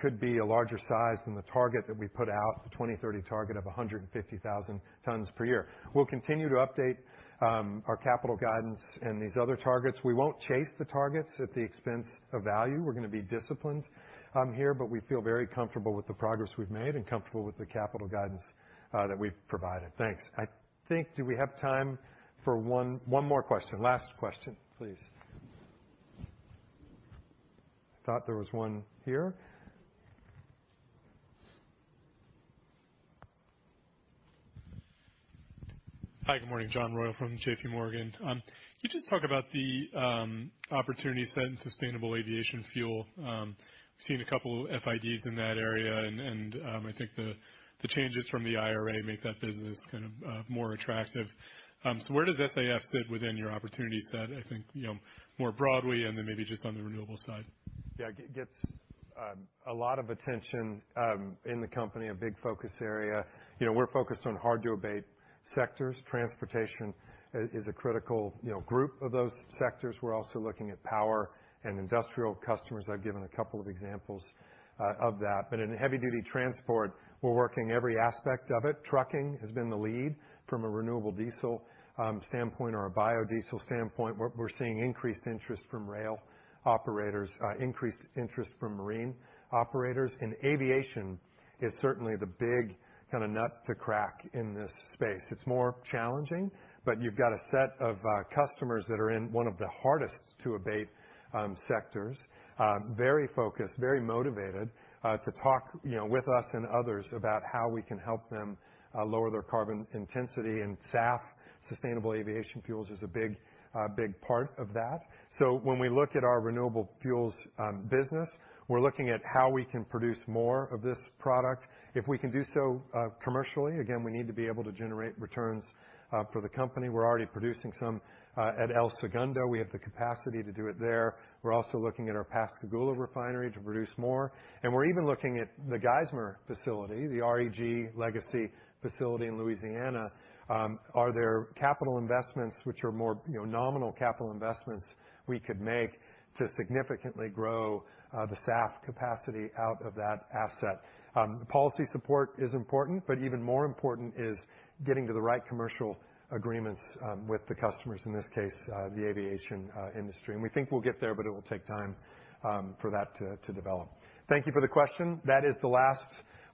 could be a larger size than the target that we put out, the 2030 target of 150,000 tons per year. We'll continue to update our capital guidance and these other targets. We won't chase the targets at the expense of value. We're gonna be disciplined here, but we feel very comfortable with the progress we've made and comfortable with the capital guidance that we've provided. Thanks. I think, do we have time for one more question? Last question, please. Thought there was one here. Hi, good morning. John Royall from JPMorgan. Can you just talk about the opportunity set in sustainable aviation fuel? We've seen a couple FIDs in that area, and I think the changes from the IRA make that business kind of more attractive. Where does SAF sit within your opportunity set? I think, you know, more broadly, and then maybe just on the renewables side. Yeah, gets a lot of attention in the company, a big focus area. You know, we're focused on hard-to-abate sectors. Transportation is a critical, you know, group of those sectors. We're also looking at power and industrial customers. I've given a couple of examples of that. In heavy-duty transport, we're working every aspect of it. Trucking has been the lead from a renewable diesel standpoint or a biodiesel standpoint. We're seeing increased interest from rail operators, increased interest from marine operators. Aviation is certainly the big kinda nut to crack in this space. It's more challenging, but you've got a set of customers that are in one of the hardest to abate sectors. Very focused, very motivated to talk, you know, with us and others about how we can help them lower their carbon intensity. SAF, sustainable aviation fuels, is a big part of that. When we look at our renewable fuels business, we're looking at how we can produce more of this product. If we can do so commercially, again, we need to be able to generate returns for the company. We're already producing some at El Segundo. We have the capacity to do it there. We're also looking at our Pascagoula refinery to produce more, and we're even looking at the Geismar facility, the REG legacy facility in Louisiana. Are there capital investments which are more, you know, nominal capital investments we could make to significantly grow the SAF capacity out of that asset? Policy support is important, but even more important is getting to the right commercial agreements with the customers, in this case, the aviation industry. We think we'll get there, but it'll take time for that to develop. Thank you for the question. That is the last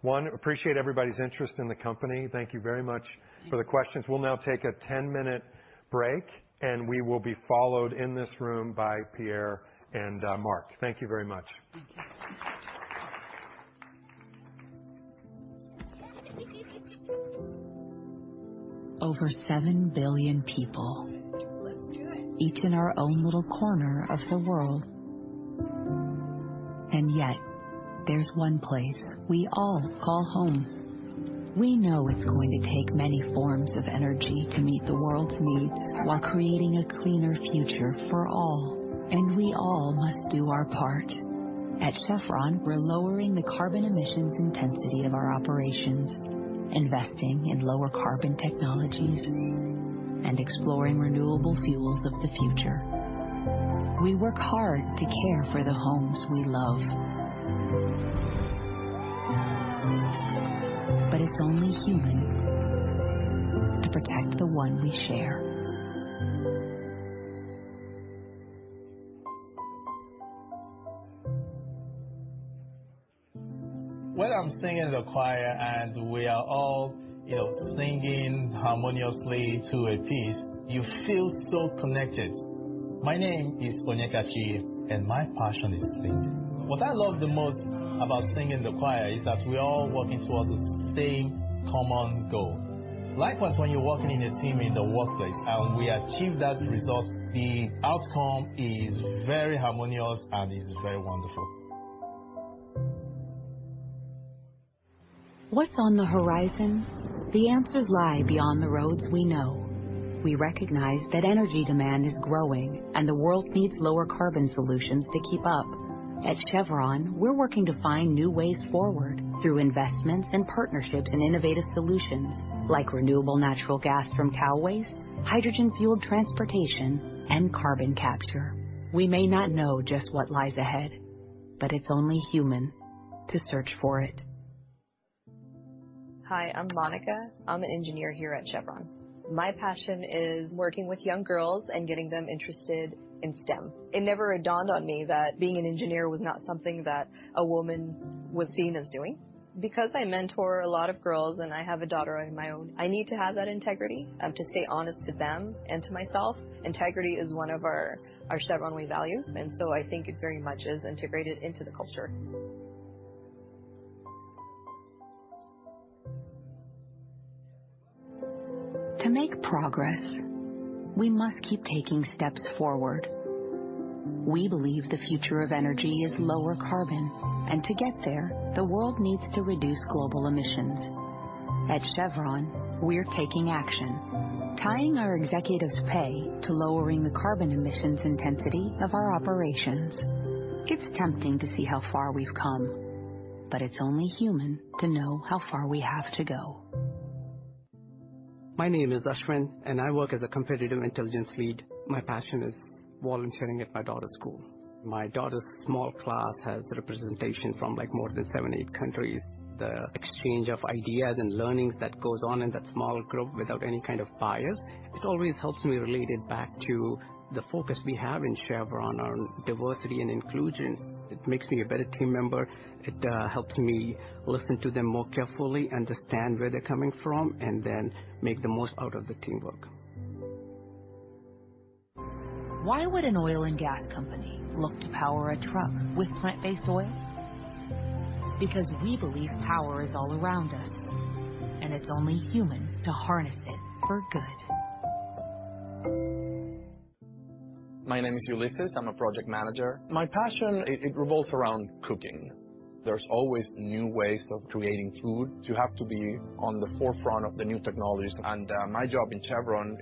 one. Appreciate everybody's interest in the company. Thank you very much for the questions. We'll now take a 10-minute break, and we will be followed in this room by Pierre and Mark. Thank you very much. Thank you. Over 7 billion people. Let's do it. Each in our own little corner of the world. Yet there's one place we all call home. We know it's going to take many forms of energy to meet the world's needs while creating a cleaner future for all, and we all must do our part. At Chevron, we're lowering the carbon emissions intensity of our operations, investing in lower carbon technologies, and exploring renewable fuels of the future. We work hard to care for the homes we love. It's only human to protect the one we share. When I'm singing in the choir and we are all, you know, singing harmoniously to a piece, you feel so connected. My name is Onyekachi, and my passion is singing. What I love the most At Chevron, we're working to find new ways forward through investments and partnerships and innovative solutions like renewable natural gas from cow waste, hydrogen-fueled transportation, and carbon capture. We may not know just what lies ahead, but it's only human to search for it. Hi, I'm Monica. I'm an engineer here at Chevron. My passion is working with young girls and getting them interested in STEM. It never dawned on me that being an engineer was not something that a woman was seen as doing. Because I mentor a lot of girls and I have a daughter of my own, I need to have that integrity to stay honest to them and to myself. Integrity is one of our Chevron values. I think it very much is integrated into the culture. To make progress, we must keep taking steps forward. We believe the future of energy is lower carbon, and to get there, the world needs to reduce global emissions. At Chevron, we're taking action, tying our executives' pay to lowering the carbon emissions intensity of our operations. It's tempting to see how far we've come, but it's only human to know how far we have to go. My name is Ashwin, and I work as a competitive intelligence lead. My passion is volunteering at my daughter's school. My daughter's small class has representation from like more than seven, eight countries. The exchange of ideas and learnings that goes on in that small group without any kind of bias, it always helps me relate it back to the focus we have in Chevron on diversity and inclusion. It makes me a better team member. It helps me listen to them more carefully, understand where they're coming from, and then make the most out of the teamwork. Why would an oil and gas company look to power a truck with plant-based oil? We believe power is all around us, and it's only human to harness it for good. My name is Ulises. I'm a project manager. My passion it revolves around cooking. There's always new ways of creating food to have to be on the forefront of the new technologies. My job in Chevron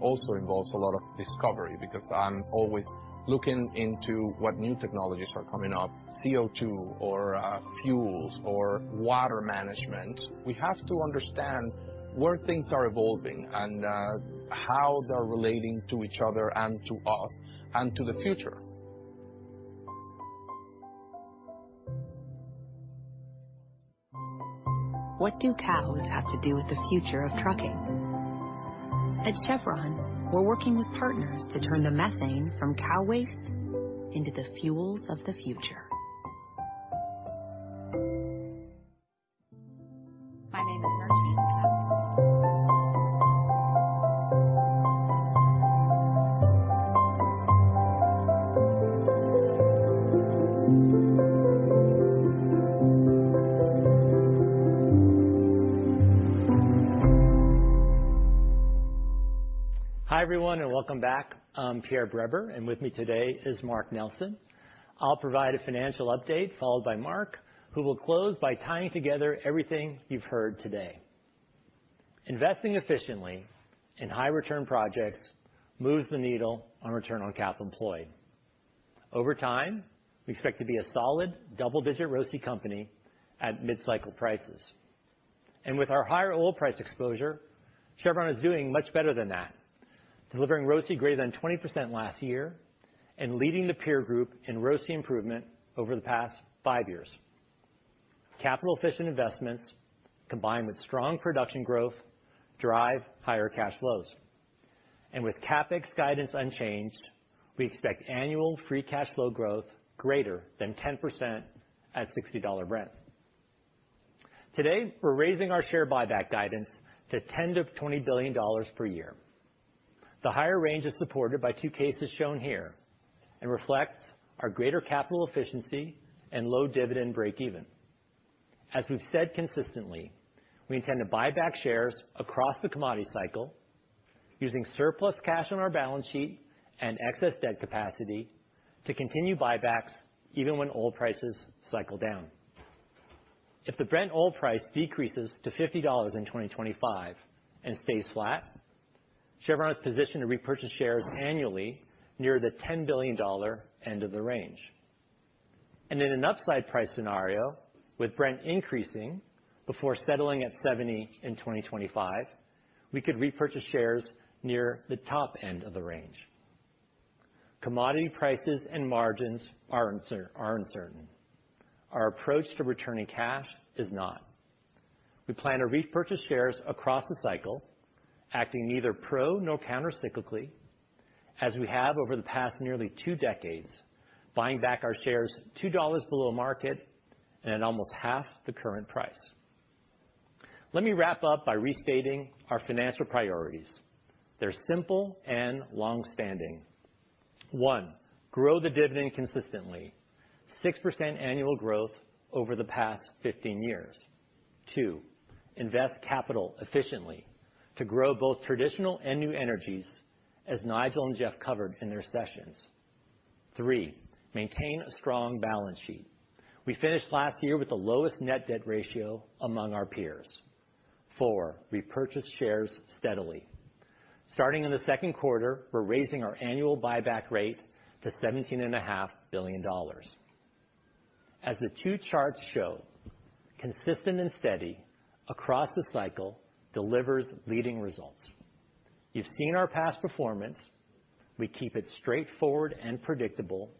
also involves a lot of discovery because I'm always looking into what new technologies are coming up, CO2 or fuels or water management. We have to understand where things are evolving and how they're relating to each other and to us and to the future. What do cows have to do with the future of trucking? At Chevron, we're working with partners to turn the methane from cow waste into the fuels of the future. My name is Merche and I'm... Hi, everyone, and welcome back. I'm Pierre Breber, and with me today is Mark Nelson. I'll provide a financial update, followed by Mark, who will close by tying together everything you've heard today. Investing efficiently in high return projects moves the needle on return on cap employed. Over time, we expect to be a solid double-digit ROACE company at mid-cycle prices. With our higher oil price exposure, Chevron is doing much better than that, delivering ROACE greater than 20% last year and leading the peer group in ROACE improvement over the past five years. Capital efficient investments, combined with strong production growth, drive higher cash flows. With CapEx guidance unchanged, we expect annual free cash flow growth greater than 10% at $60 Brent. Today, we're raising our share buyback guidance to $10 billion-$20 billion per year. The higher range is supported by two cases shown here and reflects our greater capital efficiency and low dividend break even. As we've said consistently, we intend to buy back shares across the commodity cycle using surplus cash on our balance sheet and excess debt capacity to continue buybacks even when oil prices cycle down. If the Brent oil price decreases to $50 in 2025 and stays flat, Chevron is positioned to repurchase shares annually near the $10 billion end of the range. In an upside price scenario, with Brent increasing before settling at $70 in 2025, we could repurchase shares near the top end of the range. Commodity prices and margins are uncertain. Our approach to returning cash is not. We plan to repurchase shares across the cycle, acting neither pro nor countercyclically, as we have over the past nearly two decades, buying back our shares $2 below market and at almost half the current price. Let me wrap up by restating our financial priorities. They're simple and long-standing. One, grow the dividend consistently, 6% annual growth over the past 15 years. Two, invest capital efficiently to grow both traditional and new energies, as Nigel and Jeff covered in their sessions. Three, maintain a strong balance sheet. We finished last year with the lowest net debt ratio among our peers. Four, repurchase shares steadily. Starting in the second quarter, we're raising our annual buyback rate to $17.5 billion. As the two charts show, consistent and steady across the cycle delivers leading results. You've seen our past performance. We keep it straightforward and predictable.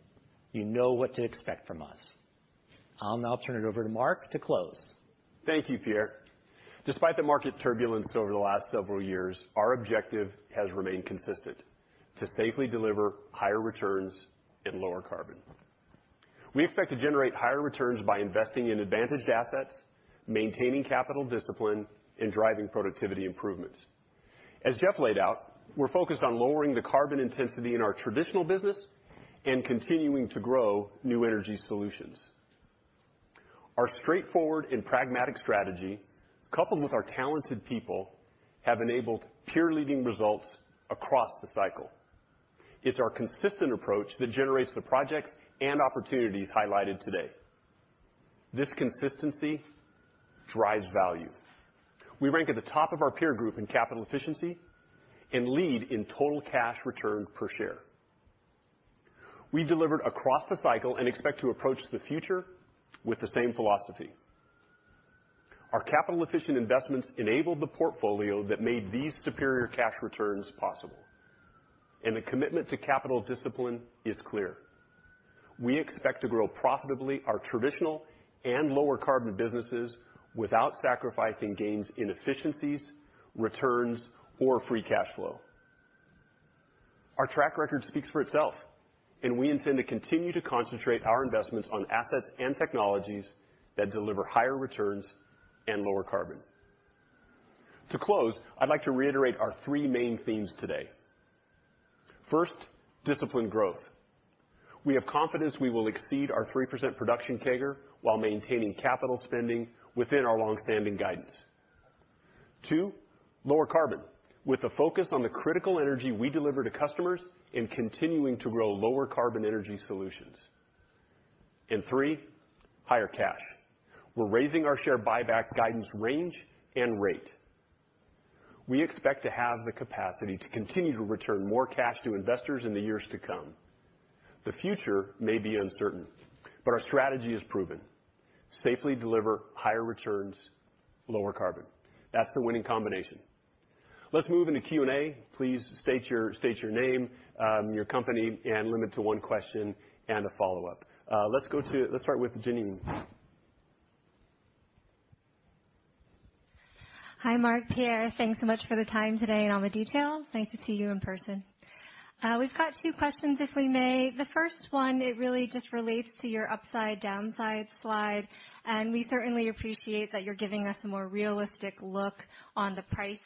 You know what to expect from us. I'll now turn it over to Mark to close. Thank you, Pierre. Despite the market turbulence over the last several years, our objective has remained consistent: to safely deliver higher returns and lower carbon. We expect to generate higher returns by investing in advantaged assets, maintaining capital discipline, and driving productivity improvements. As Jeff laid out, we're focused on lowering the carbon intensity in our traditional business and continuing to grow new energy solutions. Our straightforward and pragmatic strategy, coupled with our talented people, have enabled peer leading results across the cycle. It's our consistent approach that generates the projects and opportunities highlighted today. This consistency drives value. We rank at the top of our peer group in capital efficiency and lead in total cash return per share. We delivered across the cycle and expect to approach the future with the same philosophy. Our capital efficient investments enabled the portfolio that made these superior cash returns possible. The commitment to capital discipline is clear. We expect to grow profitably our traditional and lower carbon businesses without sacrificing gains in efficiencies, returns, or free cash flow. Our track record speaks for itself, and we intend to continue to concentrate our investments on assets and technologies that deliver higher returns and lower carbon. To close, I'd like to reiterate our three main themes today. First, disciplined growth. We have confidence we will exceed our 3% production CAGR while maintaining capital spending within our long-standing guidance. Two, lower carbon. With a focus on the critical energy we deliver to customers and continuing to grow lower carbon energy solutions. Three, higher cash. We're raising our share buyback guidance range and rate. We expect to have the capacity to continue to return more cash to investors in the years to come. The future may be uncertain, but our strategy is proven. Safely deliver higher returns, lower carbon. That's the winning combination. Let's move into Q&A. Please state your name, your company, and limit to one question and a follow-up. Let's start with Jeanine. Hi, Mark, Pierre. Thanks so much for the time today and all the details. Nice to see you in person. We've got two questions, if we may. The first one, it really just relates to your upside-downside slide, and we certainly appreciate that you're giving us a more realistic look on the price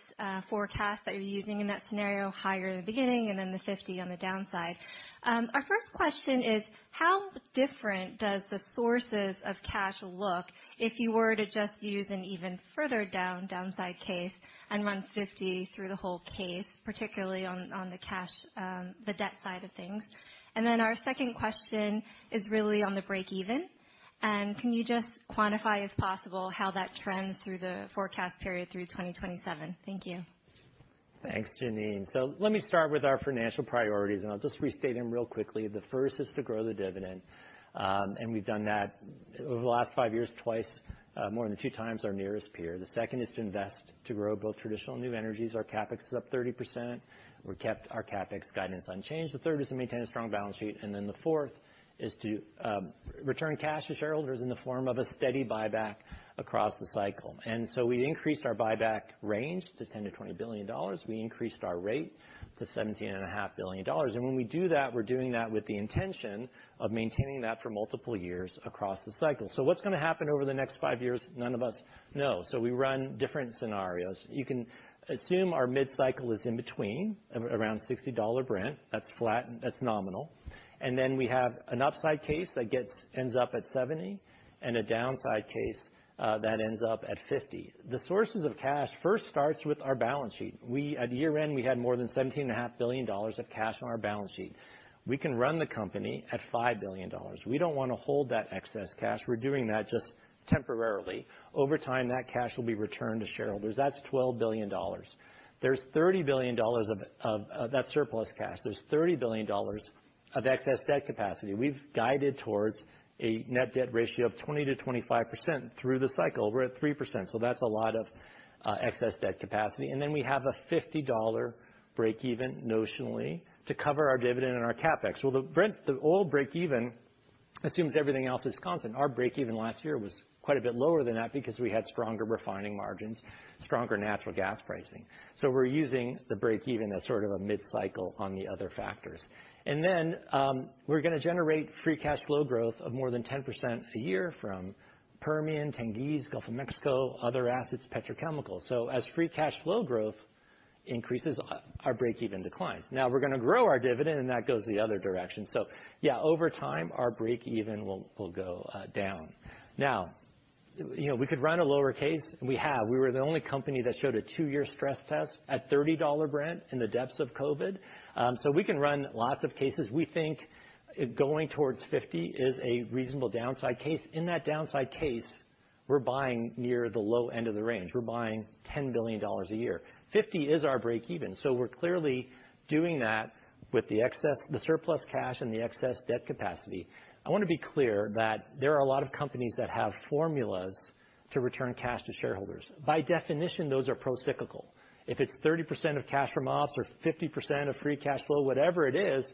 forecast that you're using in that scenario, higher in the beginning and then the 50 on the downside. Our first question is how different does the sources of cash look if you were to just use an even further down downside case and run 50 through the whole case, particularly on the cash, the debt side of things? Our second question is really on the break even. Can you just quantify, if possible, how that trends through the forecast period through 2027? Thank you. Thanks, Jeanine. Let me start with our financial priorities, and I'll just restate them real quickly. The first is to grow the dividend, and we've done that over the last five years twice, more than two times our nearest peer. The second is to invest to grow both traditional and new energies. Our CapEx is up 30%. We kept our CapEx guidance unchanged. The third is to maintain a strong balance sheet, the fourth is to return cash to shareholders in the form of a steady buyback across the cycle. We increased our buyback range to $10 billion-$20 billion. We increased our rate to $17.5 billion, and when we do that we're doing that with the intention of maintaining that for multiple years across the cycle. What's gonna happen over the next five years? None of us know. We run different scenarios. You can assume our mid-cycle is in between, around $60 Brent. That's flat. That's nominal. We have an upside case that ends up at $70, and a downside case that ends up at $50. The sources of cash first starts with our balance sheet. At year-end, we had more than $17.5 billion of cash on our balance sheet. We can run the company at $5 billion. We don't wanna hold that excess cash. We're doing that just temporarily. Over time, that cash will be returned to shareholders. That's $12 billion. There's $30 billion of that surplus cash. There's $30 billion of excess debt capacity. We've guided towards a net debt ratio of 20%-25% through the cycle. We're at 3%, that's a lot of excess debt capacity. We have a $50 breakeven notionally to cover our dividend and our CapEx. The Brent, the oil breakeven assumes everything else is constant. Our breakeven last year was quite a bit lower than that because we had stronger refining margins, stronger natural gas pricing. We're using the breakeven as sort of a mid-cycle on the other factors. We're gonna generate free cash flow growth of more than 10% a year from Permian, Tengiz, Gulf of Mexico, other assets, petrochemical. As free cash flow growth increases, our breakeven declines. We're gonna grow our dividend, and that goes the other direction. Yeah, over time, our breakeven will go down. You know, we could run a lower case, and we have. We were the only company that showed a two year stress test at $30 Brent in the depths of COVID. We can run lots of cases. We think going towards 50 is a reasonable downside case. In that downside case, we're buying near the low end of the range. We're buying $10 billion a year. 50 is our breakeven, so we're clearly doing that with the surplus cash and the excess debt capacity. I wanna be clear that there are a lot of companies that have formulas to return cash to shareholders. By definition, those are pro-cyclical. If it's 30% of cash from ops or 50% of free cash flow, whatever it is,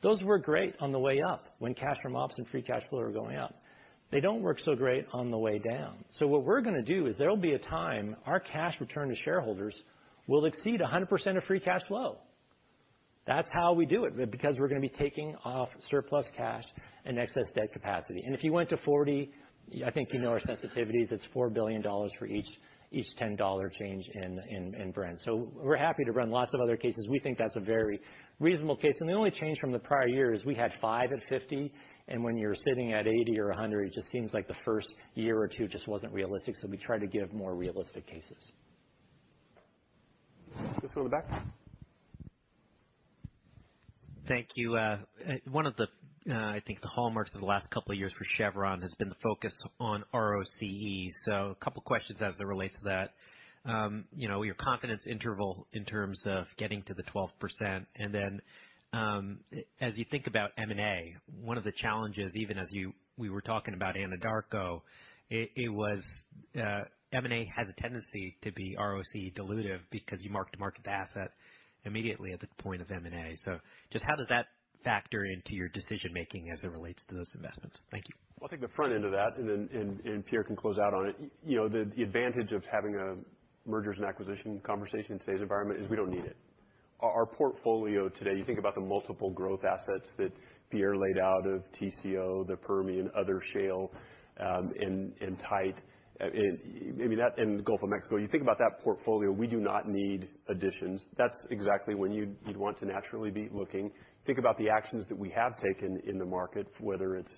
those work great on the way up, when cash from ops and free cash flow are going up. They don't work so great on the way down. What we're going to do is there will be a time our cash return to shareholders will exceed 100% of free cash flow. That's how we do it, because we're going to be taking off surplus cash and excess debt capacity. If you went to $40, I think you know our sensitivities, it's $4 billion for each $10 change in Brent. We're happy to run lots of other cases. We think that's a very reasonable case. The only change from the prior year is we had 5 at $50, and when you're sitting at $80 or $100, it just seems like the first year or two just wasn't realistic, so we try to give more realistic cases. Let's go to the back. Thank you. One of the, I think the hallmarks of the last couple of years for Chevron has been the focus on ROCE. A couple questions as it relates to that. You know, your confidence interval in terms of getting to the 12%, and then, as you think about M&A, one of the challenges, even as we were talking about Anadarko, it was M&A has a tendency to be ROCE dilutive because you mark-to-market the asset immediately at the point of M&A. Just how does that factor into your decision-making as it relates to those investments? Thank you. I'll take the front end of that, then Pierre can close out on it. You know, the advantage of having a mergers and acquisition conversation in today's environment is we don't need it. Our portfolio today, you think about the multiple growth assets that Pierre laid out of TCO, the Permian, other shale, and tight. The Gulf of Mexico. You think about that portfolio, we do not need additions. That's exactly when you'd want to naturally be looking. Think about the actions that we have taken in the market, whether it's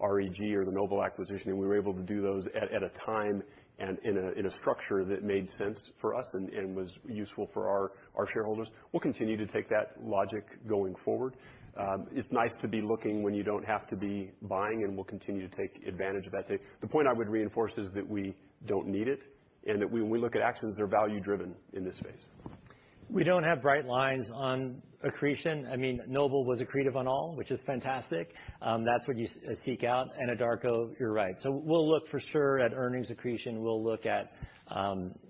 REG or the Noble acquisition, and we were able to do those at a time and in a structure that made sense for us and was useful for our shareholders. We'll continue to take that logic going forward. It's nice to be looking when you don't have to be buying, we'll continue to take advantage of that today. The point I would reinforce is that we don't need it, that when we look at actions, they're value-driven in this space. We don't have bright lines on accretion. I mean, Noble was accretive on all, which is fantastic. That's what you seek out. Anadarko, you're right. We'll look for sure at earnings accretion. We'll look at,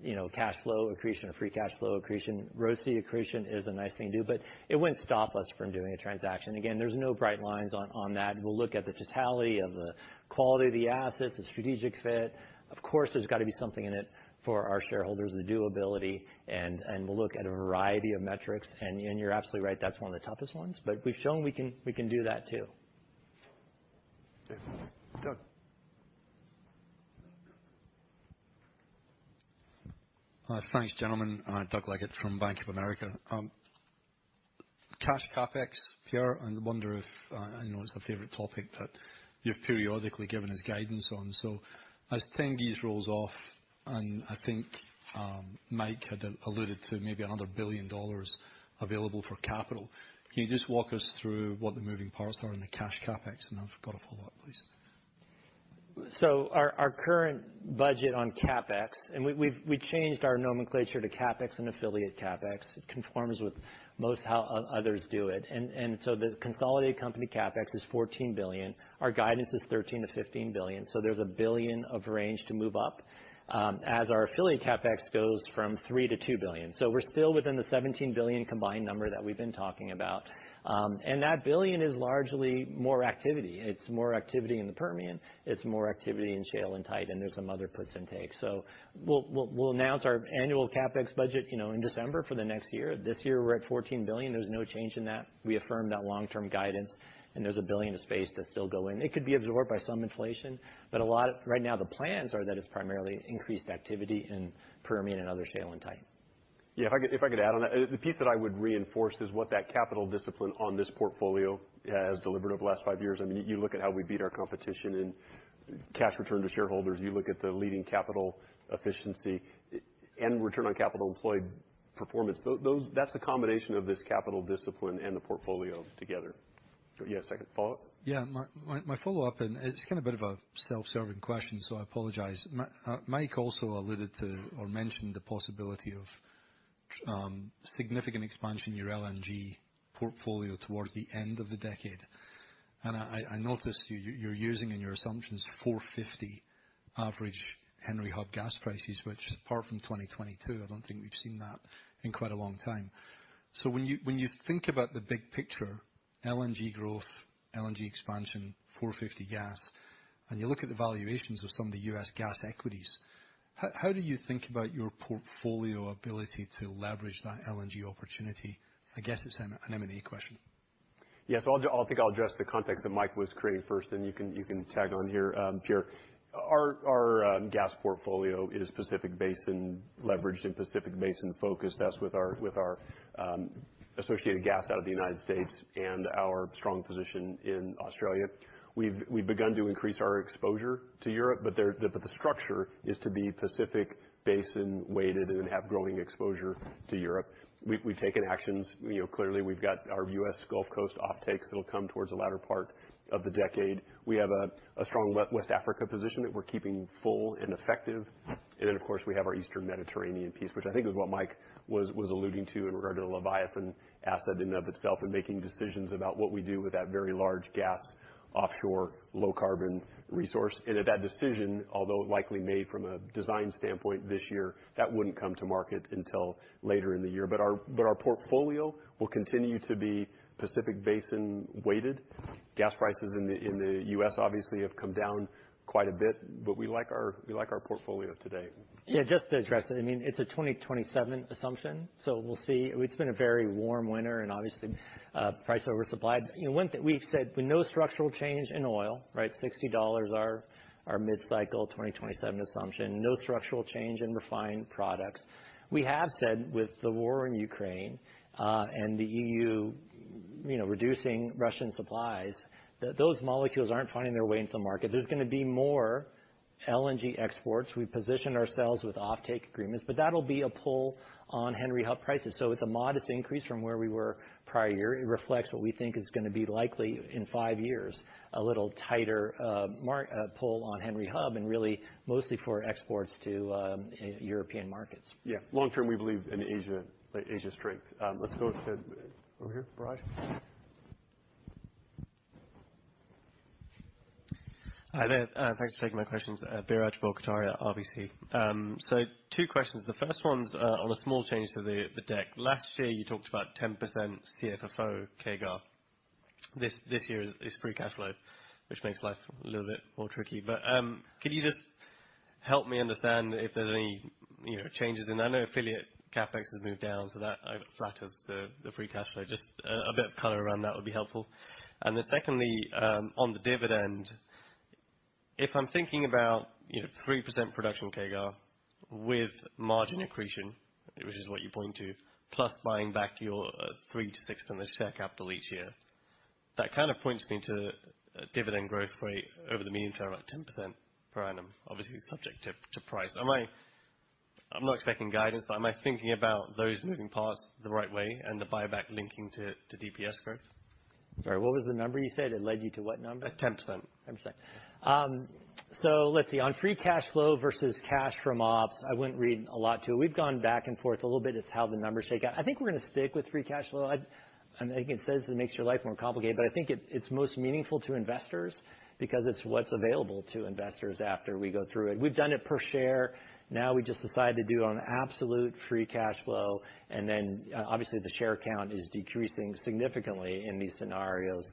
you know, cash flow accretion or free cash flow accretion. ROCE accretion is a nice thing to do, it wouldn't stop us from doing a transaction. Again, there's no bright lines on that. We'll look at the totality of the quality of the assets, the strategic fit. There's got to be something in it for our shareholders, the durability, and we'll look at a variety of metrics. You're absolutely right, that's one of the toughest ones. We've shown we can do that too. Doug. Thanks, gentlemen. Doug Leggate from Bank of America. Cash CapEx, Pierre, I wonder if, I know it's a favorite topic that you've periodically given us guidance on. As Tengiz rolls off, and I think, Mike had alluded to maybe another $1 billion available for capital, can you just walk us through what the moving parts are in the cash CapEx? I've got a follow-up, please. Our current budget on CapEx, and we changed our nomenclature to CapEx and affiliate CapEx. It conforms with most how others do it. The consolidated company CapEx is $14 billion. Our guidance is $13 billion-$15 billion. There's $1 billion of range to move up as our affiliate CapEx goes from $3 billion-$2 billion. We're still within the $17 billion combined number that we've been talking about. That $1 billion is largely more activity. It's more activity in the Permian, it's more activity in shale and tight, and there's some other puts and takes. We'll announce our annual CapEx budget, you know, in December for the next year. This year, we're at $14 billion. There's no change in that. We affirmed that long-term guidance, and there's $1 billion of space to still go in. It could be absorbed by some inflation, but right now the plans are that it's primarily increased activity in Permian and other shale and tight. Yeah, if I could add on that. The piece that I would reinforce is what that capital discipline on this portfolio has delivered over the last five years. I mean, you look at how we beat our competition in cash return to shareholders. You look at the leading capital efficiency and return on capital employed performance. Those, that's a combination of this capital discipline and the portfolio together. You had a second follow-up? Yeah. My follow-up, and it's kind of bit of a self-serving question, so I apologize. Mike also alluded to or mentioned the possibility of significant expansion in your LNG portfolio towards the end of the decade. I noticed you're using in your assumptions $4.50 average Henry Hub gas prices, which apart from 2022, I don't think we've seen that in quite a long time. When you think about the big picture, LNG growth, LNG expansion, $4.50 gas, and you look at the valuations of some of the U.S. gas equities, how do you think about your portfolio ability to leverage that LNG opportunity? I guess it's an M&A question. Yes. I think I'll address the context that Mike was creating first. You can tag on here, Pierre. Our gas portfolio is Pacific Basin leveraged and Pacific Basin focused. That's with our associated gas out of the U.S. and our strong position in Australia. We've begun to increase our exposure to Europe. The structure is to be Pacific Basin weighted and have growing exposure to Europe. We've taken actions. You know, clearly we've got our U.S. Gulf Coast offtakes that'll come towards the latter part of the decade. We have a strong West Africa position that we're keeping full and effective. Of course, we have our Eastern Mediterranean piece, which I think is what Mike was alluding to in regard to Leviathan asset in and of itself, and making decisions about what we do with that very large gas offshore low-carbon resource. If that decision, although likely made from a design standpoint this year, that wouldn't come to market until later in the year. Our portfolio will continue to be Pacific Basin weighted. Gas prices in the U.S. obviously have come down quite a bit, but we like our portfolio today. Yeah, just to address that. I mean, it's a 2027 assumption, so we'll see. It's been a very warm winter and obviously, price oversupplied. You know, we've said with no structural change in oil, right? $60 our mid-cycle 2027 assumption. No structural change in refined products. We have said with the war in Ukraine, and the EU, you know, reducing Russian supplies, that those molecules aren't finding their way into the market. There's gonna be more LNG exports. We've positioned ourselves with offtake agreements, but that'll be a pull on Henry Hub prices. It's a modest increase from where we were prior year. It reflects what we think is gonna be likely in five years, a little tighter pull on Henry Hub, and really mostly for exports to European markets. Yeah. Long term, we believe in Asia strength. Let's go to over here. Biraj. Hi there. Thanks for taking my questions. Biraj Borkhataria, RBC. Two questions. The first one's on a small change to the deck. Last year, you talked about 10% CFFO CAGR. This year is free cash flow, which makes life a little bit more tricky. Could you just help me understand if there's any, you know, changes? I know affiliate CapEx has moved down, so that flat has the free cash flow. Just a bit of color around that would be helpful. Secondly, on the dividend, if I'm thinking about, you know, 3% production CAGR with margin accretion, which is what you point to, plus buying back your 3%-6% of share capital each year, that kind of points me to a dividend growth rate over the medium-term, about 10% per annum. Obviously subject to price. Am I not expecting guidance, but am I thinking about those moving parts the right way and the buyback linking to DPS growth? Sorry, what was the number you said? It led you to what number? 10%. 10%. Let's see. On free cash flow versus cash from ops, I wouldn't read a lot to it. We've gone back and forth a little bit. It's how the numbers shake out. I think we're gonna stick with free cash flow. I think it says it makes your life more complicated, but I think it's most meaningful to investors because it's what's available to investors after we go through it. We've done it per share. Now we just decide to do it on absolute free cash flow, Obviously, the share count is decreasing significantly in these scenarios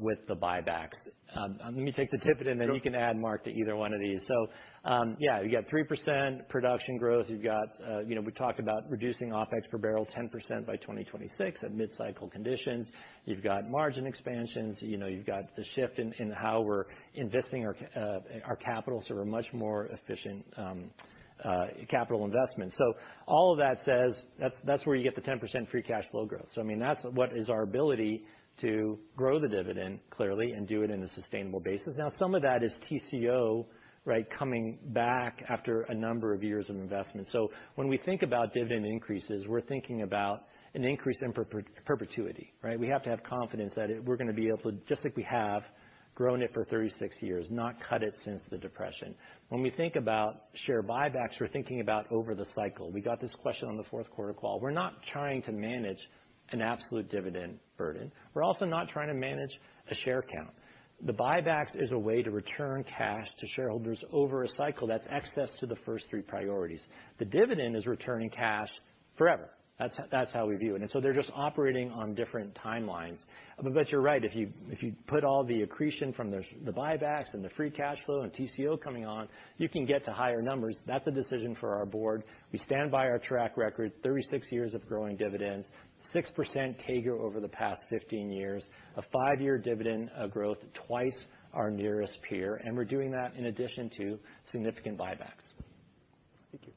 with the buybacks. Let me take the dividend- Sure. You can add Mark to either one of these. You got 3% production growth. You know, we talked about reducing OpEx per barrel 10% by 2026 at mid-cycle conditions. You've got margin expansions. You know, you've got the shift in how we're investing our capital, so we're much more efficient capital investment. All of that says that's where you get the 10% free cash flow growth. I mean, that's what is our ability to grow the dividend clearly and do it in a sustainable basis. Now, some of that is TCO. Right? Coming back after a number of years of investment. When we think about dividend increases, we're thinking about an increase in perpetuity, right? We have to have confidence that we're gonna be able to, just like we have, grown it for 36 years, not cut it since the Depression. When we think about share buybacks, we're thinking about over the cycle. We got this question on the fourth quarter call. We're not trying to manage an absolute dividend burden. We're also not trying to manage a share count. The buybacks is a way to return cash to shareholders over a cycle that's excess to the first three priorities. The dividend is returning cash forever. That's how we view it. They're just operating on different timelines. You're right. If you put all the accretion from the buybacks and the free cash flow and TCO coming on, you can get to higher numbers. That's a decision for our board. We stand by our track record, 36 years of growing dividends, 6% CAGR over the past 15 years, a five year dividend of growth, twice our nearest peer, we're doing that in addition to significant buybacks. Thank you.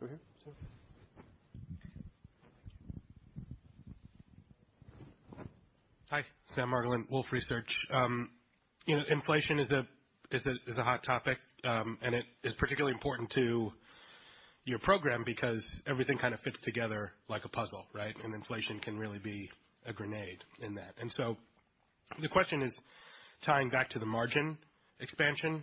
Over here, Sam. Hi, Sam Margolin, Wolfe Research. You know, inflation is a hot topic, and it is particularly important to your program because everything kind of fits together like a puzzle, right? Inflation can really be a grenade in that. The question is tying back to the margin expansion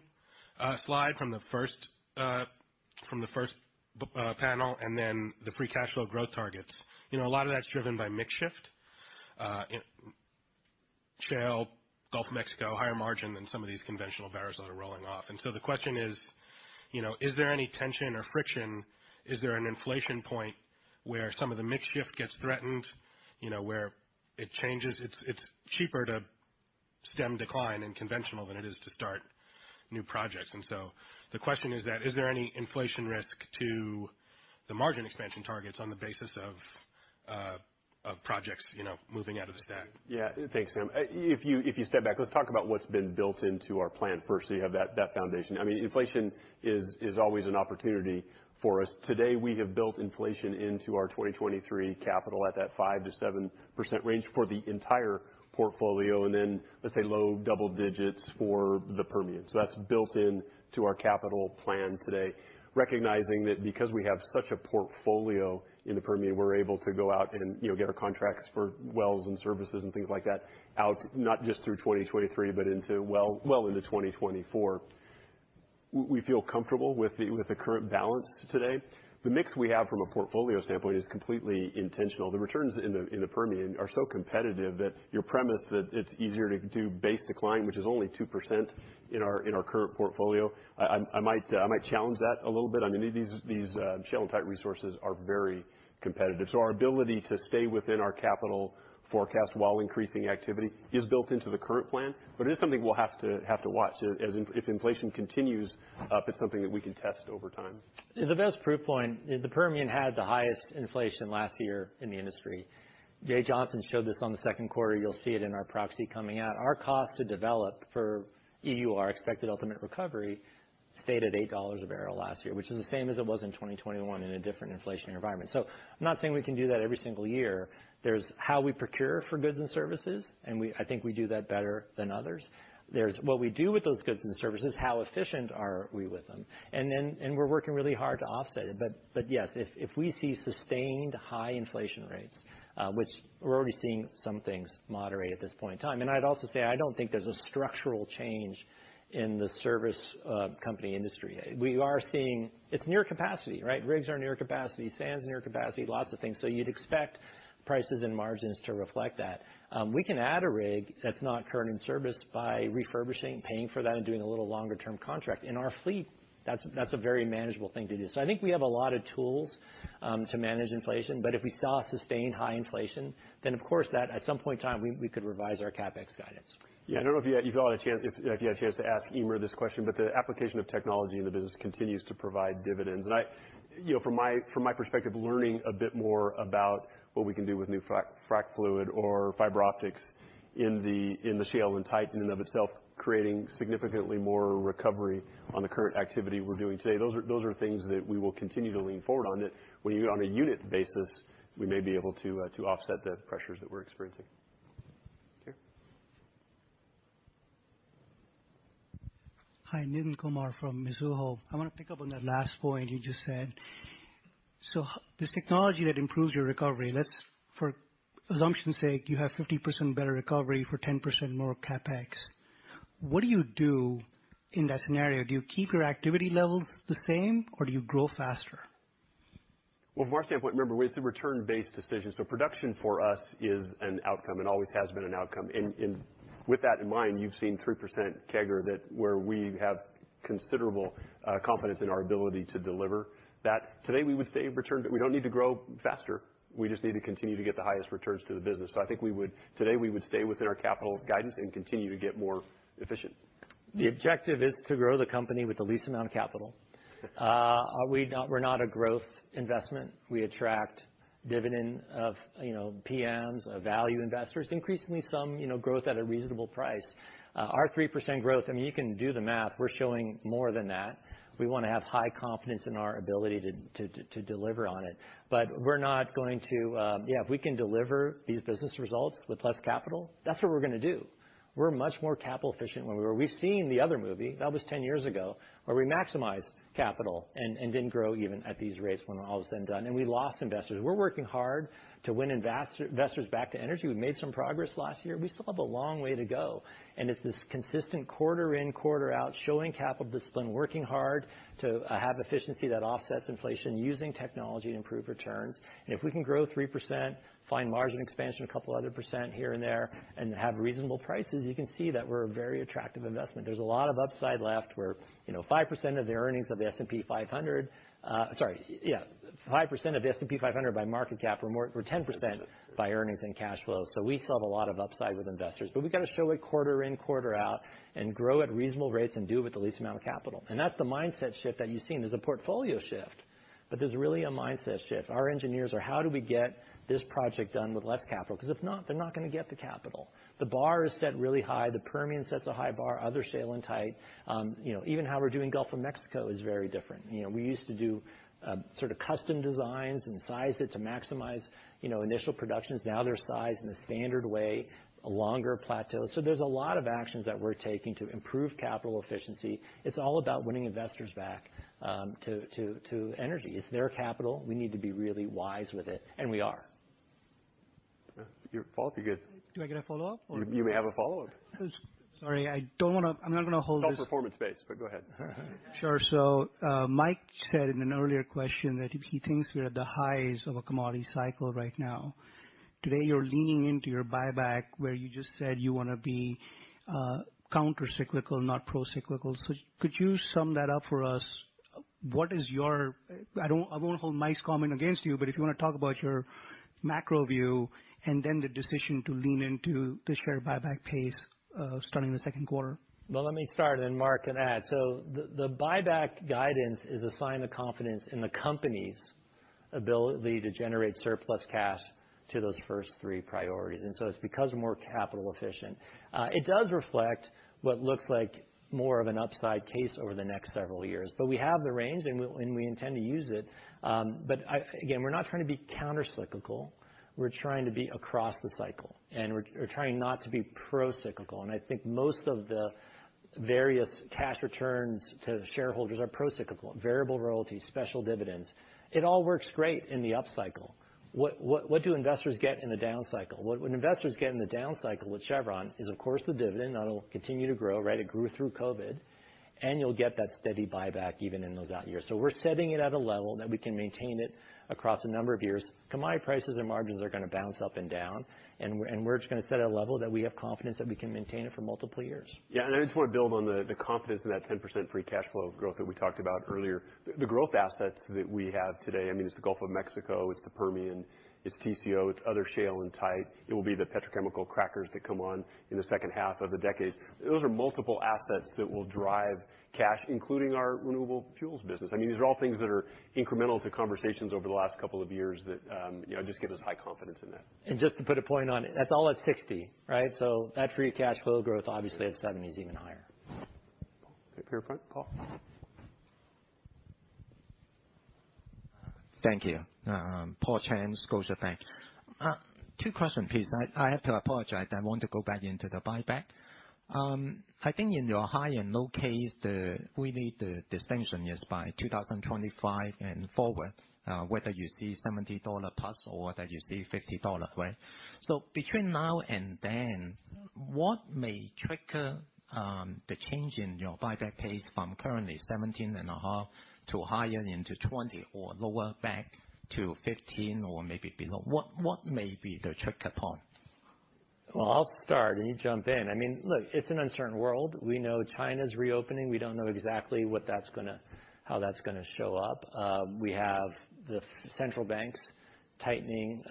slide from the first panel and then the free cash flow growth targets. You know, a lot of that's driven by mix shift. shale, Gulf of Mexico, higher margin than some of these conventional barrels that are rolling off. The question is, you know, is there any tension or friction? Is there an inflation point where some of the mix shift gets threatened, you know, where it changes? It's cheaper to stem decline in conventional than it is to start new projects. The question is that, is there any inflation risk to the margin expansion targets on the basis of projects, you know, moving out of the stack? Yeah. Thanks, Sam. If you step back, let's talk about what's been built into our plan first, so you have that foundation. I mean, inflation is always an opportunity for us. Today, we have built inflation into our 2023 capital at that 5%-7% range for the entire portfolio, and then let's say low double digits for the Permian. That's built into our capital plan today. Recognizing that because we have such a portfolio in the Permian, we're able to go out and, you know, get our contracts for wells and services and things like that out, not just through 2023 but into well into 2024. We feel comfortable with the current balance today. The mix we have from a portfolio standpoint is completely intentional. The returns in the Permian are so competitive that your premise that it's easier to do base decline, which is only 2% in our current portfolio, I might challenge that a little bit. I mean, these shale and tight resources are very competitive. Our ability to stay within our capital forecast while increasing activity is built into the current plan. It is something we'll have to watch. If inflation continues up, it's something that we can test over time. The best proof point, the Permian had the highest inflation last year in the industry. Jay Johnson showed this on the second quarter. You'll see it in our proxy coming out. Our cost to develop for EUR, Expected Ultimate Recovery, stayed at $8 a barrel last year, which is the same as it was in 2021 in a different inflationary environment. I'm not saying we can do that every single year. There's how we procure for goods and services, and I think we do that better than others. There's what we do with those goods and services, how efficient are we with them? And we're working really hard to offset it. Yes, if we see sustained high inflation rates, which we're already seeing some things moderate at this point in time. I'd also say, I don't think there's a structural change in the service company industry. It's near capacity, right? Rigs are near capacity, sand's near capacity, lots of things. You'd expect prices and margins to reflect that. We can add a rig that's not current in service by refurbishing, paying for that, and doing a little longer-term contract. In our fleet, that's a very manageable thing to do. I think we have a lot of tools to manage inflation. If we saw sustained high inflation, then of course that at some point in time, we could revise our CapEx guidance. Yeah. I don't know if you had a chance to ask Eimear this question, but the application of technology in the business continues to provide dividends. You know, from my perspective, learning a bit more about what we can do with new frac fluid or fiber optics in the shale and tight in and of itself, creating significantly more recovery on the current activity we're doing today, those are things that we will continue to lean forward on that on a unit basis, we may be able to offset the pressures that we're experiencing. Okay. Hi, Nitin Kumar from Mizuho. I wanna pick up on that last point you just said. This technology that improves your recovery, let's for assumption's sake, you have 50% better recovery for 10% more CapEx. What do you do in that scenario? Do you keep your activity levels the same, or do you grow faster? Well, from our standpoint, remember, with the return-based decisions, production for us is an outcome and always has been an outcome. With that in mind, you've seen 3% CAGR that where we have considerable confidence in our ability to deliver that. Today, we would say in return that we don't need to grow faster. We just need to continue to get the highest returns to the business. I think today, we would stay within our capital guidance and continue to get more efficient. The objective is to grow the company with the least amount of capital. We're not a growth investment. We attract dividend of, you know, PMs, of value investors, increasingly some, you know, growth at a reasonable price. Our 3% growth, I mean, you can do the math. We're showing more than that. We wanna have high confidence in our ability to deliver on it. We're not going to, if we can deliver these business results with less capital, that's what we're gonna do. We're much more capital efficient than we were. We've seen the other movie. That was 10 years ago, where we maximized capital and didn't grow even at these rates when all was said and done, and we lost investors. We're working hard to win investors back to energy. We made some progress last year. We still have a long way to go. It's this consistent quarter in, quarter out, showing capital discipline, working hard to have efficiency that offsets inflation, using technology to improve returns. If we can grow 3%, find margin expansion two other % here and there, and have reasonable prices, you can see that we're a very attractive investment. There's a lot of upside left where, you know, 5% of the earnings of the S&P 500, sorry. Yeah, 5% of the S&P 500 by market cap, or more, or 10% by earnings and cash flow. We still have a lot of upside with investors. We gotta show it quarter in, quarter out, and grow at reasonable rates and do it with the least amount of capital. That's the mindset shift that you've seen. There's a portfolio shift, there's really a mindset shift. Our engineers are how do we get this project done with less capital? 'Cause if not, they're not gonna get the capital. The bar is set really high. The Permian sets a high bar, other shale and tight. You know, even how we're doing Gulf of Mexico is very different. You know, we used to do sort of custom designs and sized it to maximize, you know, initial productions. Now they're sized in a standard way, a longer plateau. There's a lot of actions that we're taking to improve capital efficiency. It's all about winning investors back to energy. It's their capital. We need to be really wise with it, we are. Your fault, you're good. Do I get a follow-up or- You may have a follow-up. Sorry, I don't wanna... I'm not gonna hold this- It's all performance-based, but go ahead. Sure. Mike said in an earlier question that he thinks we're at the highs of a commodity cycle right now. Today, you're leaning into your buyback where you just said you wanna be counter-cyclical, not pro-cyclical. Could you sum that up for us? What is your... I won't hold Mike's comment against you, but if you wanna talk about your macro view and then the decision to lean into the share buyback pace, starting the second quarter. Well, let me start, then Mark can add. The buyback guidance is a sign of confidence in the company's ability to generate surplus cash to those first three priorities. It's because we're more capital efficient. It does reflect what looks like more of an upside case over the next several years. We have the range, and we intend to use it. Again, we're not trying to be counter-cyclical. We're trying to be across the cycle, and we're trying not to be pro-cyclical. I think most of the various cash returns to shareholders are pro-cyclical. Variable royalties, special dividends. It all works great in the upcycle. What do investors get in the down cycle? What investors get in the down cycle with Chevron is, of course, the dividend. That'll continue to grow, right? It grew through COVID. You'll get that steady buyback even in those out years. We're setting it at a level that we can maintain it across a number of years. Commodity prices and margins are gonna bounce up and down, and we're just gonna set a level that we have confidence that we can maintain it for multiple years. Yeah. I just wanna build on the confidence in that 10% free cash flow growth that we talked about earlier. The growth assets that we have today, I mean, it's the Gulf of Mexico, it's the Permian, it's TCO it's other shale and tight. It will be the petrochemical crackers that come on in the second half of the decade. Those are multiple assets that will drive cash, including our renewable fuels business. I mean, these are all things that are incremental to conversations over the last couple of years that, you know, just give us high confidence in that. Just to put a point on it, that's all at $60, right? That free cash flow growth obviously at $70 is even higher. Okay. Paul? Thank you. Paul Cheng, Scotiabank. Two question, please. I have to apologize. I want to go back into the buyback. I think in your high and low case, we need the distinction is by 2025 and forward, whether you see $70+ or whether you see $50, right? Between now and then, what may trigger the change in your buyback pace from currently $17.5 To higher into $20 or lower back to $15 or maybe below? What may be the trigger point? Well, I'll start, and you jump in. I mean, look, it's an uncertain world. We know China's reopening. We don't know exactly what that's gonna how that's gonna show up. We have the central banks tightening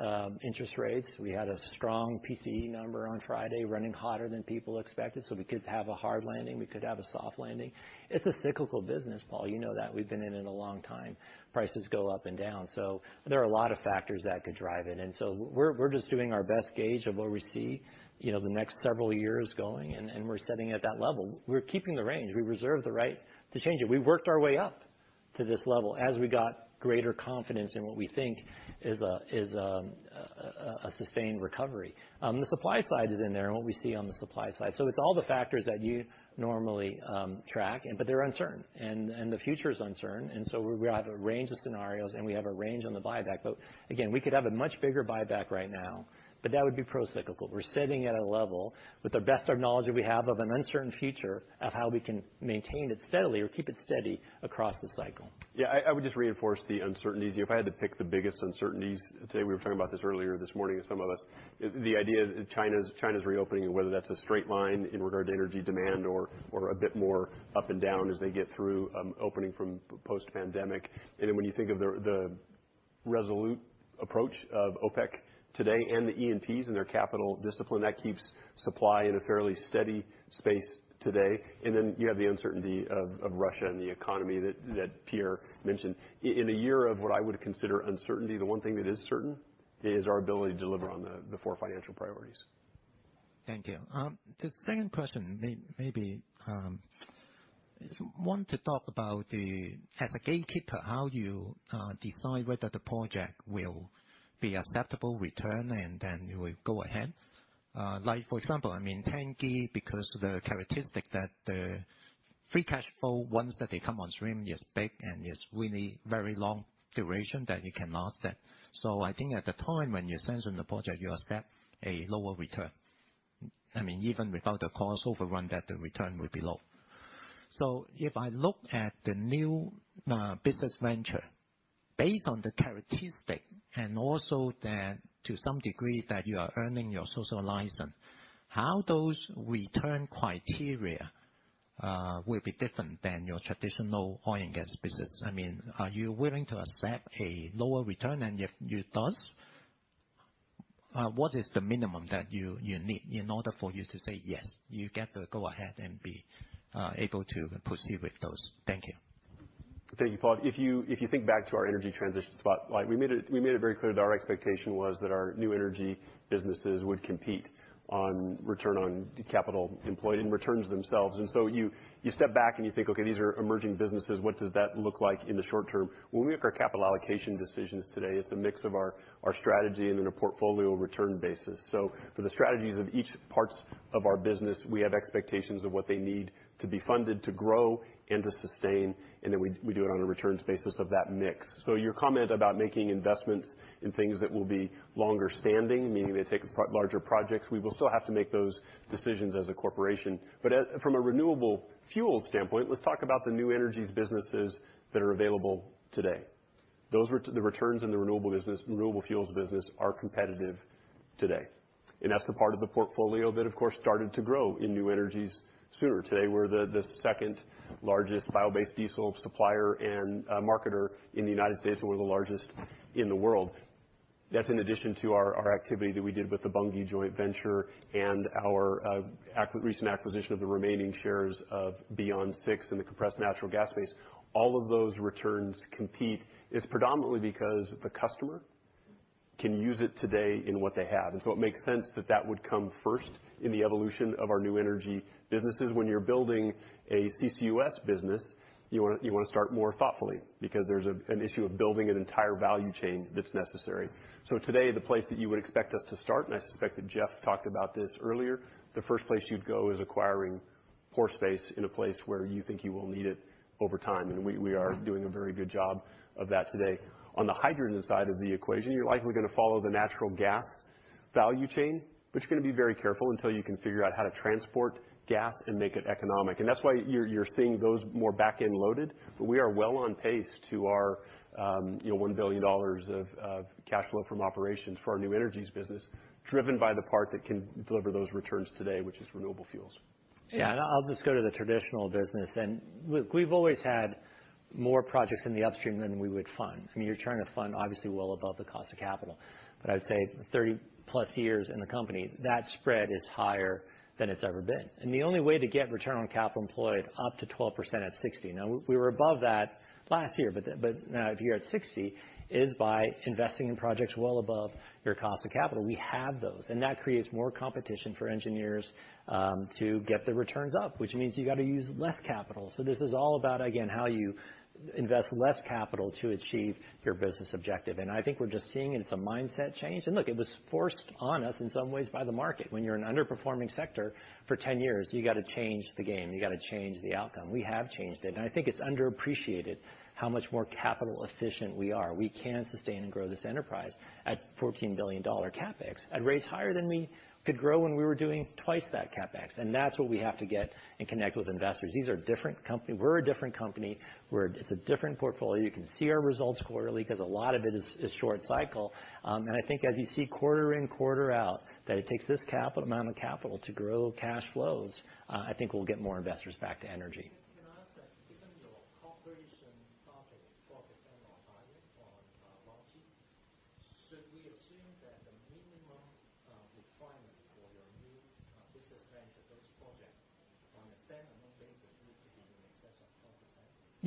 interest rates. We had a strong PCE number on Friday running hotter than people expected, we could have a hard landing, we could have a soft landing. It's a cyclical business, Paul. You know that. We've been in it a long time. Prices go up and down. There are a lot of factors that could drive it, and so we're just doing our best gauge of where we see, you know, the next several years going, and we're setting it at that level. We're keeping the range. We reserve the right to change it. We worked our way up to this level as we got greater confidence in what we think is a sustained recovery. The supply side is in there and what we see on the supply side. It's all the factors that you normally track, but they're uncertain. The future is uncertain, we have a range of scenarios, and we have a range on the buyback. Again, we could have a much bigger buyback right now, but that would be pro-cyclical. We're setting at a level with the best of knowledge that we have of an uncertain future of how we can maintain it steadily or keep it steady across the cycle. Yeah. I would just reinforce the uncertainties. You know, if I had to pick the biggest uncertainties today, we were talking about this earlier this morning, some of us, the idea that China's reopening and whether that's a straight line in regard to energy demand or a bit more up and down as they get through opening from post-pandemic. When you think of the resolute approach of OPEC today and the E&Ps and their capital discipline, that keeps supply in a fairly steady space today. You have the uncertainty of Russia and the economy that Pierre mentioned. In a year of what I would consider uncertainty, the one thing that is certain is our ability to deliver on the four financial priorities. Thank you. The second question maybe want to talk about the as a gatekeeper, how you decide whether the project will be acceptable return and then you will go ahead. Like for example, I mean, Tengiz, because the characteristic that the free cash flow, once that they come on stream is big and is really very long duration that it can last then. I think at the time when you're sensing the project, you accept a lower return. I mean, even without the cost overrun that the return would be low. If I look at the new business venture based on the characteristic and also that to some degree that you are earning your social license, how those return criteria will be different than your traditional oil and gas business. I mean, are you willing to accept a lower return? If you does, what is the minimum that you need in order for you to say yes, you get the go ahead and be able to proceed with those? Thank you. Thank you, Paul. If you think back to our energy transition spot, like we made it very clear that our expectation was that our new energy businesses would compete on return on capital employed and returns themselves. you step back and you think, okay, these are emerging businesses. What does that look like in the short term? When we make our capital allocation decisions today, it's a mix of our strategy and in a portfolio return basis. for the strategies of each parts of our business, we have expectations of what they need to be funded to grow and to sustain, and then we do it on a returns basis of that mix. Your comment about making investments in things that will be longer standing, meaning they take larger projects, we will still have to make those decisions as a corporation. As from a renewable fuels standpoint, let's talk about the new energies businesses that are available today. Those the returns in the renewable business, renewable fuels business are competitive today. That's the part of the portfolio that of course, started to grow in new energies sooner. Today we're the second largest bio-based diesel supplier and marketer in the U.S., and we're the largest in the world. That's in addition to our activity that we did with the Bunge joint venture and our recent acquisition of the remaining shares of Beyond6 in the compressed natural gas space. All of those returns compete is predominantly because the customer can use it today in what they have. It makes sense that that would come first in the evolution of our New Energies businesses. When you're building a CCUS business, you wanna start more thoughtfully because there's an issue of building an entire value chain that's necessary. Today, the place that you would expect us to start, and I suspect that Jeff talked about this earlier, the first place you'd go is acquiring pore space in a place where you think you will need it over time. We are doing a very good job of that today. On the hydrogen side of the equation, you're likely gonna follow the natural gas value chain, but you're gonna be very careful until you can figure out how to transport gas and make it economic. That's why you're seeing those more back-end loaded. We are well on pace to our, you know, $1 billion of cash flow from operations for our New Energies business, driven by the part that can deliver those returns today, which is renewable fuels. I'll just go to the traditional business. Look, we've always had more projects in the upstream than we would fund. I mean, you're trying to fund obviously well above the cost of capital. I would say 30+ years in the company, that spread is higher than it's ever been. The only way to get return on capital employed up to 12% at $60, now we were above that last year, but now if you're at $60, is by investing in projects well above your cost of capital. We have those, and that creates more competition for engineers to get the returns up, which means you got to use less capital. This is all about, again, how you invest less capital to achieve your business objective. I think we're just seeing it. It's a mindset change. Look, it was forced on us in some ways by the market. When you're an underperforming sector for 10 years, you got to change the game, you got to change the outcome. We have changed it. I think it's underappreciated how much more capital efficient we are. We can sustain and grow this enterprise at $14 billion CapEx at rates higher than we could grow when we were doing twice that CapEx. That's what we have to get and connect with investors. These are different company. We're a different company. It's a different portfolio. You can see our results quarterly because a lot of it is short cycle. I think as you see quarter in, quarter out, that it takes this capital, amount of capital to grow cash flows, I think we'll get more investors back to energy.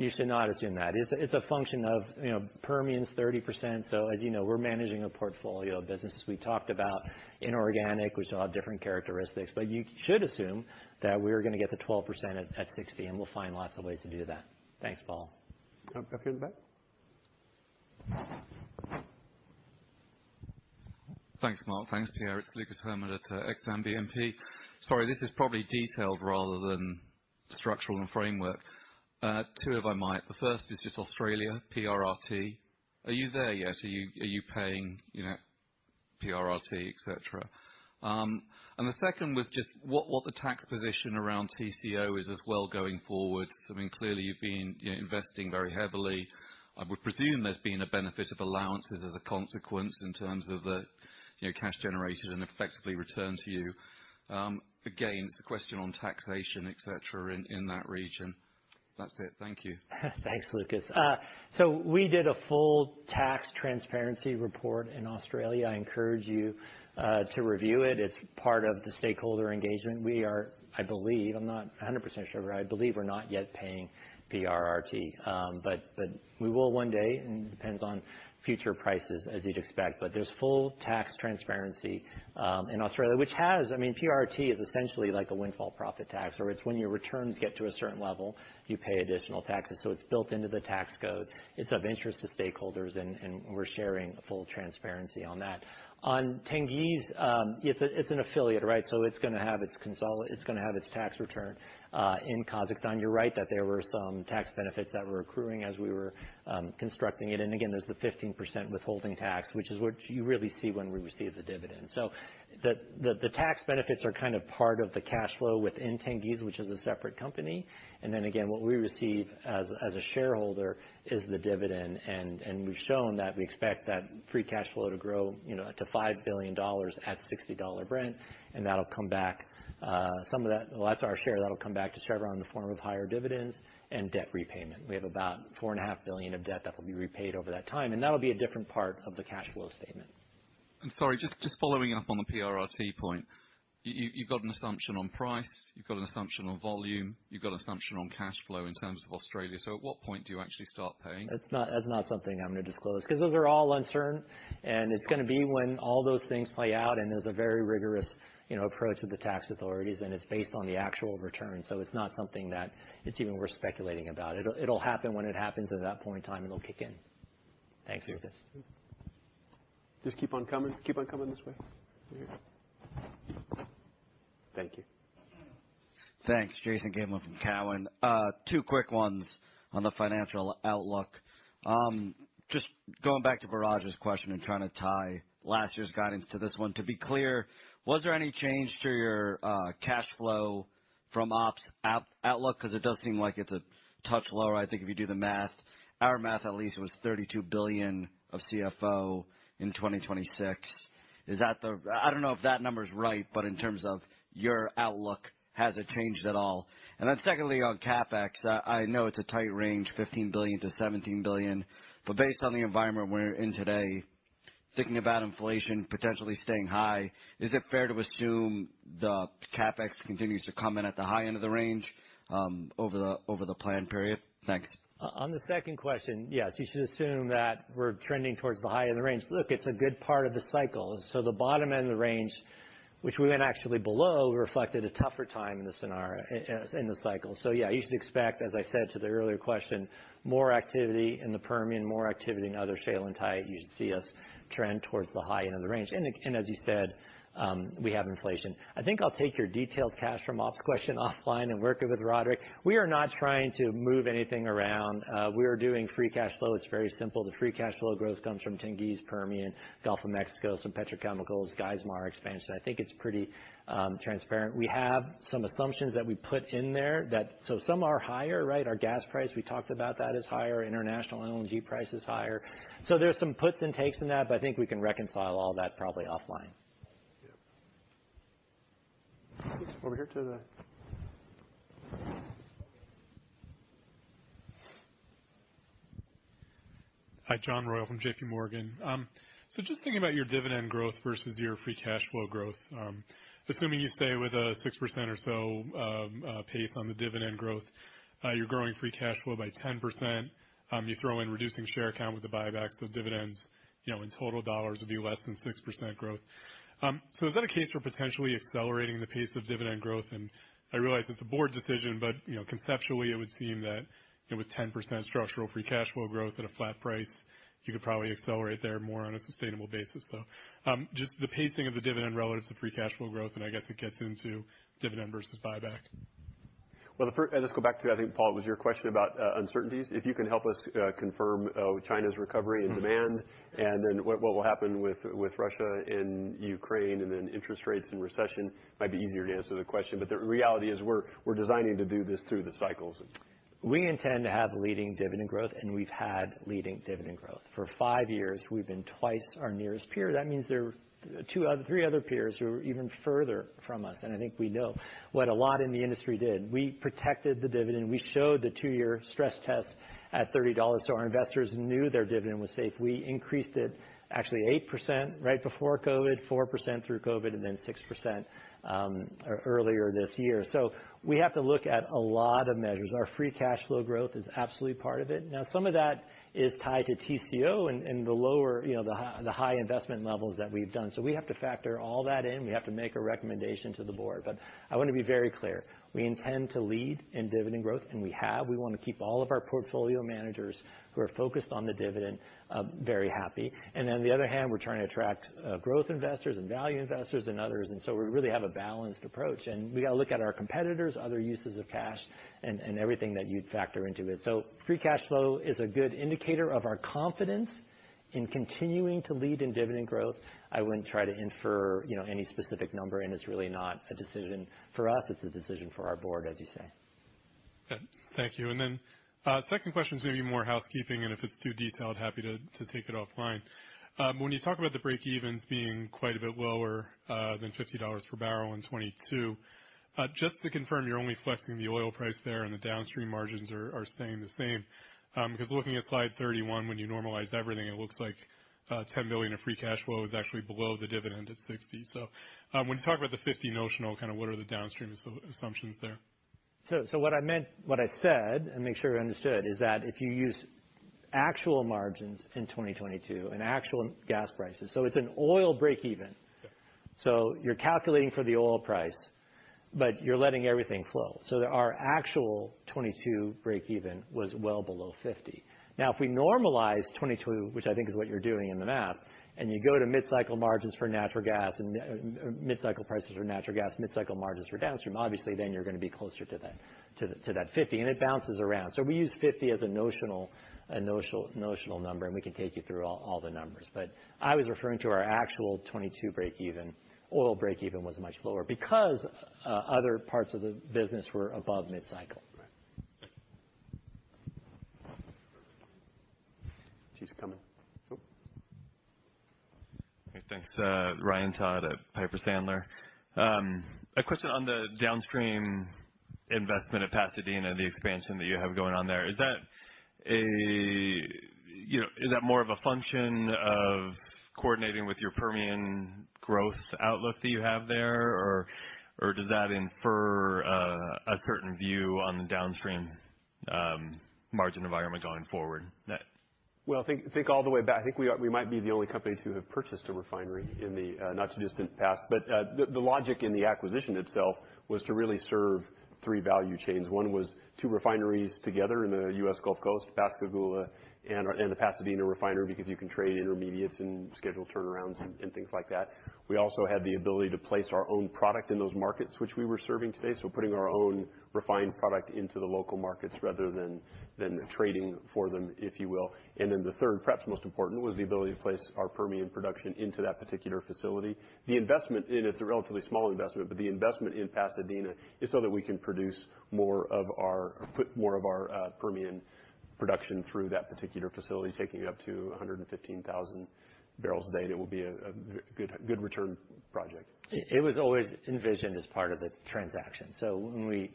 Can I ask that given your cooperation target is 12% or higher on, (inaudible) should we assume that the minimum requirement for your new business venture, those projects on a standalone basis need to be in excess of 12%? You should not assume that. It's a function of, you know, Permian's 30%. As you know, we're managing a portfolio of businesses. We talked about inorganic, which will have different characteristics. You should assume that we're gonna get to 12% at $60, and we'll find lots of ways to do that. Thanks, Paul. Guy up here in the back. Thanks, Mark. Thanks, Pierre. It's Lucas Herrmann at Exane BNP. Sorry, this is probably detailed rather than structural and framework. Two, if I might. The first is just Australia PRRT. Are you there yet? Are you paying, you know, PRRT, et cetera? The second was just what the tax position around TCO is as well going forward. I mean, clearly, you've been, you know, investing very heavily. I would presume there's been a benefit of allowances as a consequence in terms of the, you know, cash generated and effectively returned to you. Again, it's the question on taxation, et cetera, in that region. That's it. Thank you. Thanks, Lucas. We did a full tax transparency report in Australia. I encourage you to review it. It's part of the stakeholder engagement. We are, I believe, I'm not 100% sure, but I believe we're not yet paying PRRT. We will one day. It depends on future prices, as you'd expect. There's full tax transparency in Australia. I mean, PRRT is essentially like a windfall profit tax, or it's when your returns get to a certain level, you pay additional taxes, so it's built into the tax code. It's of interest to stakeholders and we're sharing full transparency on that. On Tengiz, it's an affiliate, right? It's gonna have its tax return in Kazakhstan. You're right that there were some tax benefits that were accruing as we were constructing it. Again, there's the 15% withholding tax, which is what you really see when we receive the dividend. The tax benefits are kind of part of the cash flow within Tengiz, which is a separate company. Again, what we receive as a shareholder is the dividend. We've shown that we expect that free cash flow to grow, you know, to $5 billion at $60 Brent, and that'll come back some of that. Well, that's our share. That'll come back to Chevron in the form of higher dividends and debt repayment. We have about $4.5 billion of debt that will be repaid over that time, and that'll be a different part of the cash flow statement. sorry, just following up on the PRRT point. You've got an assumption on price, you've got an assumption on volume, you've got assumption on cash flow in terms of Australia, at what point do you actually start paying? That's not something I'm gonna disclose, 'cause those are all uncertain, and it's gonna be when all those things play out, and there's a very rigorous, you know, approach with the tax authorities, and it's based on the actual returns. It's not something that it's even worth speculating about. It'll happen when it happens. At that point in time, it'll kick in. Thanks, Lucas. Just keep on coming. Keep on coming this way. Right here. Thank you. Thanks. Jason Gabelman from Cowen. Two quick ones on the financial outlook. Just going back to Biraj's question and trying to tie last year's guidance to this one. To be clear, was there any change to your cash flow from ops outlook? 'Cause it does seem like it's a touch lower. I think if you do the math, our math at least was $32 billion of CFO in 2026. I don't know if that number's right, but in terms of your outlook, has it changed at all? Secondly, on CapEx, I know it's a tight range, $15 billion-$17 billion, but based on the environment we're in today, thinking about inflation potentially staying high, is it fair to assume the CapEx continues to come in at the high end of the range over the plan period? Thanks. On the second question, yes, you should assume that we're trending towards the high end of the range. Look, it's a good part of the cycle. The bottom end of the range, which we went actually below, reflected a tougher time in the cycle. Yeah, you should expect, as I said to the earlier question, more activity in the Permian, more activity in other shale and tight. You should see us trend towards the high end of the range. As you said, we have inflation. I think I'll take your detailed cash from ops question offline and work it with Roderick. We are not trying to move anything around. We are doing free cash flow. It's very simple. The free cash flow growth comes from Tengiz, Permian, Gulf of Mexico, some petrochemicals, Geismar expansion. I think it's pretty transparent. We have some assumptions that we put in there that. Some are higher, right? Our gas price, we talked about that, is higher. International LNG price is higher. There's some puts and takes in that. I think we can reconcile all that probably offline. Over here to the... Hi, John Royall from JPMorgan. Just thinking about your dividend growth versus your free cash flow growth. Assuming you stay with a 6% or so pace on the dividend growth, you're growing free cash flow by 10%. You throw in reducing share count with the buybacks, dividends, you know, in total dollars would be less than 6% growth. Is that a case for potentially accelerating the pace of dividend growth? I realize it's a board decision, but, you know, conceptually, it would seem that with 10% structural free cash flow growth at a flat price, you could probably accelerate there more on a sustainable basis. Just the pacing of the dividend relative to free cash flow growth, I guess it gets into dividend versus buyback. Well, let's go back to, I think, Paul, it was your question about uncertainties. If you can help us confirm China's recovery and demand, and then what will happen with Russia and Ukraine, and then interest rates and recession, might be easier to answer the question. The reality is we're designing to do this through the cycles. We intend to have leading dividend growth, we've had leading dividend growth. For five years, we've been twice our nearest peer. That means there are three other peers who are even further from us, I think we know what a lot in the industry did. We protected the dividend. We showed the two year stress test at $30, our investors knew their dividend was safe. We increased it actually 8% right before COVID, 4% through COVID, and then 6% earlier this year. We have to look at a lot of measures. Our free cash flow growth is absolutely part of it. Now, some of that is tied to TCO and the lower, you know, the high investment levels that we've done. We have to factor all that in. We have to make a recommendation to the board. I wanna be very clear, we intend to lead in dividend growth, and we have. We wanna keep all of our portfolio managers who are focused on the dividend, very happy. On the other hand, we're trying to attract, growth investors and value investors and others, and so we really have a balanced approach. We gotta look at our competitors, other uses of cash, and everything that you'd factor into it. Free cash flow is a good indicator of our confidence in continuing to lead in dividend growth. I wouldn't try to infer, you know, any specific number, and it's really not a decision for us, it's a decision for our board, as you say. Okay. Thank you. Second question is maybe more housekeeping, and if it's too detailed, happy to take it offline. When you talk about the breakevens being quite a bit lower than $50 per barrel in 2022, just to confirm, you're only flexing the oil price there, and the downstream margins are staying the same. Because looking at slide 31, when you normalize everything, it looks like $10 billion of free cash flow is actually below the dividend at $60. When you talk about the $50 notional, kinda what are the downstream assumptions there? What I said, and make sure I understood, is that if you use actual margins in 2022 and actual gas prices, so it's an oil breakeven. Yeah. You're calculating for the oil price, but you're letting everything flow. Our actual 2022 breakeven was well below $50. If we normalize 2022, which I think is what you're doing in the math, and you go to mid-cycle margins for natural gas and mid-cycle prices for natural gas, mid-cycle margins for downstream, obviously then you're going to be closer to that $50, and it bounces around. We use $50 as a notional number, and we can take you through all the numbers. I was referring to our actual 2022 breakeven. Oil breakeven was much lower because other parts of the business were above mid-cycle. Right. She's coming. Oh. Okay, thanks. Ryan Todd at Piper Sandler. A question on the downstream investment at Pasadena, the expansion that you have going on there. Is that, you know, more of a function of coordinating with your Permian growth outlook that you have there? Or does that infer a certain view on the downstream margin environment going forward? I think all the way back. I think we might be the only company to have purchased a refinery in the not-too-distant past. The logic in the acquisition itself was to really serve three value chains. One was two refineries together in the U.S. Gulf Coast, Pascagoula and the Pasadena refinery, because you can trade intermediates and schedule turnarounds and things like that. We also had the ability to place our own product in those markets which we were serving today, so putting our own refined product into the local markets rather than trading for them, if you will. The third, perhaps most important, was the ability to place our Permian production into that particular facility. The investment in, it's a relatively small investment, but the investment in Pasadena is so that we can put more of our Permian production through that particular facility, taking it up to 115,000 barrels a day. That will be a good return project. It was always envisioned as part of the transaction. When we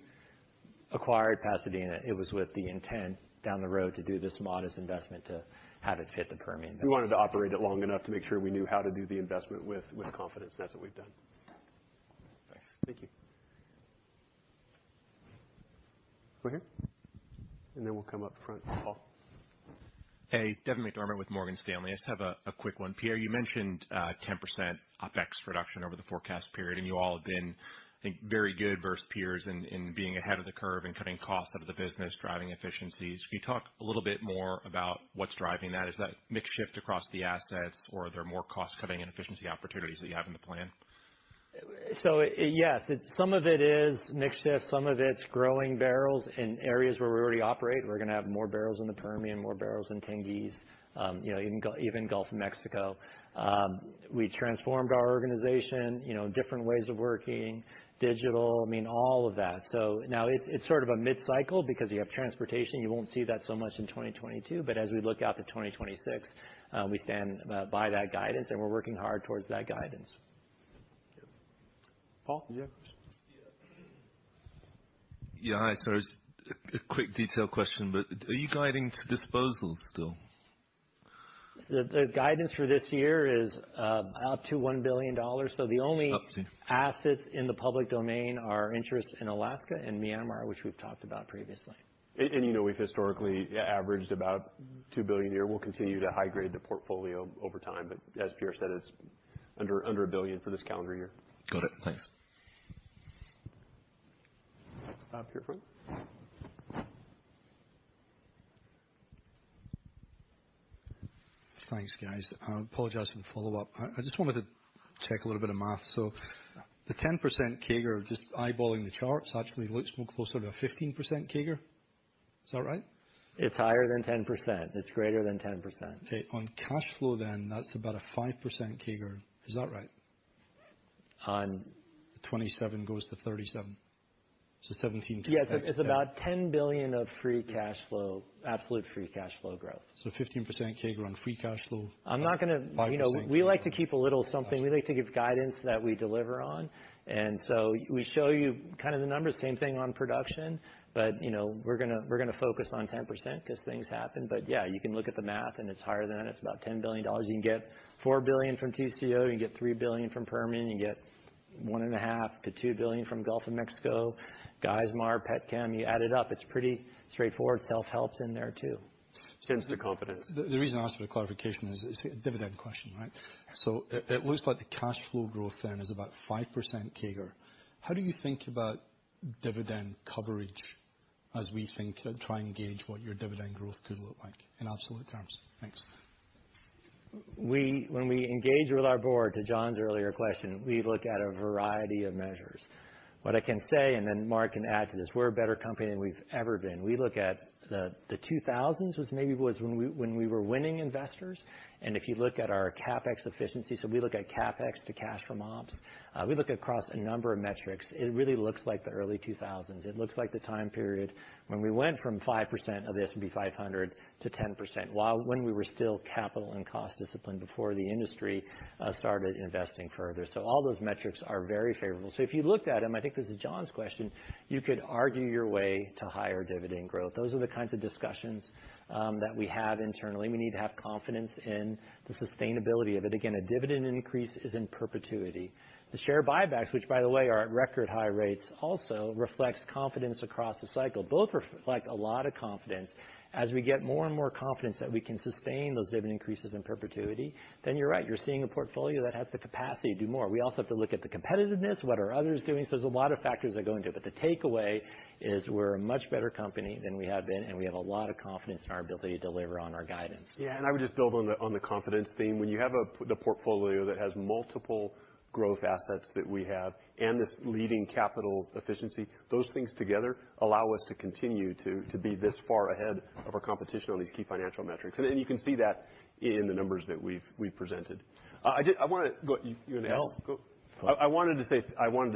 acquired Pasadena, it was with the intent down the road to do this modest investment to have it fit the Permian better. We wanted to operate it long enough to make sure we knew how to do the investment with confidence. That's what we've done. Thanks. Thank you. Over here. Then we'll come up front, Paul. Hey, Devin McDermott with Morgan Stanley. I just have a quick one. Pierre, you mentioned 10% OpEx reduction over the forecast period, you all have been, I think, very good versus peers in being ahead of the curve and cutting costs out of the business, driving efficiencies. Can you talk a little bit more about what's driving that? Is that mix shift across the assets? Are there more cost-cutting and efficiency opportunities that you have in the plan? Yes, it's, some of it is mix shift, some of it's growing barrels in areas where we already operate. We're gonna have more barrels in the Permian, more barrels in Tengiz, you know, even Gulf of Mexico. We transformed our organization, you know, different ways of working, digital, I mean, all of that. Now it's sort of a mid-cycle because you have transportation, you won't see that so much in 2022, but as we look out to 2026, we stand by that guidance, and we're working hard towards that guidance. Paul, you had a question. Yeah. Yeah. Hi, just a quick detail question, but are you guiding to disposals still? The guidance for this year is up to $1 billion. Up to. assets in the public domain are interests in Alaska and Myanmar, which we've talked about previously. You know we've historically averaged about $2 billion a year. We'll continue to high-grade the portfolio over time, but as Pierre said, it's under $1 billion for this calendar year. Got it. Thanks. Up here, front. Thanks, guys. I apologize for the follow-up. I just wanted to check a little bit of math. The 10% CAGR, just eyeballing the charts, actually looks more closer to a 15% CAGR. Is that right? It's higher than 10%. It's greater than 10%. Okay. On cash flow then, that's about a 5% CAGR. Is that right? On? 27 goes to 37. 17 times- Yes. It's about $10 billion of free cash flow, absolute free cash flow growth. 15% CAGR on free cash flow. I'm not gonna- 5%- You know, we like to keep a little something. We like to give guidance that we deliver on, we show you kind of the numbers, same thing on production. you know, we're gonna focus on 10% 'cause things happen. yeah, you can look at the math, and it's higher than that. It's about $10 billion. You can get $4 billion from TCO, you can get $3 billion from Permian, you get one and a half billion to $2 billion from Gulf of Mexico. Geismar, Petchem, you add it up. It's pretty straightforward. Self-help's in there too. Hence the confidence. The reason I asked for the clarification is it's a dividend question, right? It looks like the cash flow growth then is about 5% CAGR. How do you think about dividend coverage as we think, try and gauge what your dividend growth could look like in absolute terms? Thanks. When we engage with our board, to John's earlier question, we look at a variety of measures. What I can say, and then Mark can add to this, we're a better company than we've ever been. We look at the 2000s was maybe was when we, when we were winning investors. If you look at our CapEx efficiency, so we look at CapEx to cash from ops. We look across a number of metrics. It really looks like the early 2000s. It looks like the time period when we went from 5% of the S&P 500 to 10%, while when we were still capital and cost discipline before the industry started investing further. All those metrics are very favorable. If you looked at them, I think this is John's question, you could argue your way to higher dividend growth. Those are the kinds of discussions that we have internally. We need to have confidence in the sustainability of it. Again, a dividend increase is in perpetuity. The share buybacks, which by the way are at record high rates also, reflects confidence across the cycle. Both reflect a lot of confidence. As we get more and more confidence that we can sustain those dividend increases in perpetuity, then you're right. You're seeing a portfolio that has the capacity to do more. We also have to look at the competitiveness, what are others doing? There's a lot of factors that go into it, but the takeaway is we're a much better company than we have been, and we have a lot of confidence in our ability to deliver on our guidance. Yeah, I would just build on the confidence theme. When you have the portfolio that has multiple growth assets that we have and this leading capital efficiency, those things together allow us to continue to be this far ahead of our competition on these key financial metrics. You can see that in the numbers that we've presented. I wanna... Go, you wanna go? No. I wanted to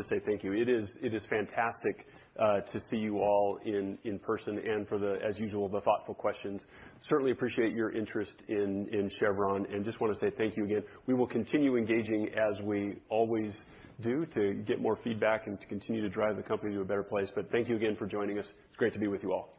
say thank you. It is fantastic, to see you all in person and for the, as usual, the thoughtful questions. Certainly appreciate your interest in Chevron, just wanna say thank you again. We will continue engaging as we always do to get more feedback and to continue to drive the company to a better place. Thank you again for joining us. It's great to be with you all.